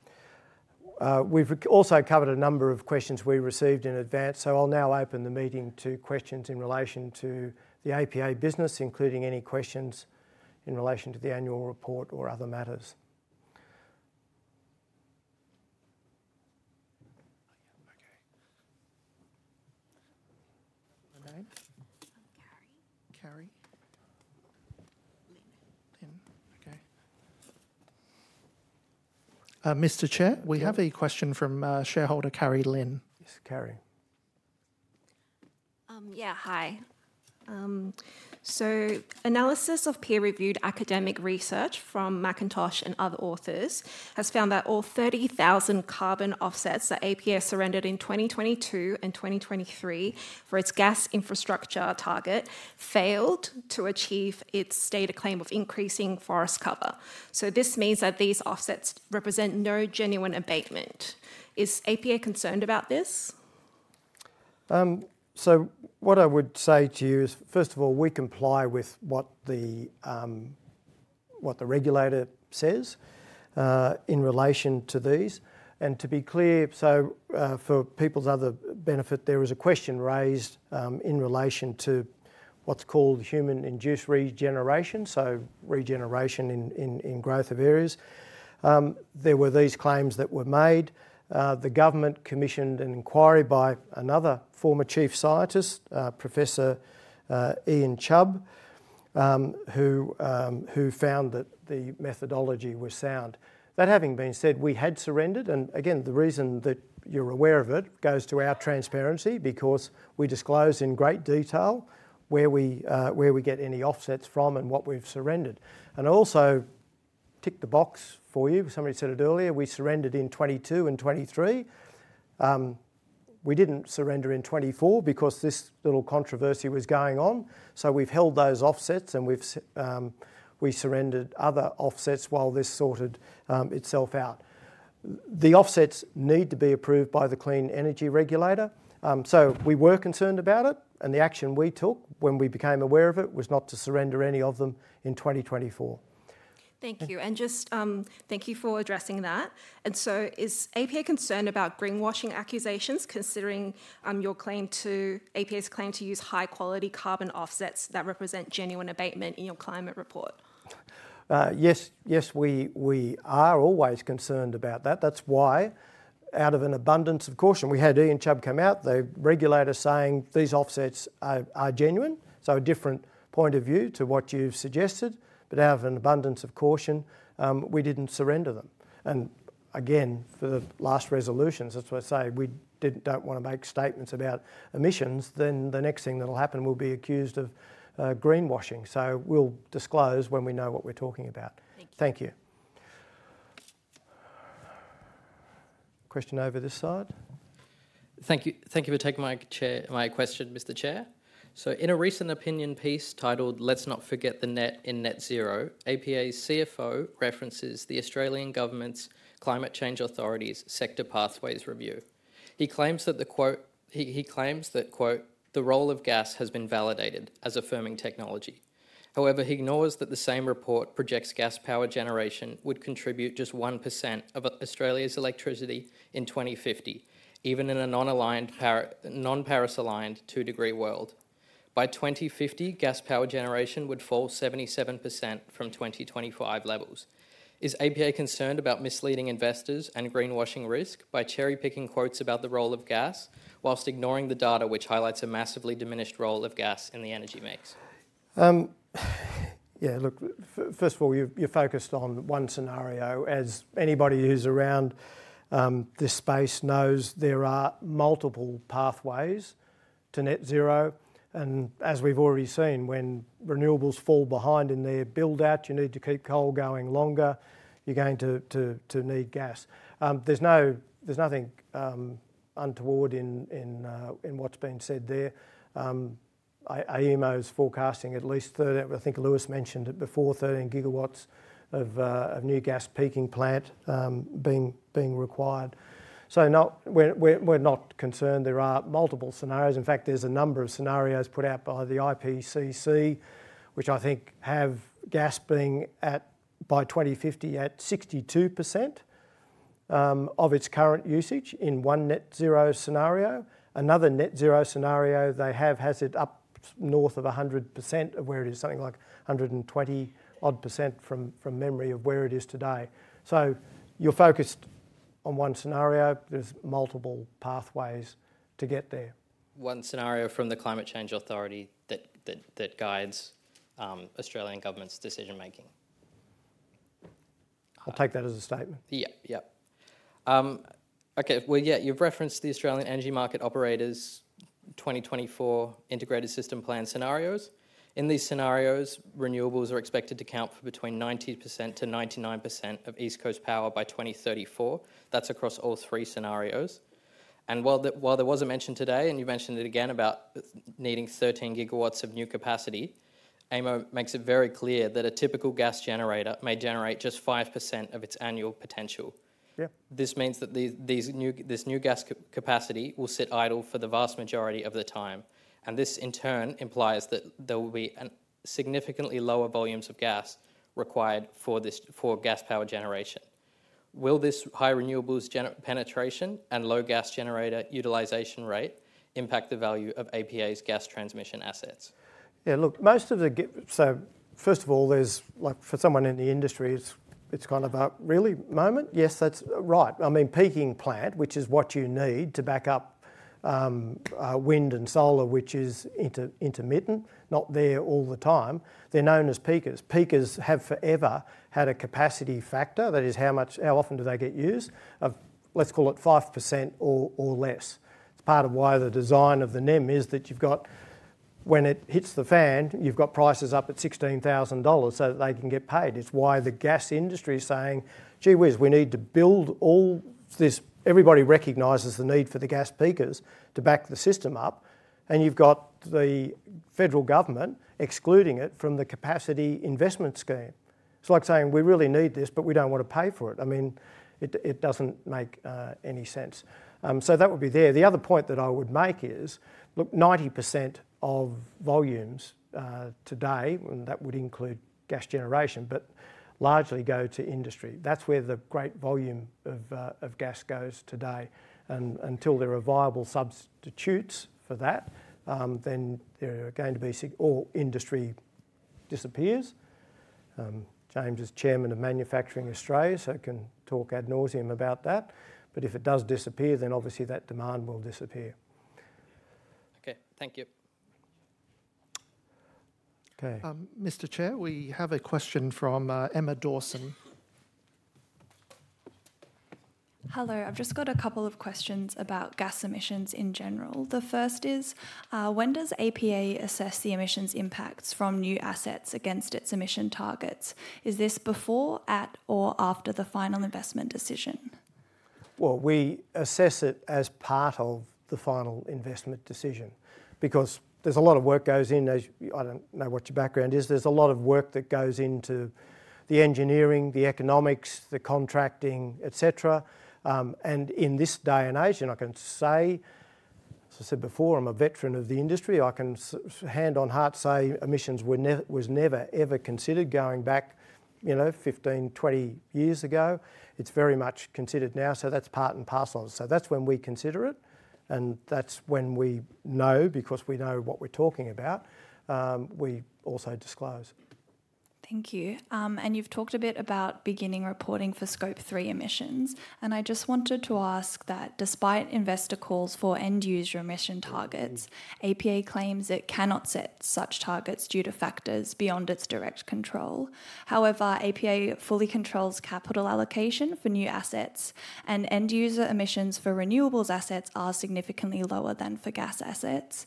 We've also covered a number of questions we received in advance, so I'll now open the meeting to questions in relation to the APA business, including any questions in relation to the annual report or other matters. Okay. Your name? Carrie. Carrie. Lynn. Lynn. Okay. Mr. Chair, we have a question from shareholder Carrie Lynn. Yes, Carrie. Yeah, hi. So analysis of peer-reviewed academic research from Macintosh and other authors has found that all 30,000 carbon offsets that APA surrendered in 2022 and 2023 for its gas infrastructure target failed to achieve its stated claim of increasing forest cover. So this means that these offsets represent no genuine abatement. Is APA concerned about this? So what I would say to you is, first of all, we comply with what the regulator says in relation to these. And to be clear, for people's other benefit, there was a question raised in relation to what's called human-induced regeneration, so regeneration in growth of areas. There were these claims that were made. The government commissioned an inquiry by another former chief scientist, Professor Ian Chubb, who found that the methodology was sound. That having been said, we had surrendered, and again, the reason that you're aware of it goes to our transparency, because we disclose in great detail where we get any offsets from and what we've surrendered. And also, tick the box for you, somebody said it earlier, we surrendered in 2022 and 2023. We didn't surrender in 2024 because this little controversy was going on, so we've held those offsets and we've surrendered other offsets while this sorted itself out. The offsets need to be approved by the Clean Energy Regulator, so we were concerned about it, and the action we took when we became aware of it was not to surrender any of them in 2024. Thank you. And just, thank you for addressing that. And so is APA concerned about greenwashing accusations, considering APA's claim to use high-quality carbon offsets that represent genuine abatement in your climate report? Yes. Yes, we are always concerned about that. That's why out of an abundance of caution, we had Ian Chubb come out, the regulator saying these offsets are genuine. So a different point of view to what you've suggested, but out of an abundance of caution, we didn't surrender them. And again, for the last resolutions, as I say, we don't want to make statements about emissions, then the next thing that'll happen, we'll be accused of greenwashing. So we'll disclose when we know what we're talking about. Thank you. Thank you. Question over this side? Thank you. Thank you for taking my question, Mr. Chair. So in a recent opinion piece titled "Let's Not Forget the Net in Net Zero," APA's CFO references the Australian Government's Climate Change Authority's Sector Pathways Review. He claims that, quote, "The role of gas has been validated as affirming technology." However, he ignores that the same report projects gas power generation would contribute just 1% of Australia's electricity in 2050, even in a non-Paris aligned 2-degree world. By 2050, gas power generation would fall 77% from 2025 levels. Is APA concerned about misleading investors and greenwashing risk by cherry-picking quotes about the role of gas, while ignoring the data which highlights a massively diminished role of gas in the energy mix? Yeah, look, first of all, you're focused on one scenario. As anybody who's around this space knows, there are multiple pathways to Net Zero, and as we've already seen, when renewables fall behind in their build out, you need to keep coal going longer, you're going to need gas. There's nothing untoward in what's been said there. AEMO's forecasting at least thir- I think Lewis mentioned it before, 13 gigawatts of new gas peaking plant being required. So we're not concerned. There are multiple scenarios. In fact, there's a number of scenarios put out by the IPCC, which I think have gas being at, by 2050, at 62% of its current usage in one net zero scenario. Another net zero scenario they have has it up north of 100% of where it is, something like 120-odd% from memory of where it is today. So you're focused on one scenario, there's multiple pathways to get there. One scenario from the Climate Change Authority that guides Australian government's decision-making. I'll take that as a statement. Yeah. Yep. Okay, well, yeah, you've referenced the Australian Energy Market Operator's 2024 Integrated System Plan scenarios. In these scenarios, renewables are expected to account for between 90% to 99% of East Coast power by 2034. That's across all three scenarios, and while there was a mention today, and you mentioned it again, about needing 13 gigawatts of new capacity, AEMO makes it very clear that a typical gas generator may generate just 5% of its annual potential. Yeah. This means that this new gas capacity will sit idle for the vast majority of the time, and this in turn implies that there will be significantly lower volumes of gas required for this, for gas power generation. Will this high renewables penetration and low gas generator utilization rate impact the value of APA's gas transmission assets? Yeah, look, most of the g- so first of all, there's. Like for someone in the industry, it's kind of a really moment. Yes, that's right. I mean, peaking plant, which is what you need to back up, wind and solar, which is intermittent, not there all the time, they're known as peakers. Peakers have forever had a capacity factor, that is, how much how often do they get used, of let's call it 5% or less. It's part of why the design of the NEM is that you've got, when it hits the fan, you've got prices up at 16,000 dollars so that they can get paid. It's why the gas industry is saying, "Gee whiz, we need to build all this..." Everybody recognizes the need for the gas peakers to back the system up, and you've got the federal government excluding it from the Capacity Investment Scheme. It's like saying, "We really need this, but we don't want to pay for it." I mean, it doesn't make any sense. So that would be there. The other point that I would make is, look, 90% of volumes today, and that would include gas generation, but largely go to industry. That's where the great volume of gas goes today. And until there are viable substitutes for that, then there are going to be or industry disappears. James is Chairman of Manufacturing Australia, so he can talk ad nauseam about that, but if it does disappear, then obviously that demand will disappear. Okay, thank you. Okay. Mr. Chair, we have a question from Emma Dawson. Hello, I've just got a couple of questions about gas emissions in general. The first is, when does APA assess the emissions impacts from new assets against its emission targets? Is this before, at, or after the final investment decision? We assess it as part of the final investment decision because there's a lot of work goes in. As I don't know what your background is. There's a lot of work that goes into the engineering, the economics, the contracting, et cetera. And in this day and age, and I can say, as I said before, I'm a veteran of the industry. I can hand on heart say emissions were never, ever considered going back, you know, 15, 20 years ago. It's very much considered now, so that's part and parcel. So that's when we consider it, and that's when we know because we know what we're talking about. We also disclose. Thank you, and you've talked a bit about beginning reporting for Scope 3 emissions, and I just wanted to ask that despite investor calls for end-user emission targets, APA claims it cannot set such targets due to factors beyond its direct control. However, APA fully controls capital allocation for new assets, and end-user emissions for renewables assets are significantly lower than for gas assets.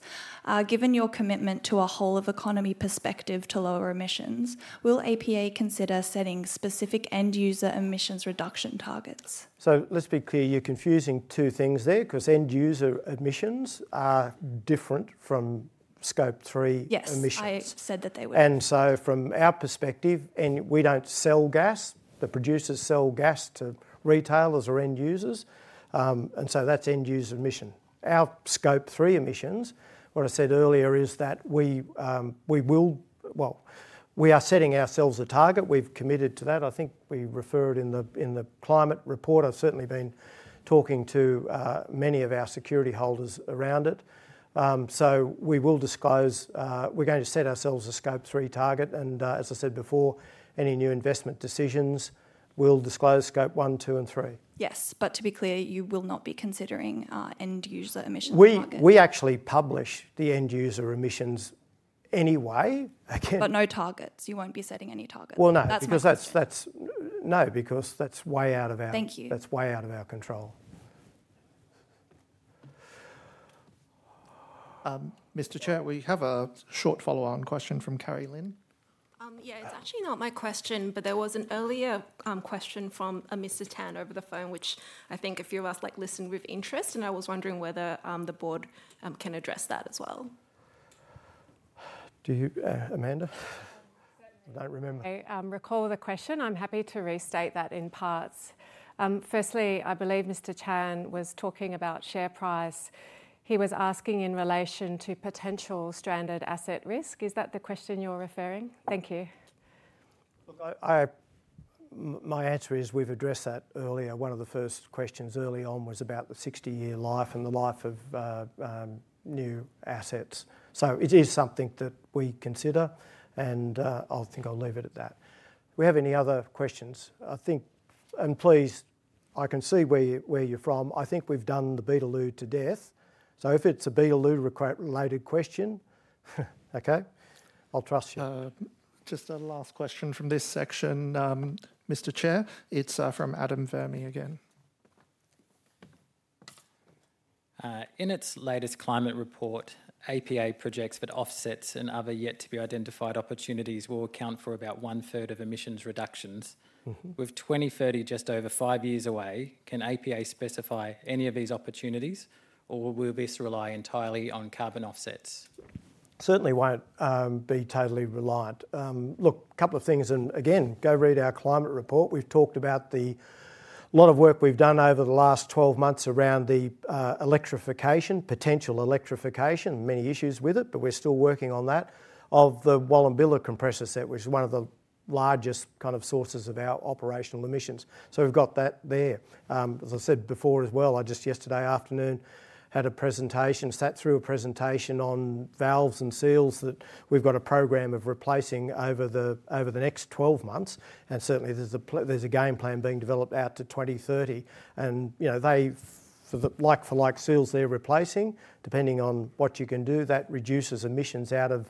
Given your commitment to a whole of economy perspective to lower emissions, will APA consider setting specific end-user emissions reduction targets? So let's be clear, you're confusing two things there, 'cause end-user emissions are different from Scope 3- Yes... emissions. I said that they were. And so from our perspective, and we don't sell gas, the producers sell gas to retailers or end users, and so that's end-user emission. Our Scope 3 emissions. What I said earlier is that we will. We are setting ourselves a target. We've committed to that. I think we refer it in the climate report. I've certainly been talking to many of our security holders around it. So we will disclose, we're going to set ourselves a Scope 3 target, and as I said before, any new investment decisions, we'll disclose Scope 1, 2, and 3. Yes, but to be clear, you will not be considering end-user emission target? We actually publish the end-user emissions anyway. Again- But no targets. You won't be setting any targets? Well, no. That's my question. Because that's. No, because that's way out of our- Thank you... that's way out of our control. Mr. Chair, we have a short follow-on question from Carrie Lynn. Yeah, it's actually not my question, but there was an earlier question from a Mr. Chan over the phone, which I think a few of us, like, listened with interest, and I was wondering whether the board can address that as well. Do you, Amanda? Um, certainly. I don't remember. Recall the question. I'm happy to restate that in parts. Firstly, I believe Mr. Chan was talking about share price. He was asking in relation to potential stranded asset risk. Is that the question you're referring? Thank you.... Look, my answer is we've addressed that earlier. One of the first questions early on was about the 60-year life and the life of new assets. So it is something that we consider, and I think I'll leave it at that. Do we have any other questions? I think, and please, I can see where you, where you're from. I think we've done the Beetaloo to death, so if it's a Beetaloo-related question, okay, I'll trust you. Just a last question from this section, Mr. Chair. It's from Adam Verwey again. In its latest climate report, APA projects that offsets and other yet-to-be-identified opportunities will account for about one-third of emissions reductions. Mm-hmm. With 2030 just over five years away, can APA specify any of these opportunities, or will this rely entirely on carbon offsets? Certainly won't be totally reliant. Look, a couple of things, and again, go read our climate report. We've talked about the lot of work we've done over the last 12 months around the electrification, potential electrification, many issues with it, but we're still working on that, of the Wallumbilla compressor station, which is one of the largest kind of sources of our operational emissions. So we've got that there. As I said before as well, I just yesterday afternoon had a presentation, sat through a presentation on valves and seals that we've got a program of replacing over the next 12 months, and certainly there's a game plan being developed out to 2030. You know, they, for the like-for-like seals they're replacing, depending on what you can do, that reduces emissions out of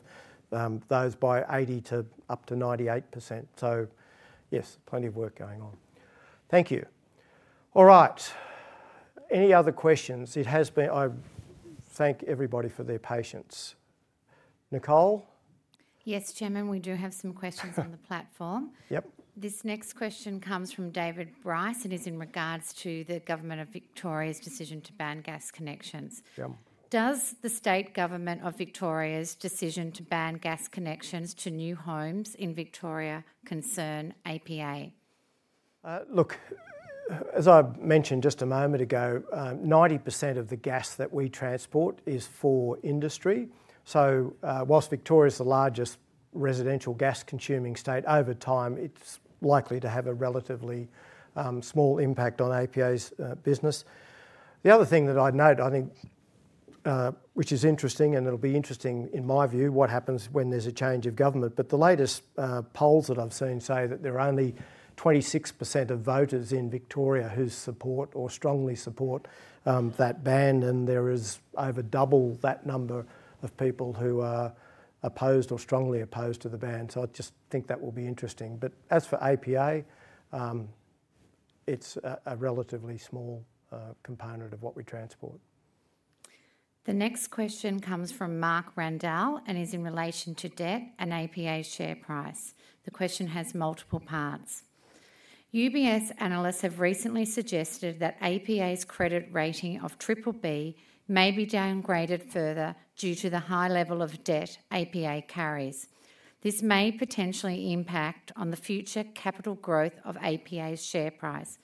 those by 80 to up to 98%. So yes, plenty of work going on. Thank you. All right, any other questions? It has been... I thank everybody for their patience. Nicole? Yes, Chairman, we do have some questions on the platform. Yep. This next question comes from David Bryce and is in regards to the government of Victoria's decision to ban gas connections. Yeah. Does the state government of Victoria's decision to ban gas connections to new homes in Victoria concern APA? Look, as I mentioned just a moment ago, 90% of the gas that we transport is for industry. So, while Victoria's the largest residential gas-consuming state, over time, it's likely to have a relatively small impact on APA's business. The other thing that I'd note, I think, which is interesting, and it'll be interesting in my view, what happens when there's a change of government, but the latest polls that I've seen say that there are only 26% of voters in Victoria who support or strongly support that ban, and there is over double that number of people who are opposed or strongly opposed to the ban. So I just think that will be interesting. But as for APA, it's a relatively small component of what we transport. The next question comes from Mark Randall and is in relation to debt and APA's share price. The question has multiple parts. UBS analysts have recently suggested that APA's credit rating of triple B may be downgraded further due to the high level of debt APA carries. This may potentially impact on the future capital growth of APA's share price.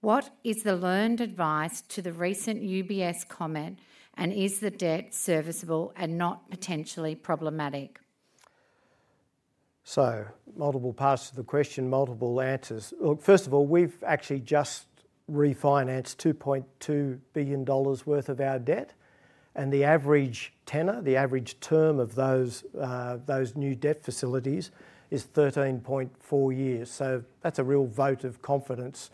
What is the learned advice to the recent UBS comment, and is the debt serviceable and not potentially problematic? So, multiple parts to the question, multiple answers. Look, first of all, we've actually just refinanced 2.2 billion dollars worth of our debt, and the average tenor, the average term of those, those new debt facilities is 13.4 years. So that's a real vote of confidence,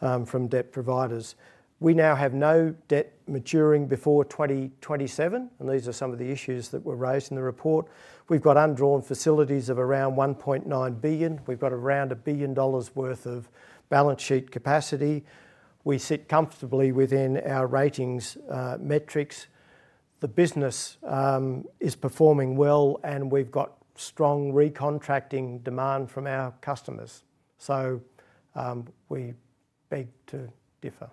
from debt providers. We now have no debt maturing before 2027, and these are some of the issues that were raised in the report. We've got undrawn facilities of around 1.9 billion. We've got around 1 billion dollars worth of balance sheet capacity. We sit comfortably within our ratings, metrics. The business, is performing well, and we've got strong recontracting demand from our customers, so, we beg to differ.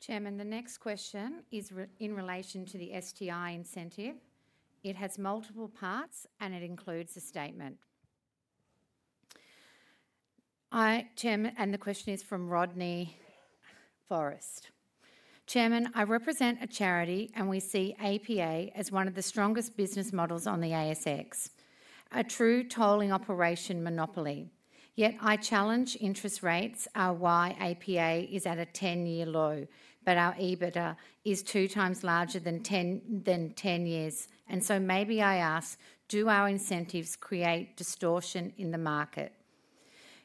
Chairman, the next question is in relation to the STI incentive. It has multiple parts, and it includes a statement. Chairman. And the question is from Rodney Forrest. "Chairman, I represent a charity, and we see APA as one of the strongest business models on the ASX, a true tolling operation monopoly. Yet I challenge interest rates are why APA is at a ten-year low, but our EBITDA is two times larger than ten years. And so maybe I ask, do our incentives create distortion in the market?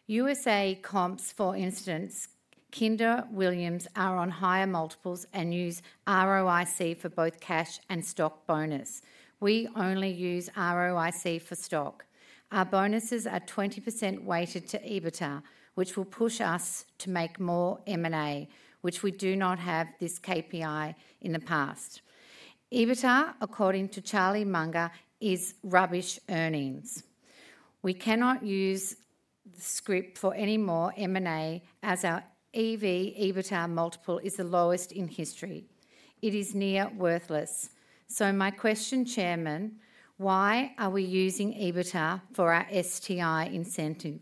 USA comps, for instance, Kinder Williams are on higher multiples and use ROIC for both cash and stock bonus. We only use ROIC for stock. Our bonuses are 20% weighted to EBITDA, which will push us to make more M&A, which we do not have this KPI in the past. EBITDA, according to Charlie Munger, is rubbish earnings. We cannot use the scrip for any more M&A, as our EV/EBITDA multiple is the lowest in history. It is near worthless. So my question, Chairman, why are we using EBITDA for our STI incentive?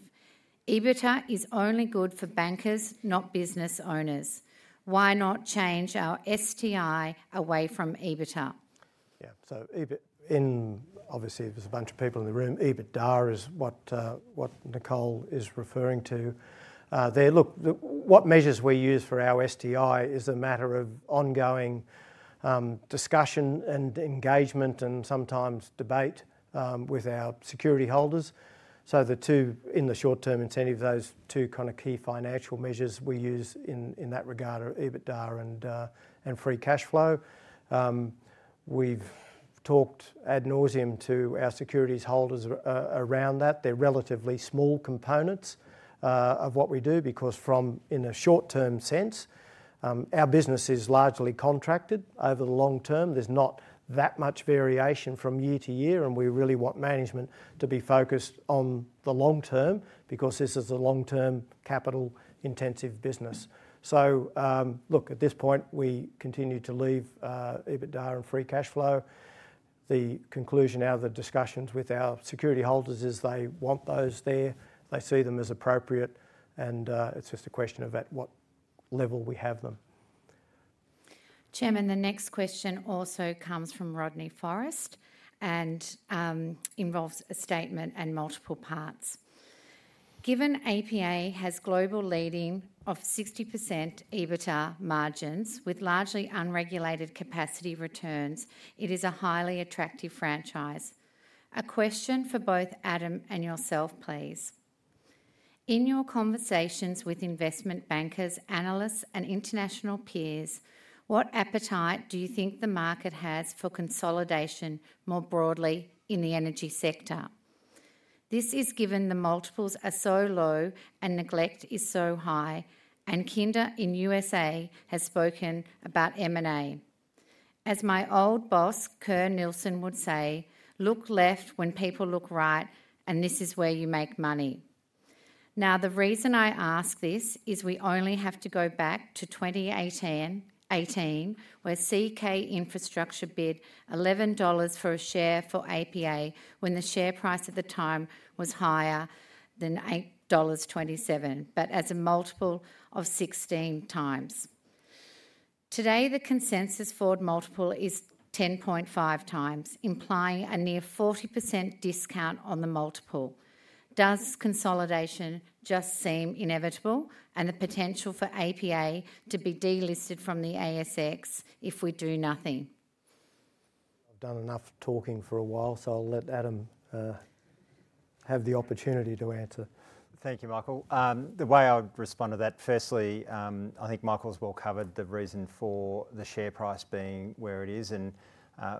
EBITDA is only good for bankers, not business owners. Why not change our STI away from EBITDA? Yeah, so EBIT, obviously, there's a bunch of people in the room. EBITDA is what Nicole is referring to there. Look, what measures we use for our STI is a matter of ongoing discussion and engagement, and sometimes debate with our security holders. So the two in the short term incentive, those two kind of key financial measures we use in that regard are EBITDA and free cash flow. We've talked ad nauseam to our securities holders around that. They're relatively small components of what we do because from in a short-term sense our business is largely contracted over the long term. There's not that much variation from year to year, and we really want management to be focused on the long term because this is a long-term capital intensive business. So, look, at this point, we continue to leave EBITDA and free cash flow. The conclusion out of the discussions with our security holders is they want those there, they see them as appropriate, and it's just a question of at what level we have them. Chairman, the next question also comes from Rodney Forrest and involves a statement and multiple parts. Given APA has globally leading 60% EBITDA margins with largely unregulated capacity returns, it is a highly attractive franchise. A question for both Adam and yourself, please: In your conversations with investment bankers, analysts, and international peers, what appetite do you think the market has for consolidation more broadly in the energy sector? This is given the multiples are so low and neglect is so high, and Kinder in USA has spoken about M&A. As my old boss, Kerr Neilson, would say, "Look left when people look right, and this is where you make money." Now, the reason I ask this is we only have to go back to 2018, where CK Infrastructure bid 11 dollars for a share for APA, when the share price at the time was higher than 8.27 dollars, but as a multiple of 16 times. Today, the consensus forward multiple is 10.5 times, implying a near 40% discount on the multiple. Does consolidation just seem inevitable, and the potential for APA to be delisted from the ASX if we do nothing? I've done enough talking for a while, so I'll let Adam have the opportunity to answer. Thank you, Michael. The way I would respond to that, firstly, I think Michael's well covered the reason for the share price being where it is, and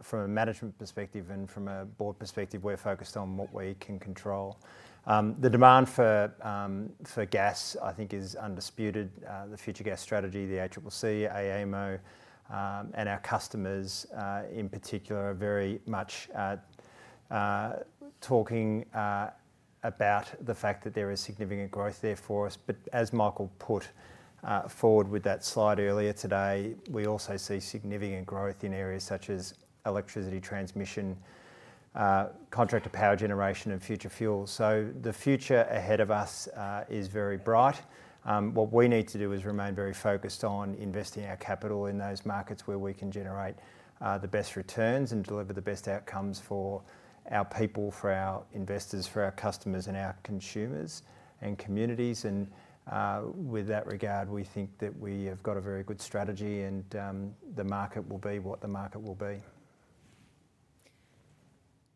from a management perspective and from a board perspective, we're focused on what we can control. The demand for gas, I think, is undisputed. The Future Gas Strategy, the ACCC, AEMO, and our customers, in particular, are very much talking about the fact that there is significant growth there for us. But as Michael put forward with that slide earlier today, we also see significant growth in areas such as electricity transmission, contracted power generation, and future fuels. So the future ahead of us is very bright. What we need to do is remain very focused on investing our capital in those markets where we can generate the best returns and deliver the best outcomes for our people, for our investors, for our customers, and our consumers and communities. And with that regard, we think that we have got a very good strategy, and the market will be what the market will be.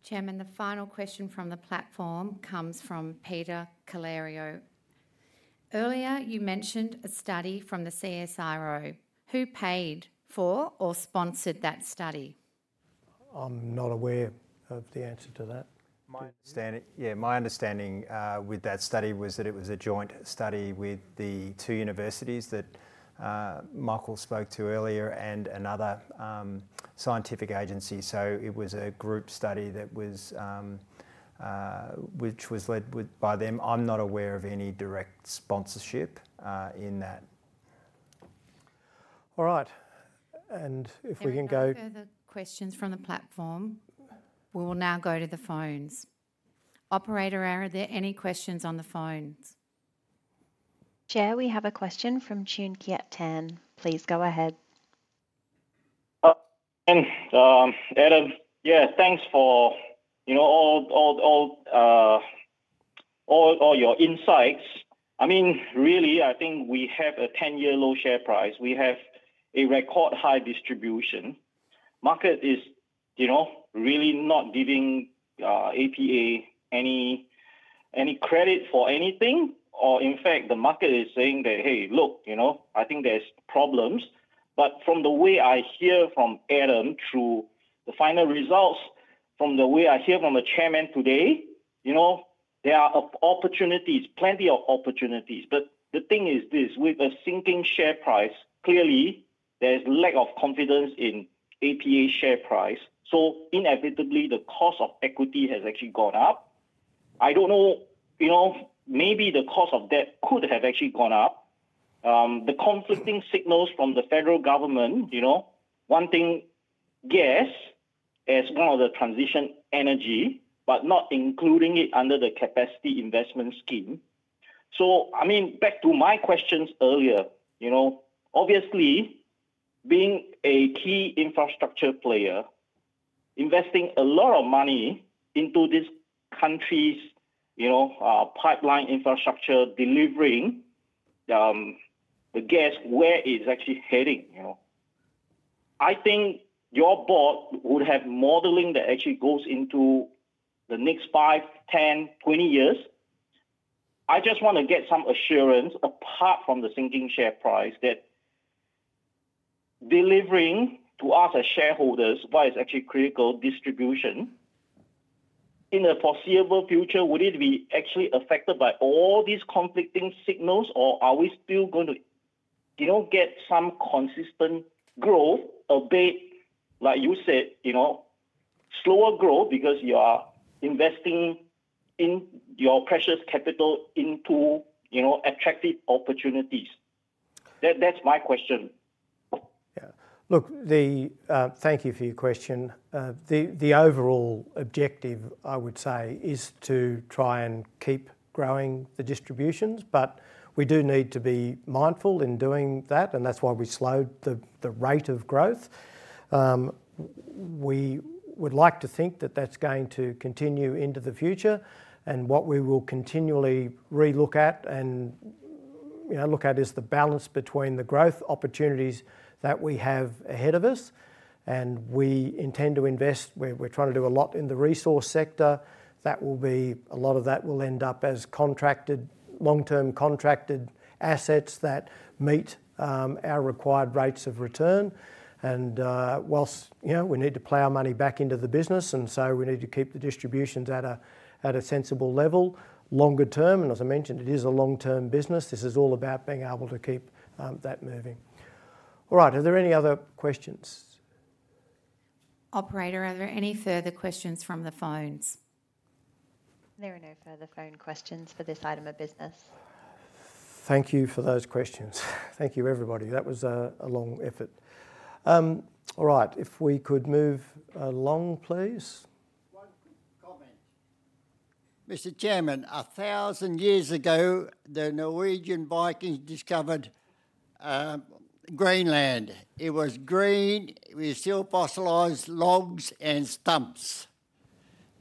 Chairman, the final question from the platform comes from Peter Calario. Earlier, you mentioned a study from the CSIRO. Who paid for or sponsored that study? I'm not aware of the answer to that. My understanding. Yeah, my understanding with that study was that it was a joint study with the two universities that Michael spoke to earlier and another scientific agency. So it was a group study that was led by them. I'm not aware of any direct sponsorship in that. All right, and if we can go- There are no further questions from the platform. We will now go to the phones. Operator, are there any questions on the phones? Chair, we have a question from Choon Kiat Tan. Please go ahead. Adam, yeah, thanks for, you know, all your insights. I mean, really, I think we have a 10-year low share price. We have a record high distribution. Market is, you know, really not giving APA any credit for anything. Or in fact, the market is saying that, "Hey, look, you know, I think there's problems." But from the way I hear from Adam through the final results, from the way I hear from the chairman today, you know, there are opportunities, plenty of opportunities. But the thing is this: with a sinking share price, clearly there is lack of confidence in APA share price. So inevitably, the cost of equity has actually gone up. I don't know, you know, maybe the cost of debt could have actually gone up. The conflicting signals from the federal government, you know, wanting gas as one of the transition energy, but not including it under the Capacity Investment Scheme... So, I mean, back to my questions earlier, you know, obviously, being a key infrastructure player, investing a lot of money into this country's, you know, pipeline infrastructure, delivering, the gas, where is it actually heading, you know? I think your board would have modeling that actually goes into the next five, 10, 20 years. I just wanna get some assurance, apart from the sinking share price, that delivering to us as shareholders what is actually critical distribution in the foreseeable future, would it be actually affected by all these conflicting signals, or are we still going to, you know, get some consistent growth, albeit, like you said, you know, slower growth because you are investing in your precious capital into, you know, attractive opportunities? That, that's my question. Yeah. Look, thank you for your question. The overall objective, I would say, is to try and keep growing the distributions, but we do need to be mindful in doing that, and that's why we slowed the rate of growth. We would like to think that that's going to continue into the future, and what we will continually re-look at and, you know, look at, is the balance between the growth opportunities that we have ahead of us, and we intend to invest... We're trying to do a lot in the resource sector. That will be, a lot of that will end up as contracted, long-term contracted assets that meet our required rates of return. And, while, you know, we need to plow our money back into the business, and so we need to keep the distributions at a sensible level longer term. And as I mentioned, it is a long-term business. This is all about being able to keep that moving. All right, are there any other questions? Operator, are there any further questions from the phones? There are no further phone questions for this item of business. Thank you for those questions. Thank you, everybody. That was a long effort. All right, if we could move along, please. One quick comment. Mr. Chairman, a 1,000 years ago, the Norwegian Vikings discovered Greenland. It was green, with still fossilized logs and stumps.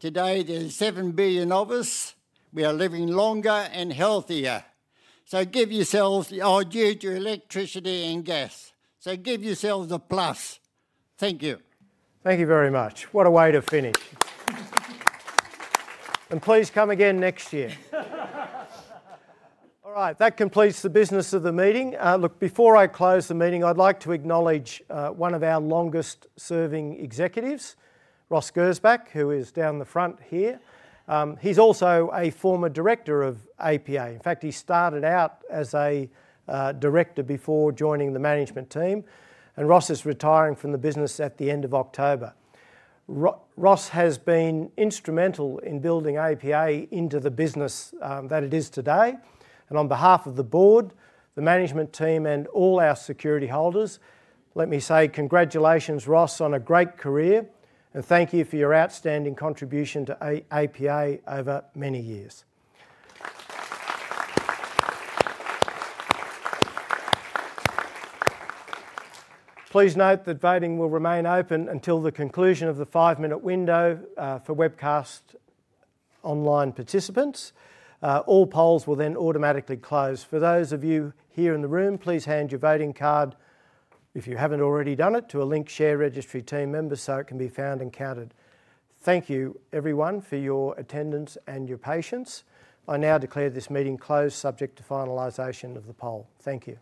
Today, there's seven billion of us. We are living longer and healthier. So give yourselves... Oh, due to electricity and gas. So give yourselves a plus. Thank you. Thank you very much. What a way to finish. And please come again next year. All right, that completes the business of the meeting. Look, before I close the meeting, I'd like to acknowledge one of our longest-serving executives, Ross Gersbach, who is down the front here. He's also a former director of APA. In fact, he started out as a director before joining the management team, and Ross is retiring from the business at the end of October. Ross has been instrumental in building APA into the business that it is today. And on behalf of the board, the management team, and all our security holders, let me say congratulations, Ross, on a great career, and thank you for your outstanding contribution to APA over many years. Please note that voting will remain open until the conclusion of the five-minute window for webcast online participants. All polls will then automatically close. For those of you here in the room, please hand your voting card, if you haven't already done it, to a Link Market Services team member, so it can be found and counted. Thank you, everyone, for your attendance and your patience. I now declare this meeting closed, subject to finalization of the poll. Thank you.